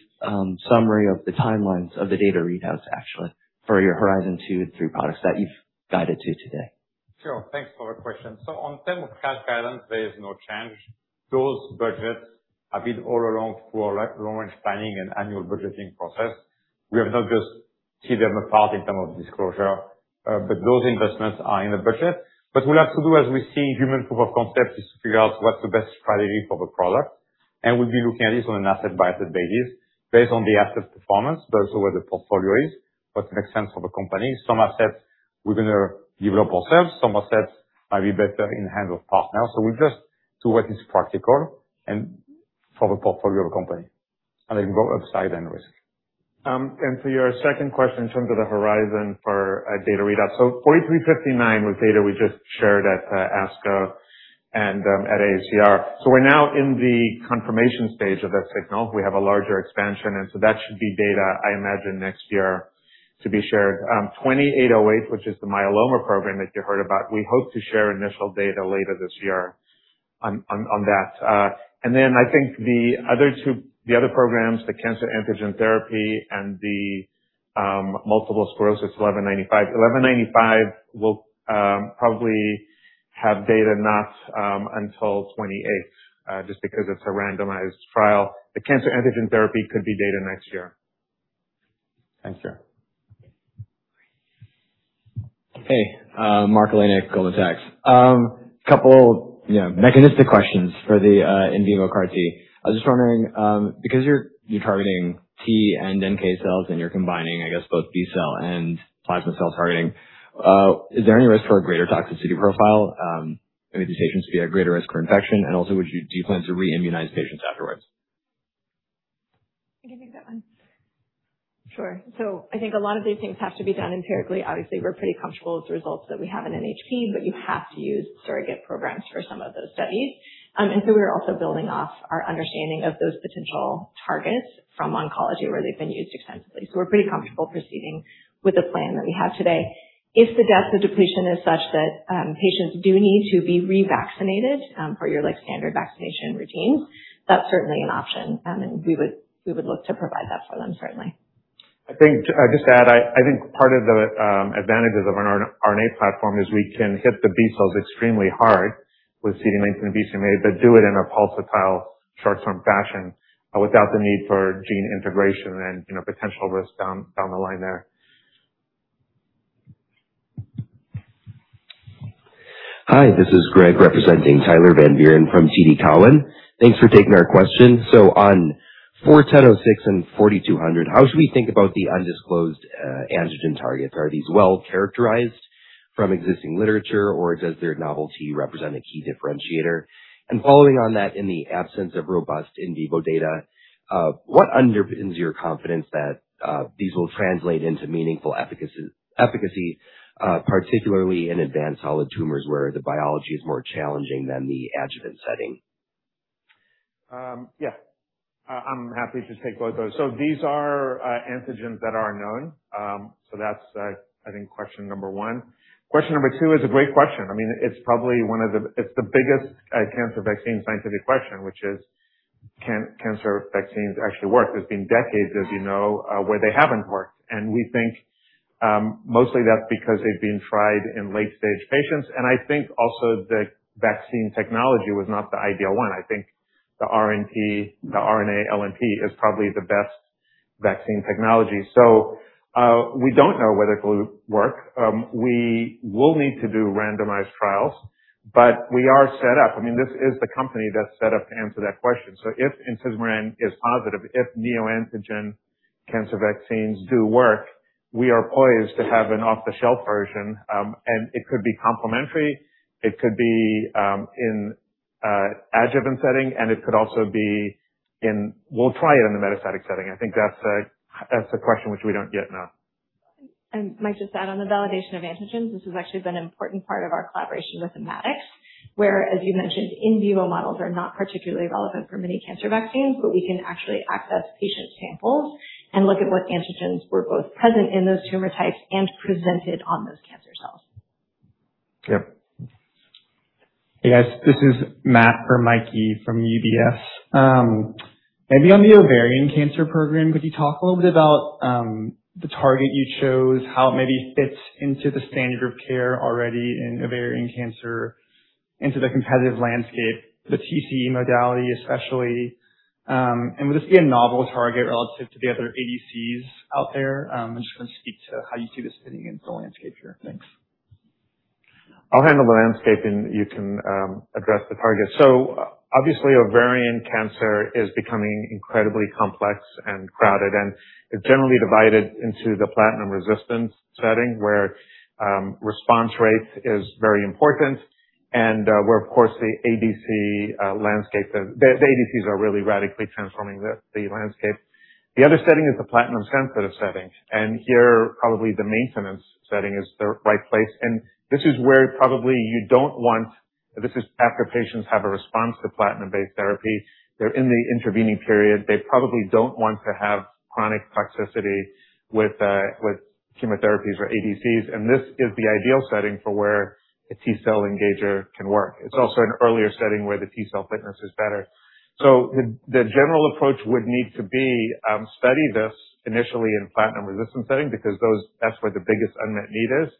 summary of the timelines of the data readouts, actually, for your Horizon 2 and 3 products that you've guided to today? Sure. Thanks for the question. On terms of cash guidance, there is no change. Those budgets have been all along for our long-range planning and annual budgeting process. We have not just teed them apart in term of disclosure, but those investments are in the budget. What we'll have to do as we see human proof of concept is to figure out what's the best strategy for the product. We'll be looking at this on an asset basis based on the asset performance, but also where the portfolio is, what makes sense for the company. Some assets we're going to develop ourselves, some assets might be better in the hands of partners. We just do what is practical and for the portfolio of the company. Go upside and risk. For your second question in terms of the horizon for data readout. 4359 was data we just shared at ASCO and at AACR. We're now in the confirmation stage of that signal. We have a larger expansion, that should be data, I imagine, next year to be shared. 2808, which is the myeloma program that you heard about, we hope to share initial data later this year on that. I think the other programs, the cancer antigen therapy and the multiple sclerosis 1195. 1195 will probably have data not until 2028, just because it's a randomized trial. The cancer antigen therapy could be data next year. Thanks, sir. Hey, Mark Laniak, Goldman Sachs. Couple mechanistic questions for the in vivo CAR T. I was just wondering, because you're targeting T and NK cells and you're combining, I guess, both B-cell and plasma cell targeting, is there any risk for a greater toxicity profile? Maybe patients would be at greater risk for infection? Do you plan to re-immunize patients afterwards? I can take that one. Sure. I think a lot of these things have to be done empirically. Obviously, we're pretty comfortable with the results that we have in NHP, but you have to use surrogate programs for some of those studies. We're also building off our understanding of those potential targets from oncology, where they've been used extensively. We're pretty comfortable proceeding with the plan that we have today. If the depth of depletion is such that patients do need to be revaccinated for your standard vaccination routine, that's certainly an option, and we would look to provide that for them, certainly. I think just to add, part of the advantages of an RNA platform is we can hit the B-cells extremely hard with CD19 and BCMA, but do it in a pulsatile short-term fashion without the need for gene integration and potential risk down the line there. Hi, this is Greg, representing Tyler Van Buren from TD Cowen. Thanks for taking our question. On mRNA-4106 and 4200, how should we think about the undisclosed antigen targets? Are these well-characterized from existing literature, or does their novelty represent a key differentiator? Following on that, in the absence of robust in vivo data, what underpins your confidence that these will translate into meaningful efficacy, particularly in advanced solid tumors where the biology is more challenging than the adjuvant setting? Yeah. I'm happy to take both those. These are antigens that are known. That's I think question number one. Question number two is a great question. I mean, it's the biggest cancer vaccine scientific question, which is, can cancer vaccines actually work? There's been decades, as you know, where they haven't worked, and we think mostly that's because they've been tried in late-stage patients. I think also the vaccine technology was not the ideal one. I think the RNA-LNP is probably the best vaccine technology. We don't know whether it will work. We will need to do randomized trials, but we are set up. This is the company that's set up to answer that question. If intismeran is positive, if neoantigen cancer vaccines do work, we are poised to have an off-the-shelf version. It could be complementary, it could be in adjuvant setting. It could also be, we'll try it in the metastatic setting. I think that's a question which we don't yet know. Might just add on the validation of antigens, this has actually been an important part of our collaboration with Immatics, where, as you mentioned, in vivo models are not particularly relevant for many cancer vaccines, but we can actually access patient samples and look at what antigens were both present in those tumor types and presented on those cancer cells. Yep. Hey, guys. This is Matt or Mikey from UBS. Maybe on the ovarian cancer program, could you talk a little bit about the target you chose, how it maybe fits into the standard of care already in ovarian cancer into the competitive landscape, the TCE modality especially? Would this be a novel target relative to the other ADCs out there? I'm just going to speak to how you see this fitting into the landscape here. Thanks. I'll handle the landscape, and you can address the target. Obviously, ovarian cancer is becoming incredibly complex and crowded, and it's generally divided into the platinum-resistance setting, where response rate is very important and where, of course, the ADCs are really radically transforming the landscape. The other setting is the platinum-sensitive setting, and here, probably the maintenance setting is the right place. This is after patients have a response to platinum-based therapy. They're in the intervening period. They probably don't want to have chronic toxicity with chemotherapies or ADCs, and this is the ideal setting for where a T cell engager can work. It's also an earlier setting where the T cell fitness is better. The general approach would need to be, study this initially in platinum-resistant setting, because that's where the biggest unmet need is,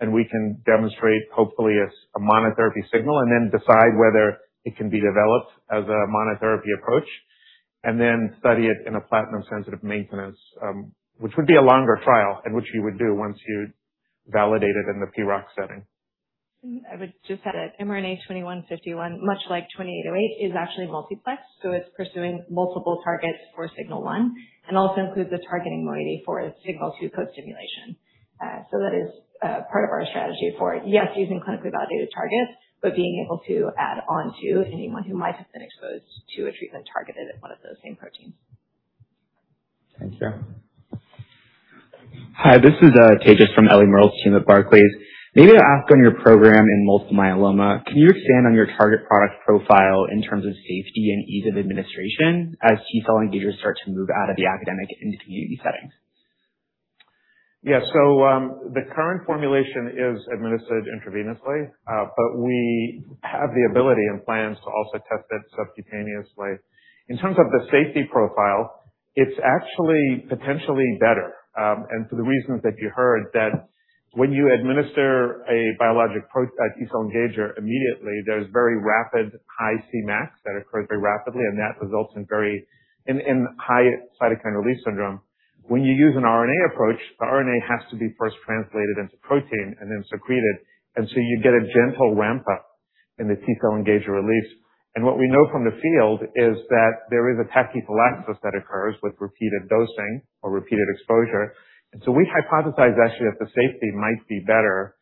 and we can demonstrate, hopefully, a monotherapy signal and then decide whether it can be developed as a monotherapy approach, and then study it in a platinum-sensitive maintenance, which would be a longer trial and which you would do once you validate it in the PROC setting. I would just add that mRNA-2151, much like 2808, is actually multiplex. It's pursuing multiple targets for signal one and also includes a targeting moiety for its signal two co-stimulation. That is part of our strategy for, yes, using clinically validated targets, but being able to add on to anyone who might have been exposed to a treatment targeted at one of those same proteins. Thanks, Sarah. Hi, this is Tejas from Ellie Merrill's team at Barclays. Maybe to ask on your program in multiple myeloma, can you expand on your target product profile in terms of safety and ease of administration as T cell engagers start to move out of the academic into community settings? Yeah. The current formulation is administered intravenously, but we have the ability and plans to also test it subcutaneously. In terms of the safety profile, it's actually potentially better. For the reasons that you heard, when you administer a biologic T cell engager immediately, there's very rapid high Cmax that occurs very rapidly, and that results in high cytokine release syndrome. When you use an RNA approach, the RNA has to be first translated into protein and then secreted. You get a gentle ramp up in the T cell engager release. What we know from the field is that there is a tachyphylaxis that occurs with repeated dosing or repeated exposure. We hypothesize, actually, that the safety might be better,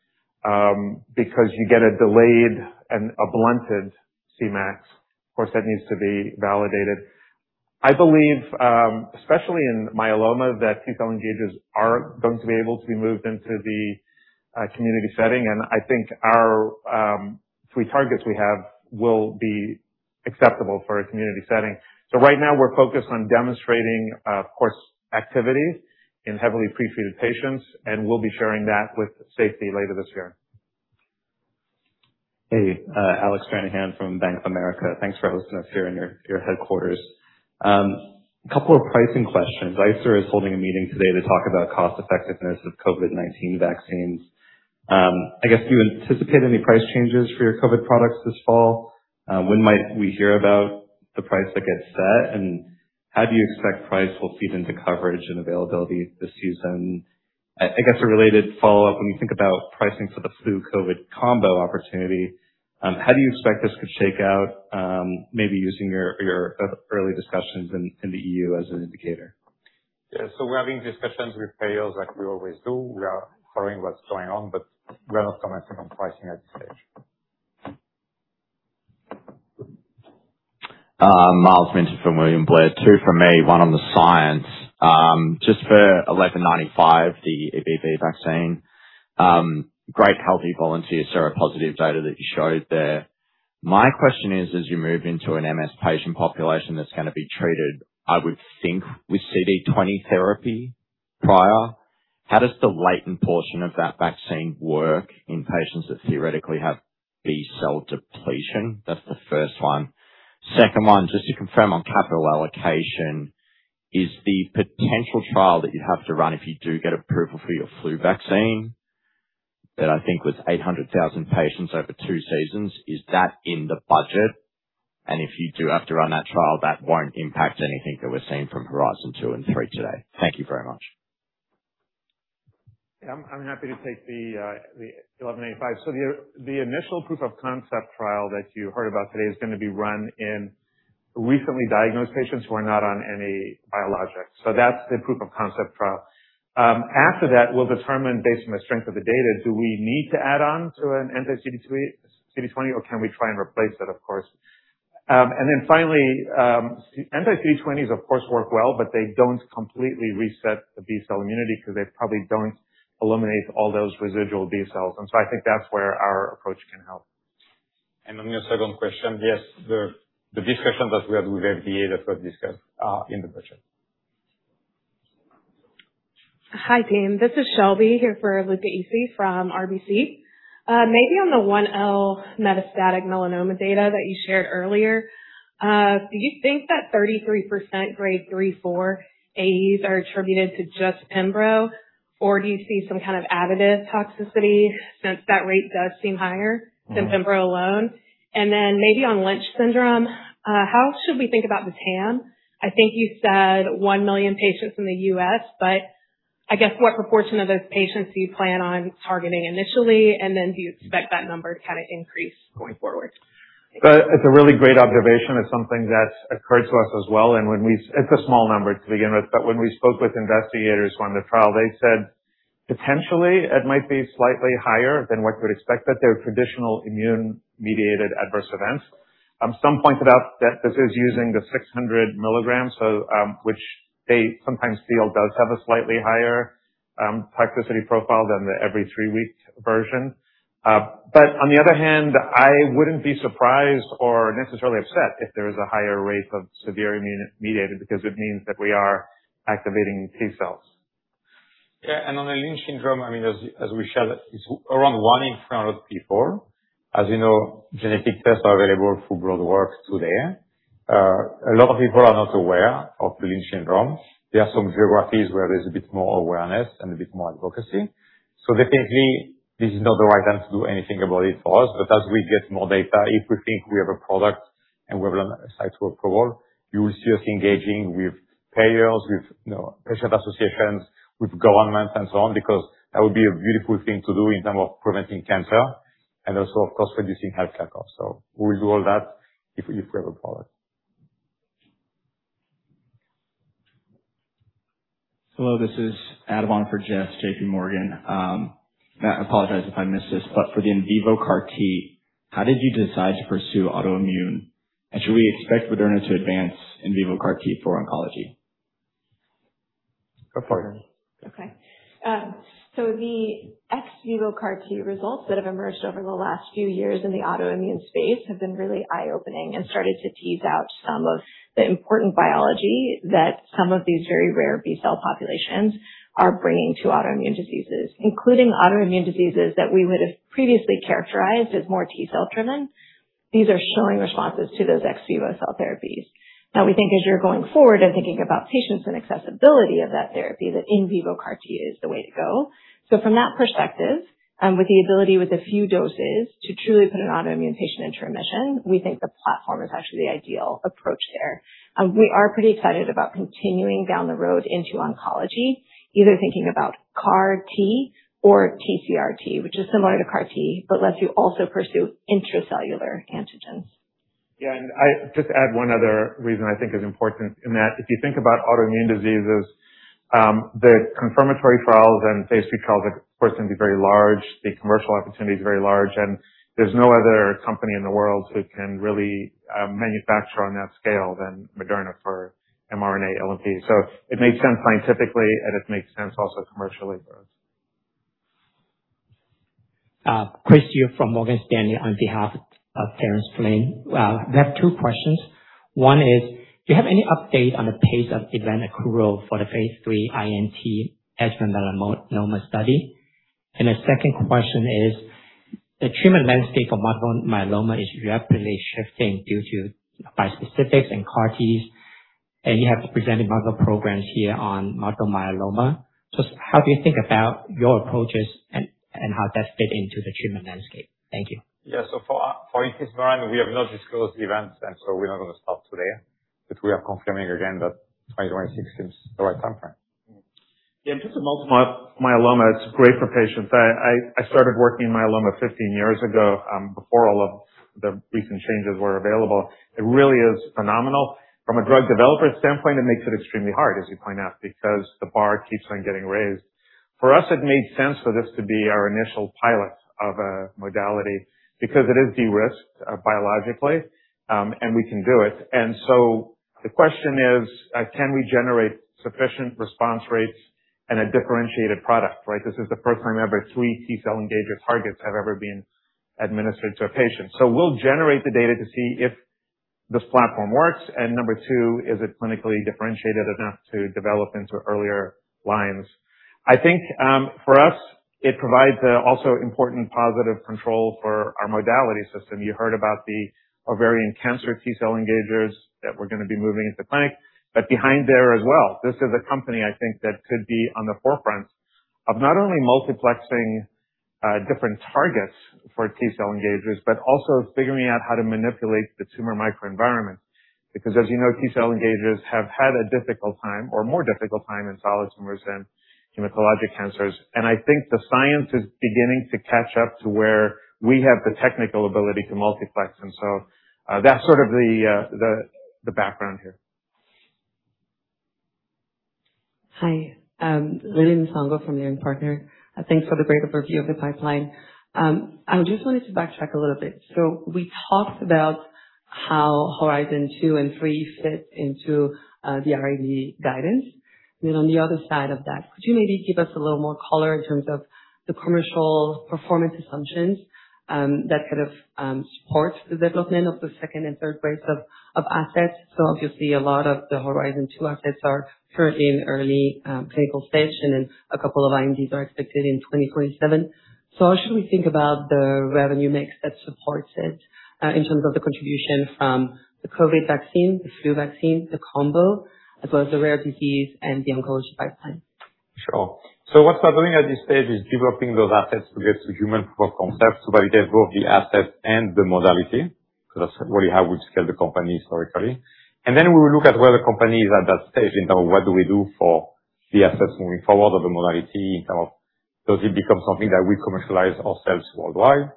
because you get a delayed and a blunted Cmax. Of course, that needs to be validated. I believe, especially in myeloma, that T cell engagers are going to be able to be moved into the community setting, and I think our three targets we have will be acceptable for a community setting. Right now we're focused on demonstrating, of course, activity in heavily pre-treated patients, and we'll be sharing that with safety later this year. Hey, Alec Stranahan from Bank of America. Thanks for hosting us here in your headquarters. A couple of pricing questions. ICER is holding a meeting today to talk about cost-effectiveness of COVID-19 vaccines. I guess, do you anticipate any price changes for your COVID products this fall? When might we hear about the price that gets set, and how do you expect price will feed into coverage and availability this season? I guess a related follow-up, when you think about pricing for the flu COVID combo opportunity, how do you expect this could shake out, maybe using your early discussions in the EU as an indicator? Yeah. We're having discussions with payers like we always do. We are following what's going on, we're not commenting on pricing at this stage. Myles Minter from William Blair. Two from me, one on the science. Just for 1195, the EBV vaccine, great healthy volunteer seropositive data that you showed there. My question is, as you move into an MS patient population that's going to be treated, I would think with CD20 therapy prior, how does the latent portion of that vaccine work in patients that theoretically have B cell depletion? That's the first one. Second one, just to confirm on capital allocation, is the potential trial that you'd have to run if you do get approval for your flu vaccine? That I think was 800,000 patients over two seasons. Is that in the budget? If you do have to run that trial, that won't impact anything that we're seeing from Horizon 2 and 3 today. Thank you very much. Yeah, I'm happy to take the 1185. The initial proof of concept trial that you heard about today is going to be run in recently diagnosed patients who are not on any biologics. That's the proof of concept trial. After that, we'll determine based on the strength of the data, do we need to add on to an anti-CD3, CD20 or can we try and replace it, of course. Finally, anti-CD20s of course work well, but they don't completely reset the B-cell immunity because they probably don't eliminate all those residual B-cells. I think that's where our approach can help. On your second question, yes, the discussions that we have with FDA that were discussed are in the budget. Hi, team. This is Shelby here for Luca Issi from RBC. Maybe on the 1L metastatic melanoma data that you shared earlier, do you think that 33% grade 3/4a's are attributed to just pembro? Do you see some kind of additive toxicity since that rate does seem higher than pembro alone? Maybe on Lynch syndrome, how should we think about the TAM? I think you said 1 million patients in the U.S., I guess what proportion of those patients do you plan on targeting initially, do you expect that number to increase going forward? It's a really great observation. It's something that occurred to us as well. It's a small number to begin with, but when we spoke with investigators running the trial, they said potentially it might be slightly higher than what you would expect, that there are traditional immune-mediated adverse events. Some pointed out that this is using the 600 milligrams, which they sometimes feel does have a slightly higher toxicity profile than the every three weeks version. On the other hand, I wouldn't be surprised or necessarily upset if there was a higher rate of severe immune-mediated, because it means that we are activating T-cells. Yeah, on the Lynch syndrome, as we shared, it's around one in 300 people. As you know, genetic tests are available through blood work today. A lot of people are not aware of Lynch syndrome. There are some geographies where there's a bit more awareness and a bit more advocacy. Definitely this is not the right time to do anything about it for us. As we get more data, if we think we have a product and we have a site to approve, you will see us engaging with payers, with patient associations, with governments and so on, because that would be a beautiful thing to do in terms of preventing cancer and also, of course, reducing healthcare costs. We will do all that if we have a product. Hello, this is Anupam Rama for Jessica Fye, JPMorgan. Matt, I apologize if I missed this. For the in vivo CAR T, how did you decide to pursue autoimmune? Should we expect Moderna to advance in vivo CAR T for oncology? Go for it, honey. The ex vivo CAR T results that have emerged over the last few years in the autoimmune space have been really eye-opening and started to tease out some of the important biology that some of these very rare B-cell populations are bringing to autoimmune diseases, including autoimmune diseases that we would have previously characterized as more T-cell driven. These are showing responses to those ex vivo cell therapies. From that perspective, with the ability with a few doses to truly put an autoimmune patient into remission, we think the platform is actually the ideal approach there. We are pretty excited about continuing down the road into oncology, either thinking about CAR T or TCR T, which is similar to CAR T, but lets you also pursue intracellular antigens. Yeah, I just add one other reason I think is important in that if you think about autoimmune diseases, the confirmatory trials and phase III trials, of course, can be very large. The commercial opportunity is very large, and there's no other company in the world who can really manufacture on that scale than Moderna for mRNA LNP. It makes sense scientifically, and it makes sense also commercially for us. Chris Yu from Morgan Stanley on behalf of Terence Flynn. We have two questions. One is, do you have any update on the pace of event accrual for the phase III INT adjuvant melanoma study? The second question is, the treatment landscape for multiple myeloma is rapidly shifting due to bispecifics and CAR Ts, and you have presented multiple programs here on multiple myeloma. How do you think about your approaches and how does that fit into the treatment landscape? Thank you. Yeah. For INT melanoma, we have not disclosed the events and so we're not going to start today. We are confirming again that 2026 seems the right time frame. Yeah. In terms of multiple myeloma, it's great for patients. I started working in myeloma 15 years ago, before all of the recent changes were available. It really is phenomenal. From a drug developer standpoint, it makes it extremely hard, as you point out, because the bar keeps on getting raised. For us, it made sense for this to be our initial pilot of a modality because it is de-risked biologically, and we can do it. The question is, can we generate sufficient response rates and a differentiated product, right? This is the first time ever three T-cell engagement targets have ever been administered to a patient. We'll generate the data to see if this platform works and number two, is it clinically differentiated enough to develop into earlier lines? I think for us, it provides also important positive control for our modality system. You heard about the ovarian cancer T-cell engagers that we're going to be moving into clinic. Behind there as well, this is a company I think that could be on the forefront of not only multiplexing different targets for T-cell engagers, but also figuring out how to manipulate the tumor microenvironment. Because as you know, T-cell engagers have had a difficult time or more difficult time in solid tumors than hematologic cancers. I think the science is beginning to catch up to where we have the technical ability to multiplex. That's sort of the background here. Hi. Lilian Onyango from Leerink Partners. Thanks for the great overview of the pipeline. I just wanted to backtrack a little bit. We talked about how Horizon two and three fit into the R&D guidance. On the other side of that, could you maybe give us a little more color in terms of the commercial performance assumptions that kind of support the development of the second and third waves of assets? Obviously a lot of the Horizon two assets are currently in early clinical stage, and a couple of INDs are expected in 2027. How should we think about the revenue mix that supports it in terms of the contribution from the COVID vaccine, the flu vaccine, the combo, as well as the rare disease and the oncology pipeline? What we're doing at this stage is developing those assets to get to human proof-of-concept to validate both the assets and the modality, because that's really how we've scaled the company historically. Then we will look at where the company is at that stage in terms of what do we do for the assets moving forward or the modality? In terms of does it become something that we commercialize ourselves worldwide?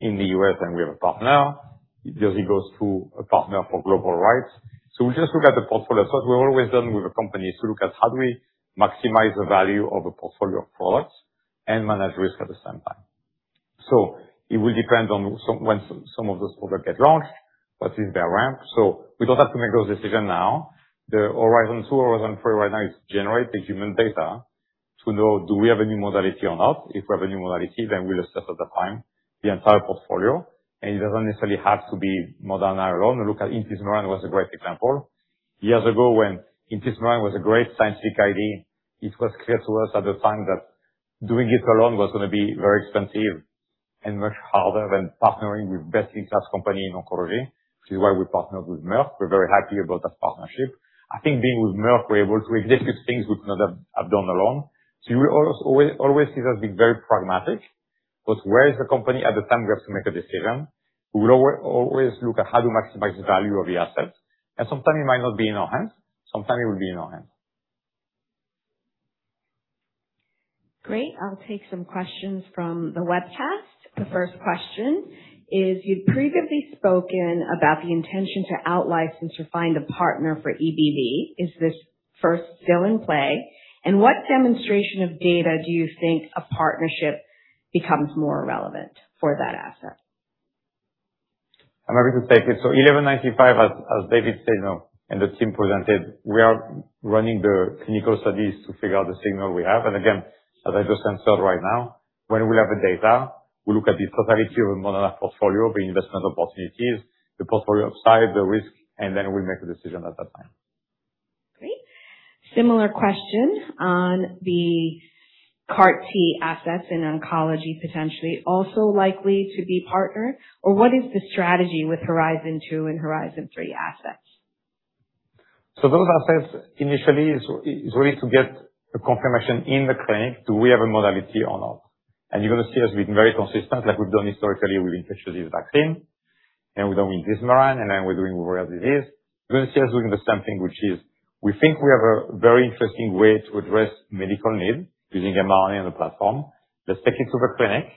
In the U.S., and we have a partner. Does it go through a partner for global rights? We just look at the portfolio. That's what we've always done with the company, is to look at how do we maximize the value of a portfolio of products and manage risk at the same time. It will depend on when some of those products get launched, what is their ramp. We don't have to make those decisions now. The Horizon 2, Horizon 3 right now is to generate the human data to know do we have a new modality or not. If we have a new modality, then we'll assess at the time the entire portfolio, and it doesn't necessarily have to be Moderna alone. Look at intismeran was a great example. Years ago when intismeran was a great scientific idea, it was clear to us at the time that doing it alone was going to be very expensive and much harder than partnering with best-in-class company in oncology, which is why we partnered with Merck. We're very happy about that partnership. I think being with Merck, we're able to execute things we could not have done alone. You will always see us being very pragmatic because where is the company at the time we have to make a decision, we will always look at how to maximize the value of the assets. Sometimes it might not be in our hands, sometimes it will be in our hands. Great. I'll take some questions from the webcast. The first question is, you've previously spoken about the intention to out-license or find a partner for EBV. Is this first still in play? What demonstration of data do you think a partnership becomes more relevant for that asset? I'm happy to take it. Eleven ninety-five, as David said, the team presented, we are running the clinical studies to figure out the signal we have. Again, as I just answered right now, when we have the data, we look at the totality of the Moderna portfolio, the investment opportunities, the portfolio size, the risk, then we make a decision at that time. Great. Similar question on the CAR T assets in oncology, potentially also likely to be partnered? What is the strategy with Horizon 2 and Horizon 3 assets? Those assets initially is really to get a confirmation in the clinic. Do we have a modality or not? You're going to see us being very consistent, like we've done historically with infectious disease vaccine, we've done with intismeran, now we're doing rare disease. You're going to see us doing the same thing, which is we think we have a very interesting way to address medical need using mRNA and the platform. Let's take it to the clinic.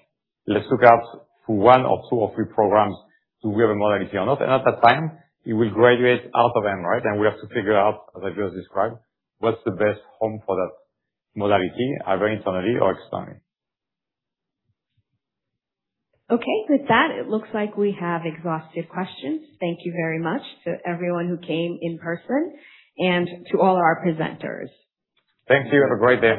Let's look out for one or two or three programs. Do we have a modality or not? At that time, you will graduate out of mRED, then we have to figure out, as I just described, what's the best home for that modality, either internally or externally. Okay. With that, it looks like we have exhausted questions. Thank you very much to everyone who came in person and to all our presenters. Thank you. Have a great day.